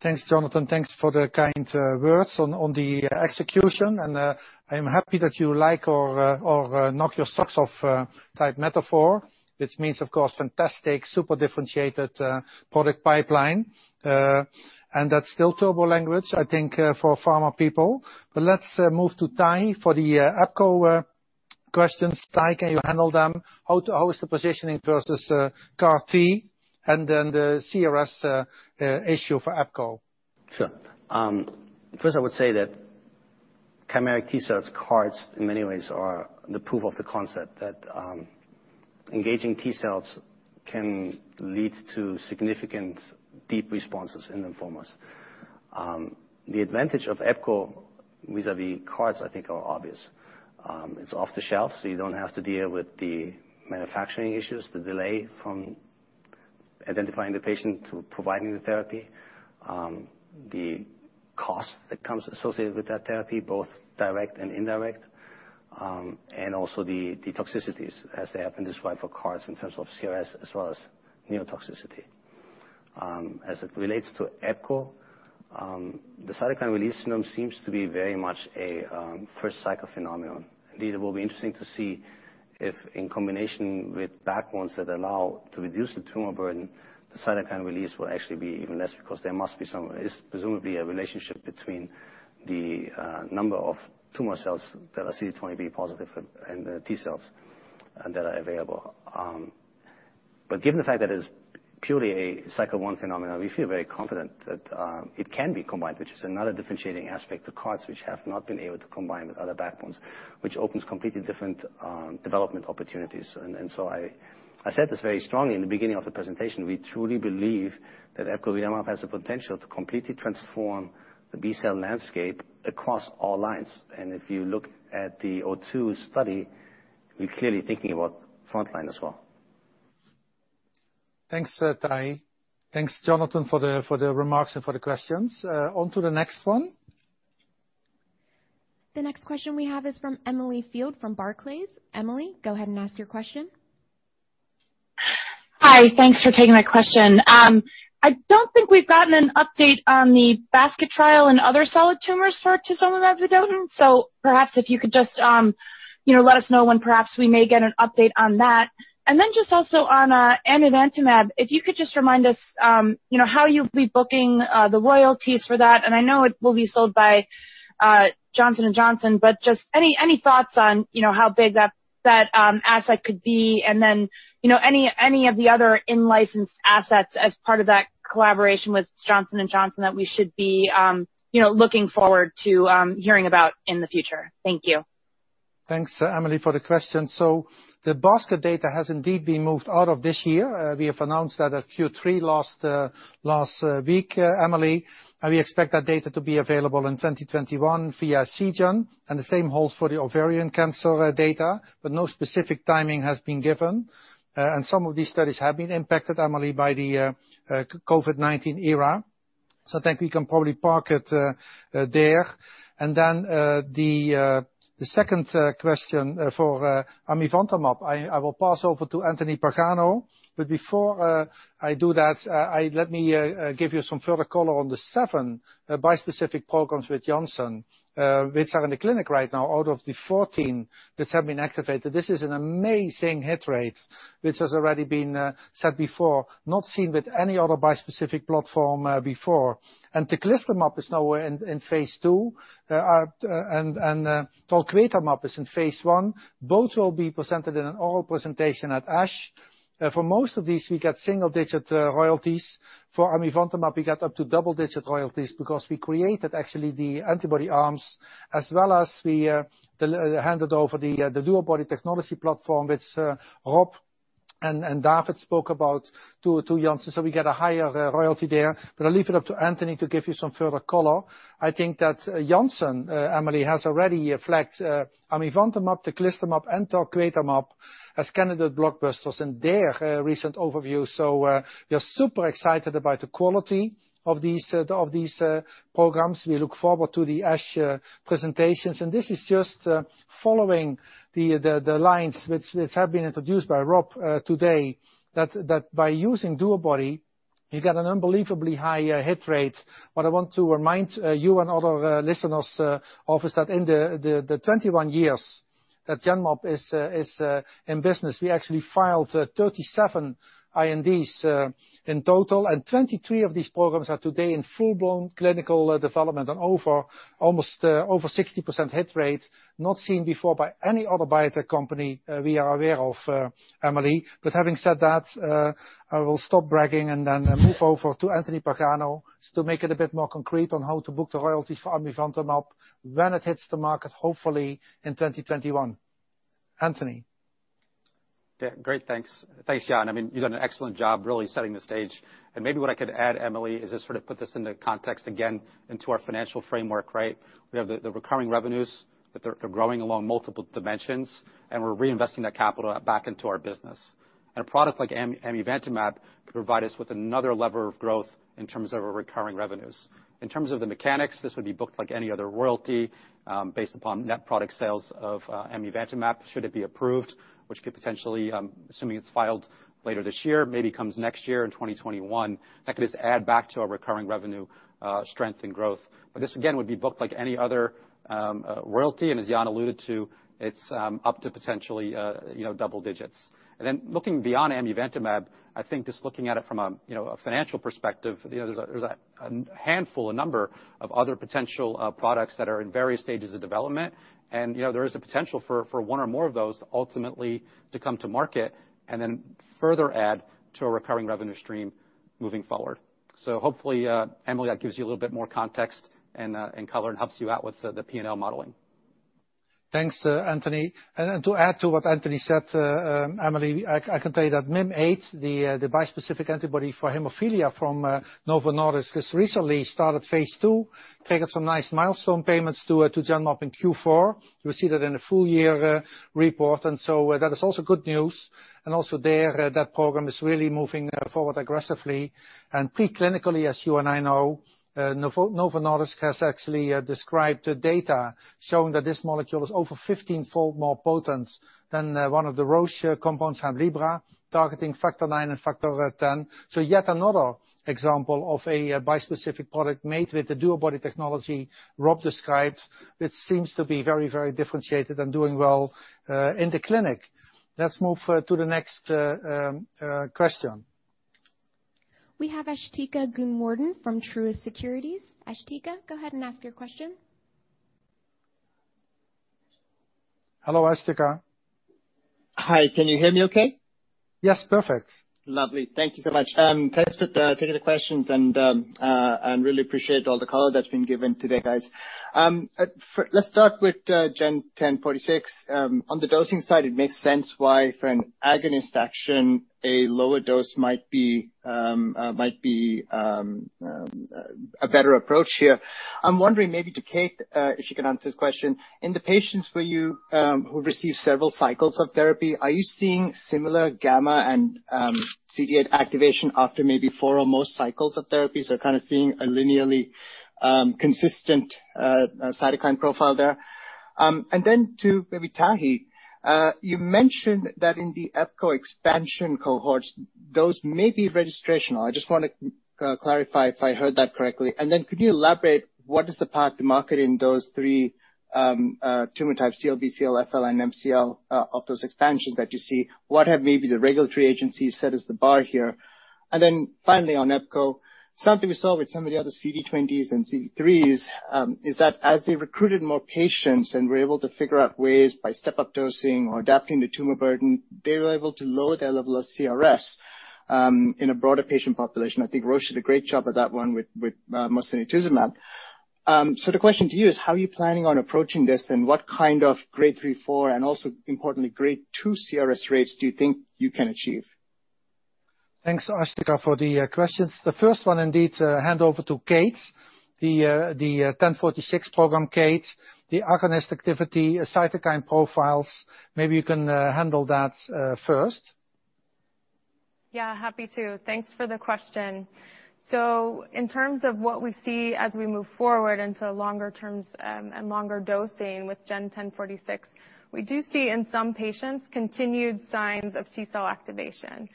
Thanks, Jonathan. Thanks for the kind words on the execution, I am happy that you like our knock your socks off type metaphor, which means of course, fantastic, super differentiated product pipeline. That's still turbo language, I think, for pharma people. Let's move to Tahi for the epcor questions. Tahi, can you handle them? How is the positioning versus CAR-T and the CRS issue for epcor? Sure. First I would say that chimeric T-cells, CAR-Ts, in many ways are the proof of the concept that engaging T-cells can lead to significant deep responses in lymphomas. The advantage of epcor vis-a-vis CAR-Ts, I think, are obvious. It's off the shelf, so you don't have to deal with the manufacturing issues, the delay from identifying the patient to providing the therapy. The cost that comes associated with that therapy, both direct and indirect. Also the toxicities as they have been described for CAR-Ts in terms of CRS as well as neurotoxicity. As it relates to epcor, the cytokine release syndrome seems to be very much a first cycle phenomenon. Indeed, it will be interesting to see if in combination with backbones that allow to reduce the tumor burden, the cytokine release will actually be even less because there must be some. It's presumably a relationship between the number of tumor cells that are CD20 B-positive and the T-cells that are available. But given the fact that it is purely a cycle one phenomenon, we feel very confident that it can be combined, which is another differentiating aspect to CAR-Ts, which have not been able to combine with other backbones, which opens completely different development opportunities. I said this very strongly in the beginning of the presentation, we truly believe that epcoritamab has the potential to completely transform the B-cell landscape across all lines. And if you look at the O2 study, we're clearly thinking about frontline as well. Thanks, Tahi. Thanks, Jonathan, for the remarks and for the questions. On to the next one. The next question we have is from Emily Field from Barclays. Emily, go ahead and ask your question. Hi. Thanks for taking my question. I don't think we've gotten an update on the basket trial in other solid tumors for tisotumab vedotin. Perhaps if you could just let us know when perhaps we may get an update on that. Just also on amivantamab, if you could just remind us how you'll be booking the royalties for that. I know it will be sold by Johnson & Johnson, but just any thoughts on how big that asset could be. Any of the other in-licensed assets as part of that collaboration with Johnson & Johnson that we should be looking forward to hearing about in the future. Thank you. Thanks, Emily, for the question. The basket data has indeed been moved out of this year. We have announced that at Q3 last week, Emily, we expect that data to be available in 2021 via Seagen, and the same holds for the ovarian cancer data, but no specific timing has been given. Some of these studies have been impacted, Emily, by the COVID-19 era. I think we can probably park it there. The second question for amivantamab, I will pass over to Anthony Pagano. Before I do that, let me give you some further color on the seven bispecific programs with Janssen, which are in the clinic right now, out of the 14 that have been activated. This is an amazing hit rate, which has already been said before. Not seen with any other bispecific platform before. Teclistamab is now in phase II, and talquetamab is in phase I. Both will be presented in an oral presentation at ASH. For most of these, we get single-digit royalties. For amivantamab, we get up to double-digit royalties because we created actually the antibody arms as well as we handed over the DuoBody technology platform, which Rob and David spoke about to Janssen, so we get a higher royalty there. I'll leave it up to Anthony to give you some further color. I think that Janssen, Emily, has already flagged amivantamab, teclistamab, and talquetamab as candidate blockbusters in their recent overview. We are super excited about the quality of these programs. We look forward to the ASH presentations. This is just following the lines which have been introduced by Rob today, that by using DuoBody, you get an unbelievably high hit rate. What I want to remind you and other listeners of is that in the 21 years that Genmab is in business, we actually filed 37 INDs in total, and 23 of these programs are today in full-blown clinical development, an almost over 60% hit rate, not seen before by any other biotech company we are aware of, Emily. Having said that, I will stop bragging and then move over to Anthony Pagano to make it a bit more concrete on how to book the royalties for amivantamab when it hits the market, hopefully in 2021. Anthony. Great. Thanks, Jan. You've done an excellent job really setting the stage. Maybe what I could add, Emily, is just sort of put this into context again into our financial framework. We have the recurring revenues, that they're growing along multiple dimensions, and we're reinvesting that capital back into our business. A product like amivantamab could provide us with another lever of growth in terms of our recurring revenues. In terms of the mechanics, this would be booked like any other royalty, based upon net product sales of amivantamab, should it be approved, which could potentially, assuming it's filed later this year, maybe comes next year in 2021. That could just add back to our recurring revenue strength and growth. This again would be booked like any other royalty, and as Jan alluded to, it's up to potentially double digits. Looking beyond amivantamab, I think just looking at it from a financial perspective, there's a handful, a number of other potential products that are in various stages of development. There is a potential for one or more of those ultimately to come to market and then further add to a recurring revenue stream moving forward. Hopefully, Emily, that gives you a little bit more context and color and helps you out with the P&L modeling. Thanks, Anthony. To add to what Anthony said, Emily, I can tell you that Mim8, the bispecific antibody for hemophilia from Novo Nordisk, has recently started phase II, taking some nice milestone payments to Genmab in Q4. You will see that in the full-year report, that is also good news. Also there, that program is really moving forward aggressively. Pre-clinically, as you and I know, Novo Nordisk has actually described data showing that this molecule is over 15-fold more potent than one of the Roche components, Hemlibra, targeting Factor 9 and Factor 10. Yet another example of a bispecific product made with the DuoBody technology Rob described, which seems to be very differentiated and doing well in the clinic. Let's move to the next question. We have Asthika Goonewardene from Truist Securities. Asthika, go ahead and ask your question. Hello, Asthika. Hi, can you hear me okay? Yes, perfect. Lovely, thank you so much. Thanks for taking the questions and really appreciate all the color that's been given today, guys. Let's start with GEN1046. On the dosing side, it makes sense why for an agonist action, a lower dose might be a better approach here. I'm wondering, maybe to Kate, if she can answer the question. In the patients who received several cycles of therapy, are you seeing similar gamma and CD8 activation after maybe four or more cycles of therapy? Are kind of seeing a linearly consistent cytokine profile there? To maybe Tahi. You mentioned that in the epcor expansion cohorts, those may be registrational. I just want to clarify if I heard that correctly. Could you elaborate what is the path to market in those three tumor types, CLL, FL, and MCL, of those expansions that you see, what have maybe the regulatory agencies set as the bar here. Finally on epcor, something we saw with some of the other CD20 and CD3s, is that as they recruited more patients and were able to figure out ways by step-up dosing or adapting the tumor burden, they were able to lower their level of CRS, in a broader patient population. Roche did a great job of that one with mosunetuzumab. The question to you is, how are you planning on approaching this, and what kind of Grade 3, 4, and also importantly, Grade 2 CRS rates do you think you can achieve? Thanks, Asthika, for the questions. The first one indeed, hand over to Kate, the GEN1046 program. Kate, the agonistic activity, cytokine profiles, maybe you can handle that first. Yeah, happy to, thanks for the question. In terms of what we see as we move forward into longer terms and longer dosing with GEN1046, we do see in some patients continued signs of T-cell activation.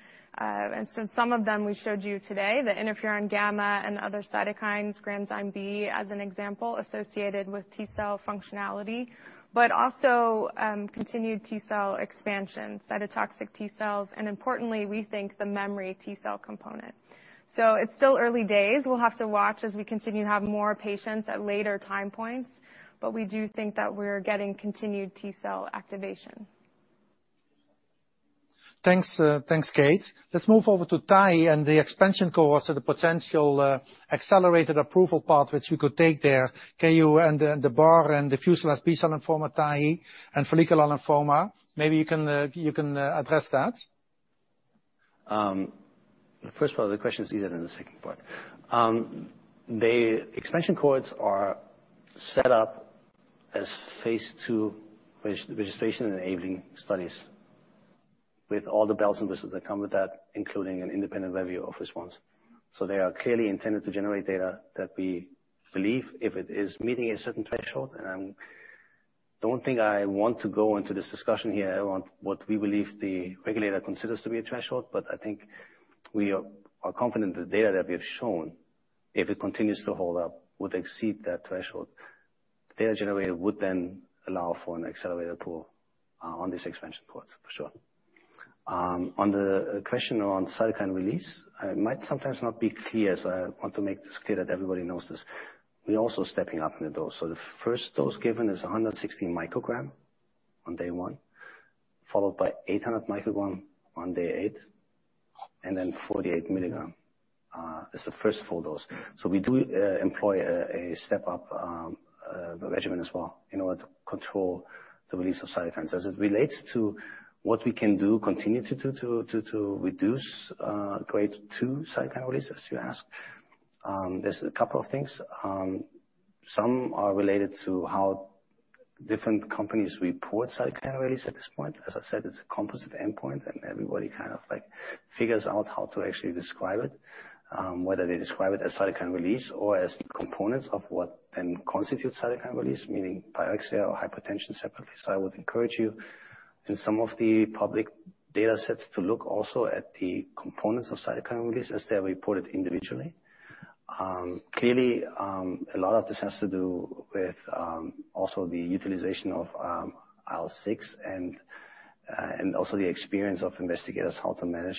Some of them we showed you today, the interferon-gamma and other cytokines, granzyme B, as an example, associated with T-cell functionality, but also continued T-cell expansion, cytotoxic T-cells, and importantly, we think the memory T-cell component. It's still early days, we'll have to watch as we continue to have more patients at later time points, but we do think that we're getting continued T-cell activation. Thanks. Thanks, Kate. Let's move over to Tahi and the expansion cohorts or the potential accelerated approval path which we could take there. Can you set the bar and diffuse large B-cell lymphoma, Tahi, and follicular lymphoma. Maybe you can address that. The first part of the question is easier than the second part. The expansion cohorts are set up as phase II registration and enabling studies with all the bells and whistles that come with that, including an independent review of response. They are clearly intended to generate data that we believe, if it is meeting a certain threshold, and I don't think I want to go into this discussion here on what we believe the regulator considers to be a threshold, but I think we are confident the data that we have shown, if it continues to hold up, would exceed that threshold. Data generated would then allow for an accelerated approval on these expansion cohorts for sure. On the question around cytokine release, it might sometimes not be clear, so I want to make this clear that everybody knows this. We're also stepping up in the dose. The first dose given is 160 μg on day one, followed by 800 μg on day eight, and then 48 mg is the first full dose. We do employ a step-up regimen as well in order to control the release of cytokines. As it relates to what we can do, continue to do to reduce Grade 2 cytokine release, as you ask, there's a couple of things, some are related to how different companies report cytokine release at this point. As I said, it's a composite endpoint, and everybody kind of figures out how to actually describe it, whether they describe it as cytokine release or as components of what then constitutes cytokine release, meaning pyrexia or hypotension separately. I would encourage you in some of the public datasets to look also at the components of cytokine release as they are reported individually. Clearly, a lot of this has to do with also the utilization of IL-6 and also the experience of investigators, how to manage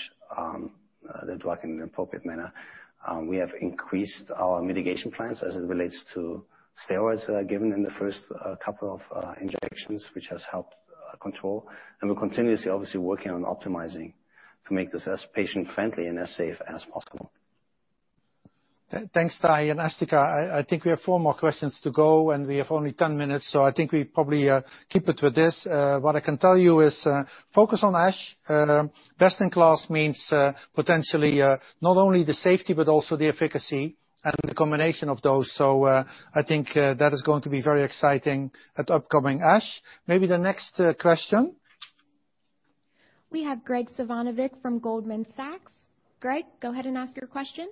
the drug in an appropriate manner. We have increased our mitigation plans as it relates to steroids that are given in the first couple of injections, which has helped control. We're continuously obviously working on optimizing to make this as patient-friendly and as safe as possible. Thanks, Tahi and Asthika. I think we have four more questions to go, and we have only 10 minutes, so I think we probably keep it with this. What I can tell you is focus on ASH. Best in class means potentially not only the safety but also the efficacy and the combination of those. I think that is going to be very exciting at upcoming ASH. Maybe the next question. We have Graig Suvannavejh from Goldman Sachs. Graig, go ahead and ask your question.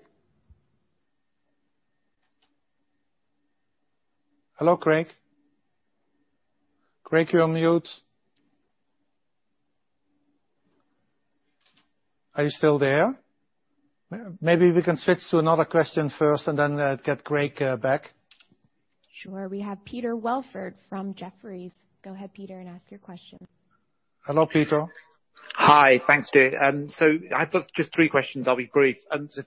Hello, Graig. Graig, you're on mute. Are you still there? Maybe we can switch to another question first and then get Graig back. Sure. We have Peter Welford from Jefferies. Go ahead, Peter, and ask your question. Hello, Peter. Hi, thanks Jan. I've got just three questions, I'll be brief.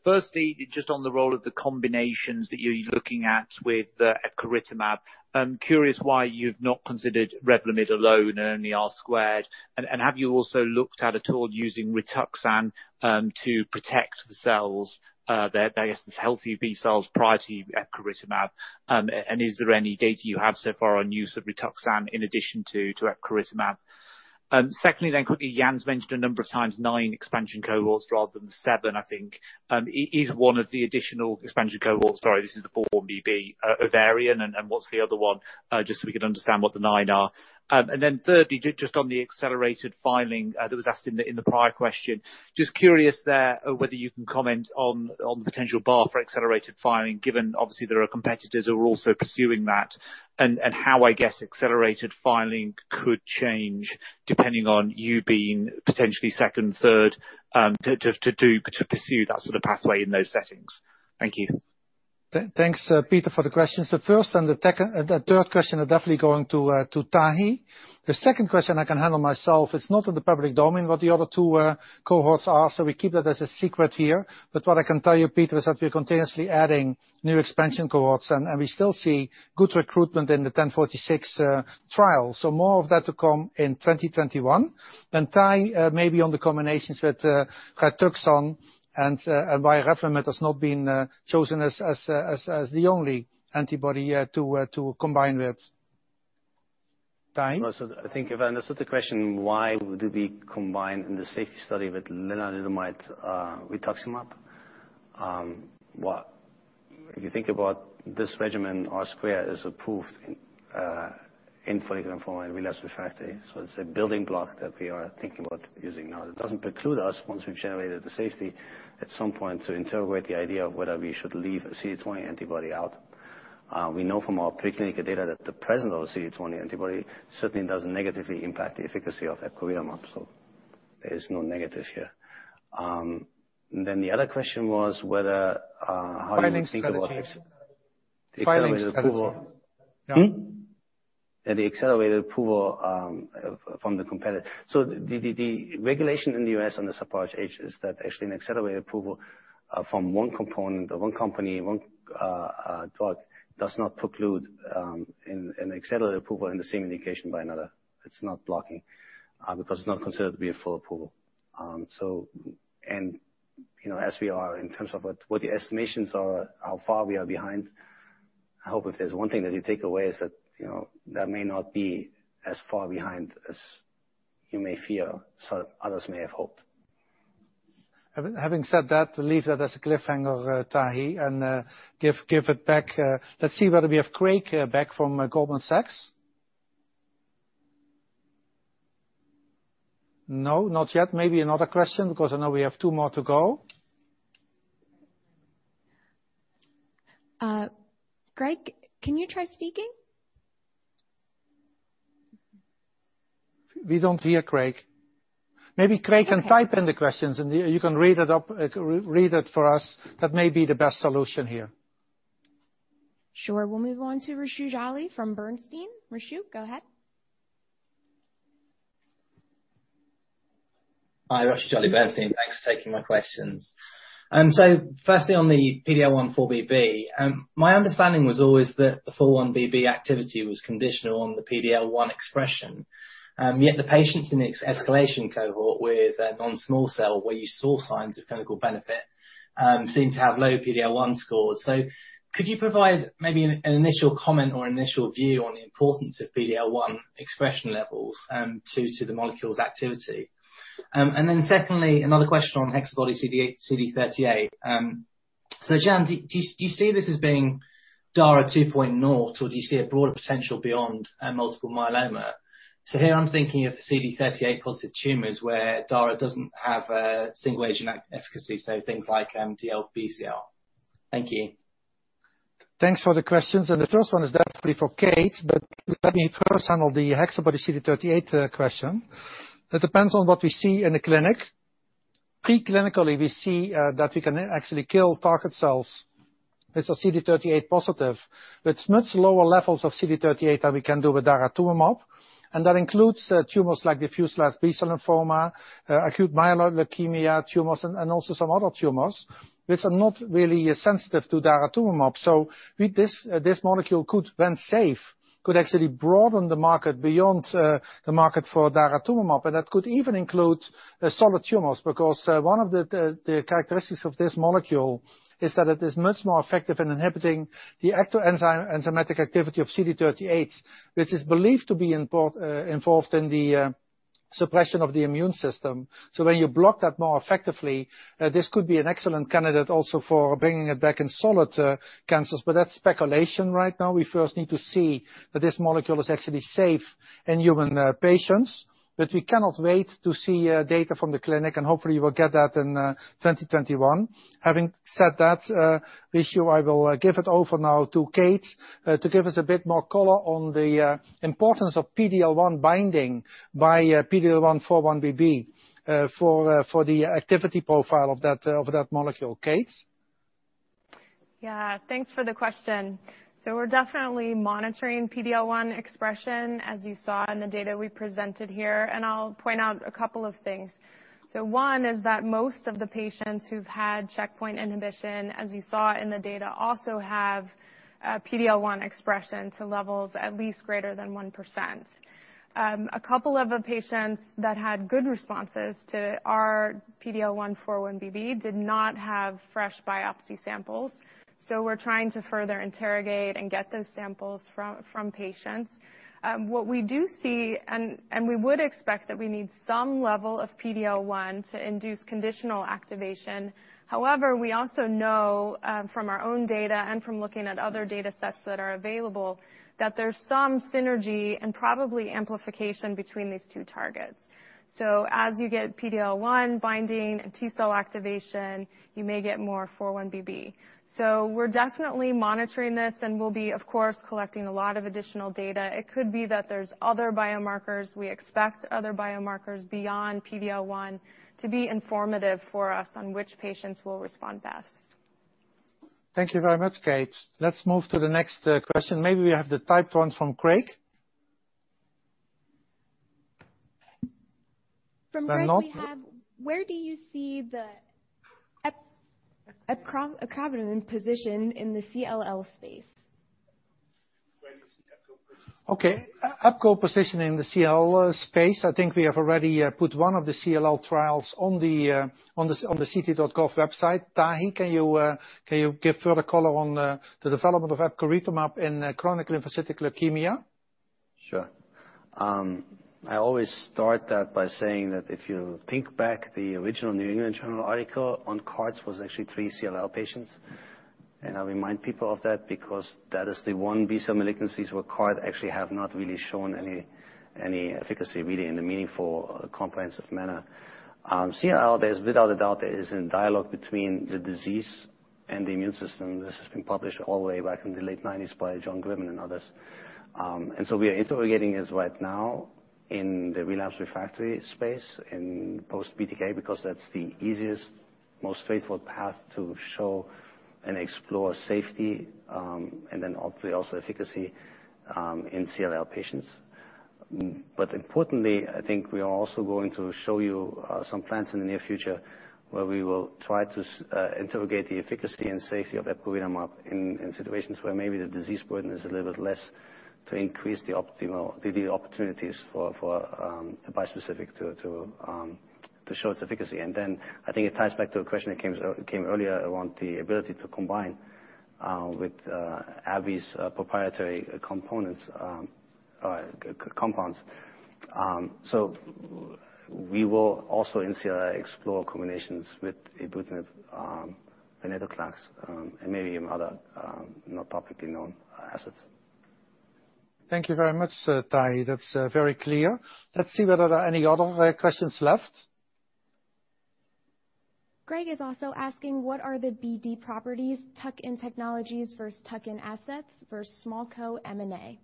Firstly, just on the role of the combinations that you're looking at with epcoritamab. I'm curious why you've not considered Revlimid alone, only R-squared. Have you also looked at all using Rituxan to protect the cells, I guess the healthy B-cells prior to epcoritamab? Is there any data you have so far on use of Rituxan in addition to epcoritamab? Secondly, quickly, Jan's mentioned a number of times nine expansion cohorts rather than seven, I think. Is one of the additional expansion cohorts, sorry, this is the 4-1BB, ovarian, what's the other one? Just so we can understand what the nine are. Thirdly, just on the accelerated filing that was asked in the prior question. Just curious there, whether you can comment on the potential bar for accelerated filing, given obviously there are competitors who are also pursuing that, and how, I guess, accelerated filing could change depending on you being potentially second, third, to pursue that sort of pathway in those settings. Thank you. Thanks, Peter, for the questions. The first and the third question are definitely going to Tahi. The second question I can handle myself. It's not in the public domain what the other two cohorts are, so we keep that as a secret here. What I can tell you, Peter, is that we are continuously adding new expansion cohorts, and we still see good recruitment in the GEN1046 trial. More of that to come in 2021. Tahi, maybe on the combinations with Rituxan and why epcoritamab has not been chosen as the only antibody to combine with. Tahi? I think if I understood the question, why would we combine in the safety study with lenalidomide, rituximab? If you think about this regimen, R-squared is approved in follicular lymphoma and relapsed refractory. It's a building block that we are thinking about using now. It doesn't preclude us, once we've generated the safety, at some point to interrogate the idea of whether we should leave a CD20 antibody out. We know from our preclinical data that the presence of a CD20 antibody certainly doesn't negatively impact the efficacy of epcoritamab. There is no negative here. Then the other question was whether... Filing strategies. ...the accelerated approval. Filing strategies. The accelerated approval from the competitor. The regulation in the U.S. on this approach is that actually an accelerated approval from one component or one company, one drug, does not preclude an accelerated approval in the same indication by another. It's not blocking, because it's not considered to be a full approval. As we are, in terms of what the estimations are, how far we are behind, I hope if there's one thing that you take away is that may not be as far behind as you may fear, others may have hoped. Having said that, we'll leave that as a cliffhanger, Tahi, and give it back. Let's see whether we have Graig back from Goldman Sachs. No, not yet. Maybe another question, because I know we have two more to go. Graig, can you try speaking? We don't hear Graig. Maybe Graig can type in the questions, and you can read it for us. That may be the best solution here. Sure. We'll move on to Rushee Jolly from Bernstein. Rushee, go ahead. Hi. Rushee Jolly, Bernstein, thanks for taking my questions. Firstly, on the PD-L1/4-1BB, my understanding was always that the 4-1BB activity was conditional on the PD-L1 expression. Yet the patients in the escalation cohort with non-small cell, where you saw signs of clinical benefit, seem to have low PD-L1 scores. Could you provide maybe an initial comment or initial view on the importance of PD-L1 expression levels to the molecule's activity? Secondly, another question on HexaBody-CD38. Jan, do you see this as being Dara 2.0, or do you see a broader potential beyond multiple myeloma? Here, I'm thinking of CD38-positive tumors where Dara doesn't have a single-agent efficacy, so things like T-LBL cell. Thank you. Thanks for the questions. The first one is definitely for Kate. Let me first handle the HexaBody-CD38 question. Pre-clinically, we see that we can actually kill target cells. It is a CD38-positive, but much lower levels of CD38 than we can do with daratumumab, and that includes tumors like diffuse large B-cell lymphoma, acute myeloid leukemia tumors, and also some other tumors which are not really sensitive to daratumumab. This molecule could, when safe, could actually broaden the market beyond the market for daratumumab, and that could even include solid tumors. One of the characteristics of this molecule is that it is much more effective in inhibiting the ecto-enzyme enzymatic activity of CD38, which is believed to be involved in the suppression of the immune system. When you block that more effectively, this could be an excellent candidate also for bringing it back in solid cancers, but that's speculation right now. We first need to see that this molecule is actually safe in human patients. We cannot wait to see data from the clinic, and hopefully we'll get that in 2021. Having said that issue, I will give it over now to Kate to give us a bit more color on the importance of PD-L1 binding by PD-L1/4-1BB for the activity profile of that molecule. Kate? Yeah, thanks for the question. We're definitely monitoring PD-L1 expression, as you saw in the data we presented here, and I'll point out a couple of things. One is that most of the patients who've had checkpoint inhibition, as you saw in the data, also have PD-L1 expression to levels at least greater than 1%. A couple of the patients that had good responses to our PD-L1/4-1BB did not have fresh biopsy samples. We're trying to further interrogate and get those samples from patients. What we do see; we would expect that we need some level of PD-L1 to induce conditional activation. However, we also know from our own data and from looking at other data sets that are available, that there's some synergy and probably amplification between these two targets. As you get PD-L1 binding and T-cell activation, you may get more 4-1BB. We're definitely monitoring this, and we'll be, of course, collecting a lot of additional data. It could be that there's other biomarkers. We expect other biomarkers beyond PD-L1 to be informative for us on which patients will respond best. Thank you very much, Kate. Let's move to the next question. Maybe we have the typed one from Graig. From Graig we have... Or not. ...where do you see the epcoritamab position in the CLL space? Okay, epcor position in the CLL space. I think we have already put one of the CLL trials on the ct.gov website. Tahi, can you give further color on the development of epcoritamab in chronic lymphocytic leukemia? Sure. I always start that by saying that if you think back, the original New England Journal article on CAR-Ts was actually three CLL patients. I remind people of that because that is the one B-cell malignancies where CAR-T actually have not really shown any efficacy really in a meaningful, comprehensive manner. CLL, without a doubt, is in dialogue between the disease and the immune system. This has been published all the way back in the late 1990s by John Gribben and others. We are interrogating this right now in the relapsed/refractory space in post-BTK, because that's the easiest, most straightforward path to show and explore safety, and then hopefully also efficacy, in CLL patients. Importantly, I think we are also going to show you some plans in the near future where we will try to interrogate the efficacy and safety of epcoritamab in situations where maybe the disease burden is a little bit less to increase the opportunities for a bispecific to show its efficacy. I think it ties back to a question that came earlier around the ability to combine with AbbVie's proprietary compounds. We will also in CLL explore combinations with ibrutinib, venetoclax, and maybe even other not publicly known assets. Thank you very much, Tahi. That's very clear. Let's see whether there are any other questions left. Graig is also asking, what are the BD priorities, tuck-in technologies versus tuck-in assets versus small co M&A?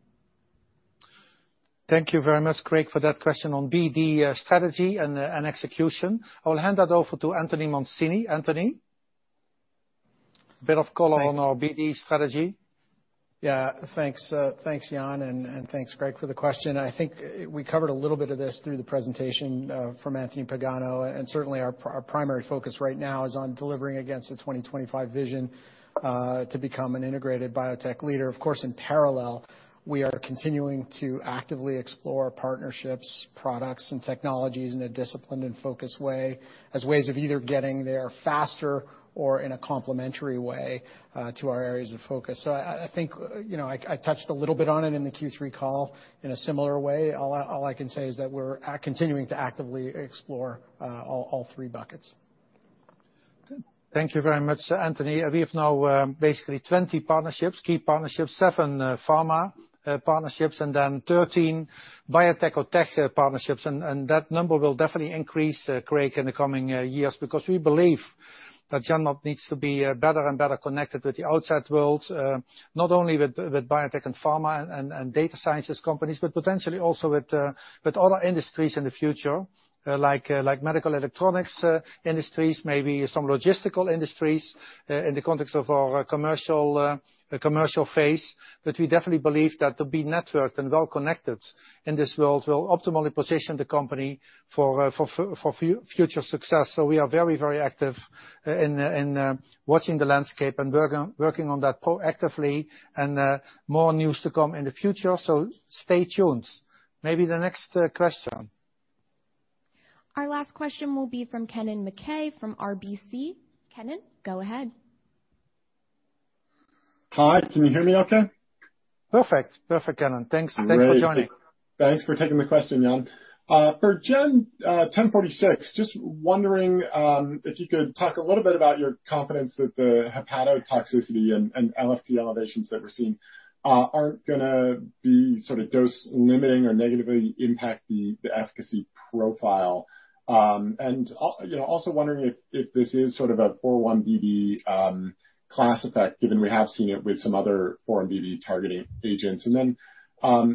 Thank you very much, Graig, for that question on BD strategy and execution. I will hand that over to Anthony Mancini. Anthony, a bit of color on our BD strategy. Yeah. Thanks, Jan, and thanks, Graig, for the question. I think we covered a little bit of this through the presentation from Anthony Pagano, Certainly our primary focus right now is on delivering against the 2025 vision to become an integrated biotech leader. Of course, in parallel, we are continuing to actively explore partnerships, products, and technologies in a disciplined and focused way as ways of either getting there faster or in a complementary way to our areas of focus. I think I touched a little bit on it in the Q3 call in a similar way. All I can say is that we're continuing to actively explore all three buckets. Thank you very much, Anthony. We have now basically 20 partnerships, key partnerships, seven pharma partnerships, and then 13 biotech or tech partnerships. That number will definitely increase, Graig, in the coming years, because we believe that Genmab needs to be better and better connected with the outside world, not only with biotech and pharma and data sciences companies, but potentially also with other industries in the future like medical electronics industries, maybe some logistical industries in the context of our commercial phase. We definitely believe that to be networked and well connected in this world will optimally position the company for future success. We are very, very active in watching the landscape and working on that proactively, and more news to come in the future, so stay tuned. Maybe the next question. Our last question will be from Kennen MacKay from RBC. Kennen, go ahead. Hi, can you hear me okay? Perfect, perfect, Kennen. Thanks. Great. Thanks for joining. Thanks for taking the question, Jan. For GEN1046, just wondering if you could talk a little bit about your confidence that the hepatotoxicity and LFT elevations that we're seeing aren't going to be sort of dose-limiting or negatively impact the efficacy profile. Also wondering if this is sort of a 4-1BB class effect, given we have seen it with some other 4-1BB targeting agents.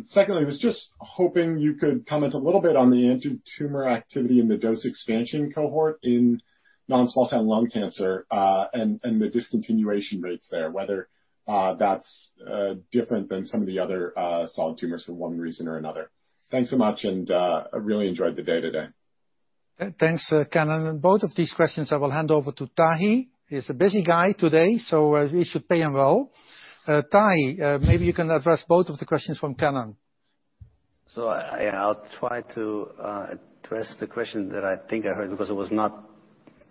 Secondly, was just hoping you could comment a little bit on the anti-tumor activity in the dose expansion cohort in non-small cell lung cancer, and the discontinuation rates there, whether that's different than some of the other solid tumors for one reason or another. Thanks so much. I really enjoyed the day today. Thanks, Kennen. Both of these questions I will hand over to Tahi. He is a busy guy today, so we should pay him well. Tahi, maybe you can address both of the questions from Kennen. I'll try to address the question that I think I heard because it was not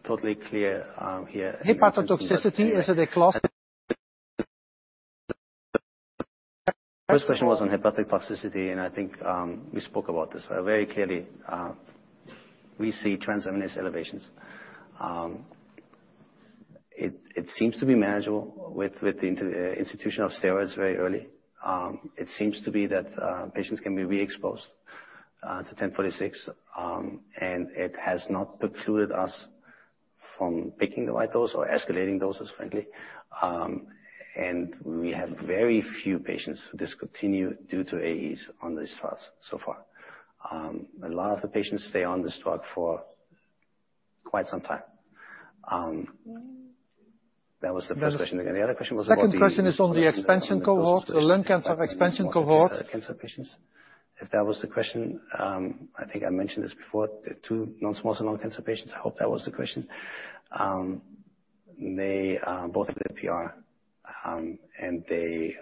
totally clear here. Hepatic toxicity, is it a class. First question was on hepatic toxicity, and I think we spoke about this very clearly, we see transaminase elevations. It seems to be manageable with the institution of steroids very early. It seems to be that patients can be re-exposed to GEN1046, and it has not precluded us from picking the right dose or escalating doses, frankly. We have very few patients who discontinue due to AEs on this phase so far. A lot of the patients stay on this drug for quite some time. That was the first question. Second question is on the expansion cohort, the lung cancer expansion cohort. Cancer patients. If that was the question, I think I mentioned this before, the two non-small cell lung cancer patients, I hope that was the question. Both of them a PR, they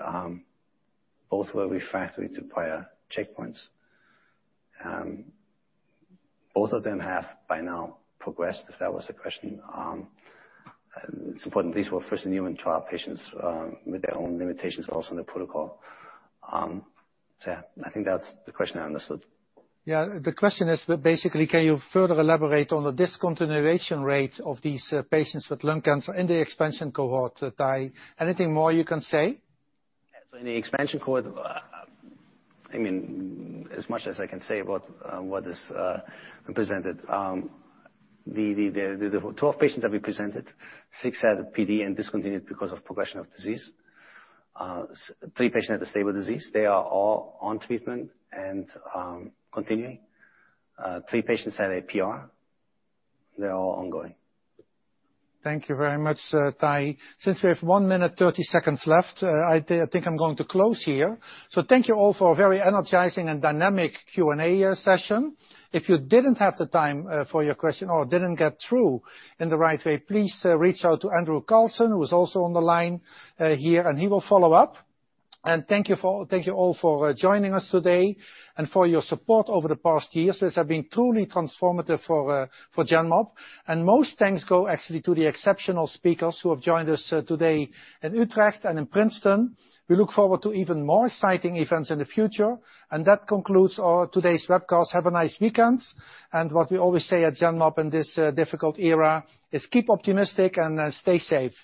both were refractory to prior checkpoints. Both of them have by now progressed, if that was the question. It's important, these were first human trial patients with their own limitations also in the protocol. I think that's the question I understood. The question is basically, can you further elaborate on the discontinuation rate of these patients with lung cancer in the expansion cohort, Tahi? Anything more you can say? In the expansion cohort, as much as I can say about what is presented. The 12 patients that we presented, six had a PD and discontinued because of progression of disease. Three patients had a stable disease. They are all on treatment and continuing. Three patients had a PR, they're all ongoing. Thank you very much, Tahi. Since we have one minute, 30 seconds left, I think I'm going to close here. Thank you all for a very energizing and dynamic Q&A session. If you didn't have the time for your question or didn't get through in the right way, please reach out to Andrew Carlsen, who is also on the line here, and he will follow up. Thank you all for joining us today and for your support over the past years. This has been truly transformative for Genmab. Most thanks go actually to the exceptional speakers who have joined us today in Utrecht and in Princeton. We look forward to even more exciting events in the future. That concludes today's webcast. Have a nice weekend. What we always say at Genmab in this difficult era is keep optimistic and stay safe.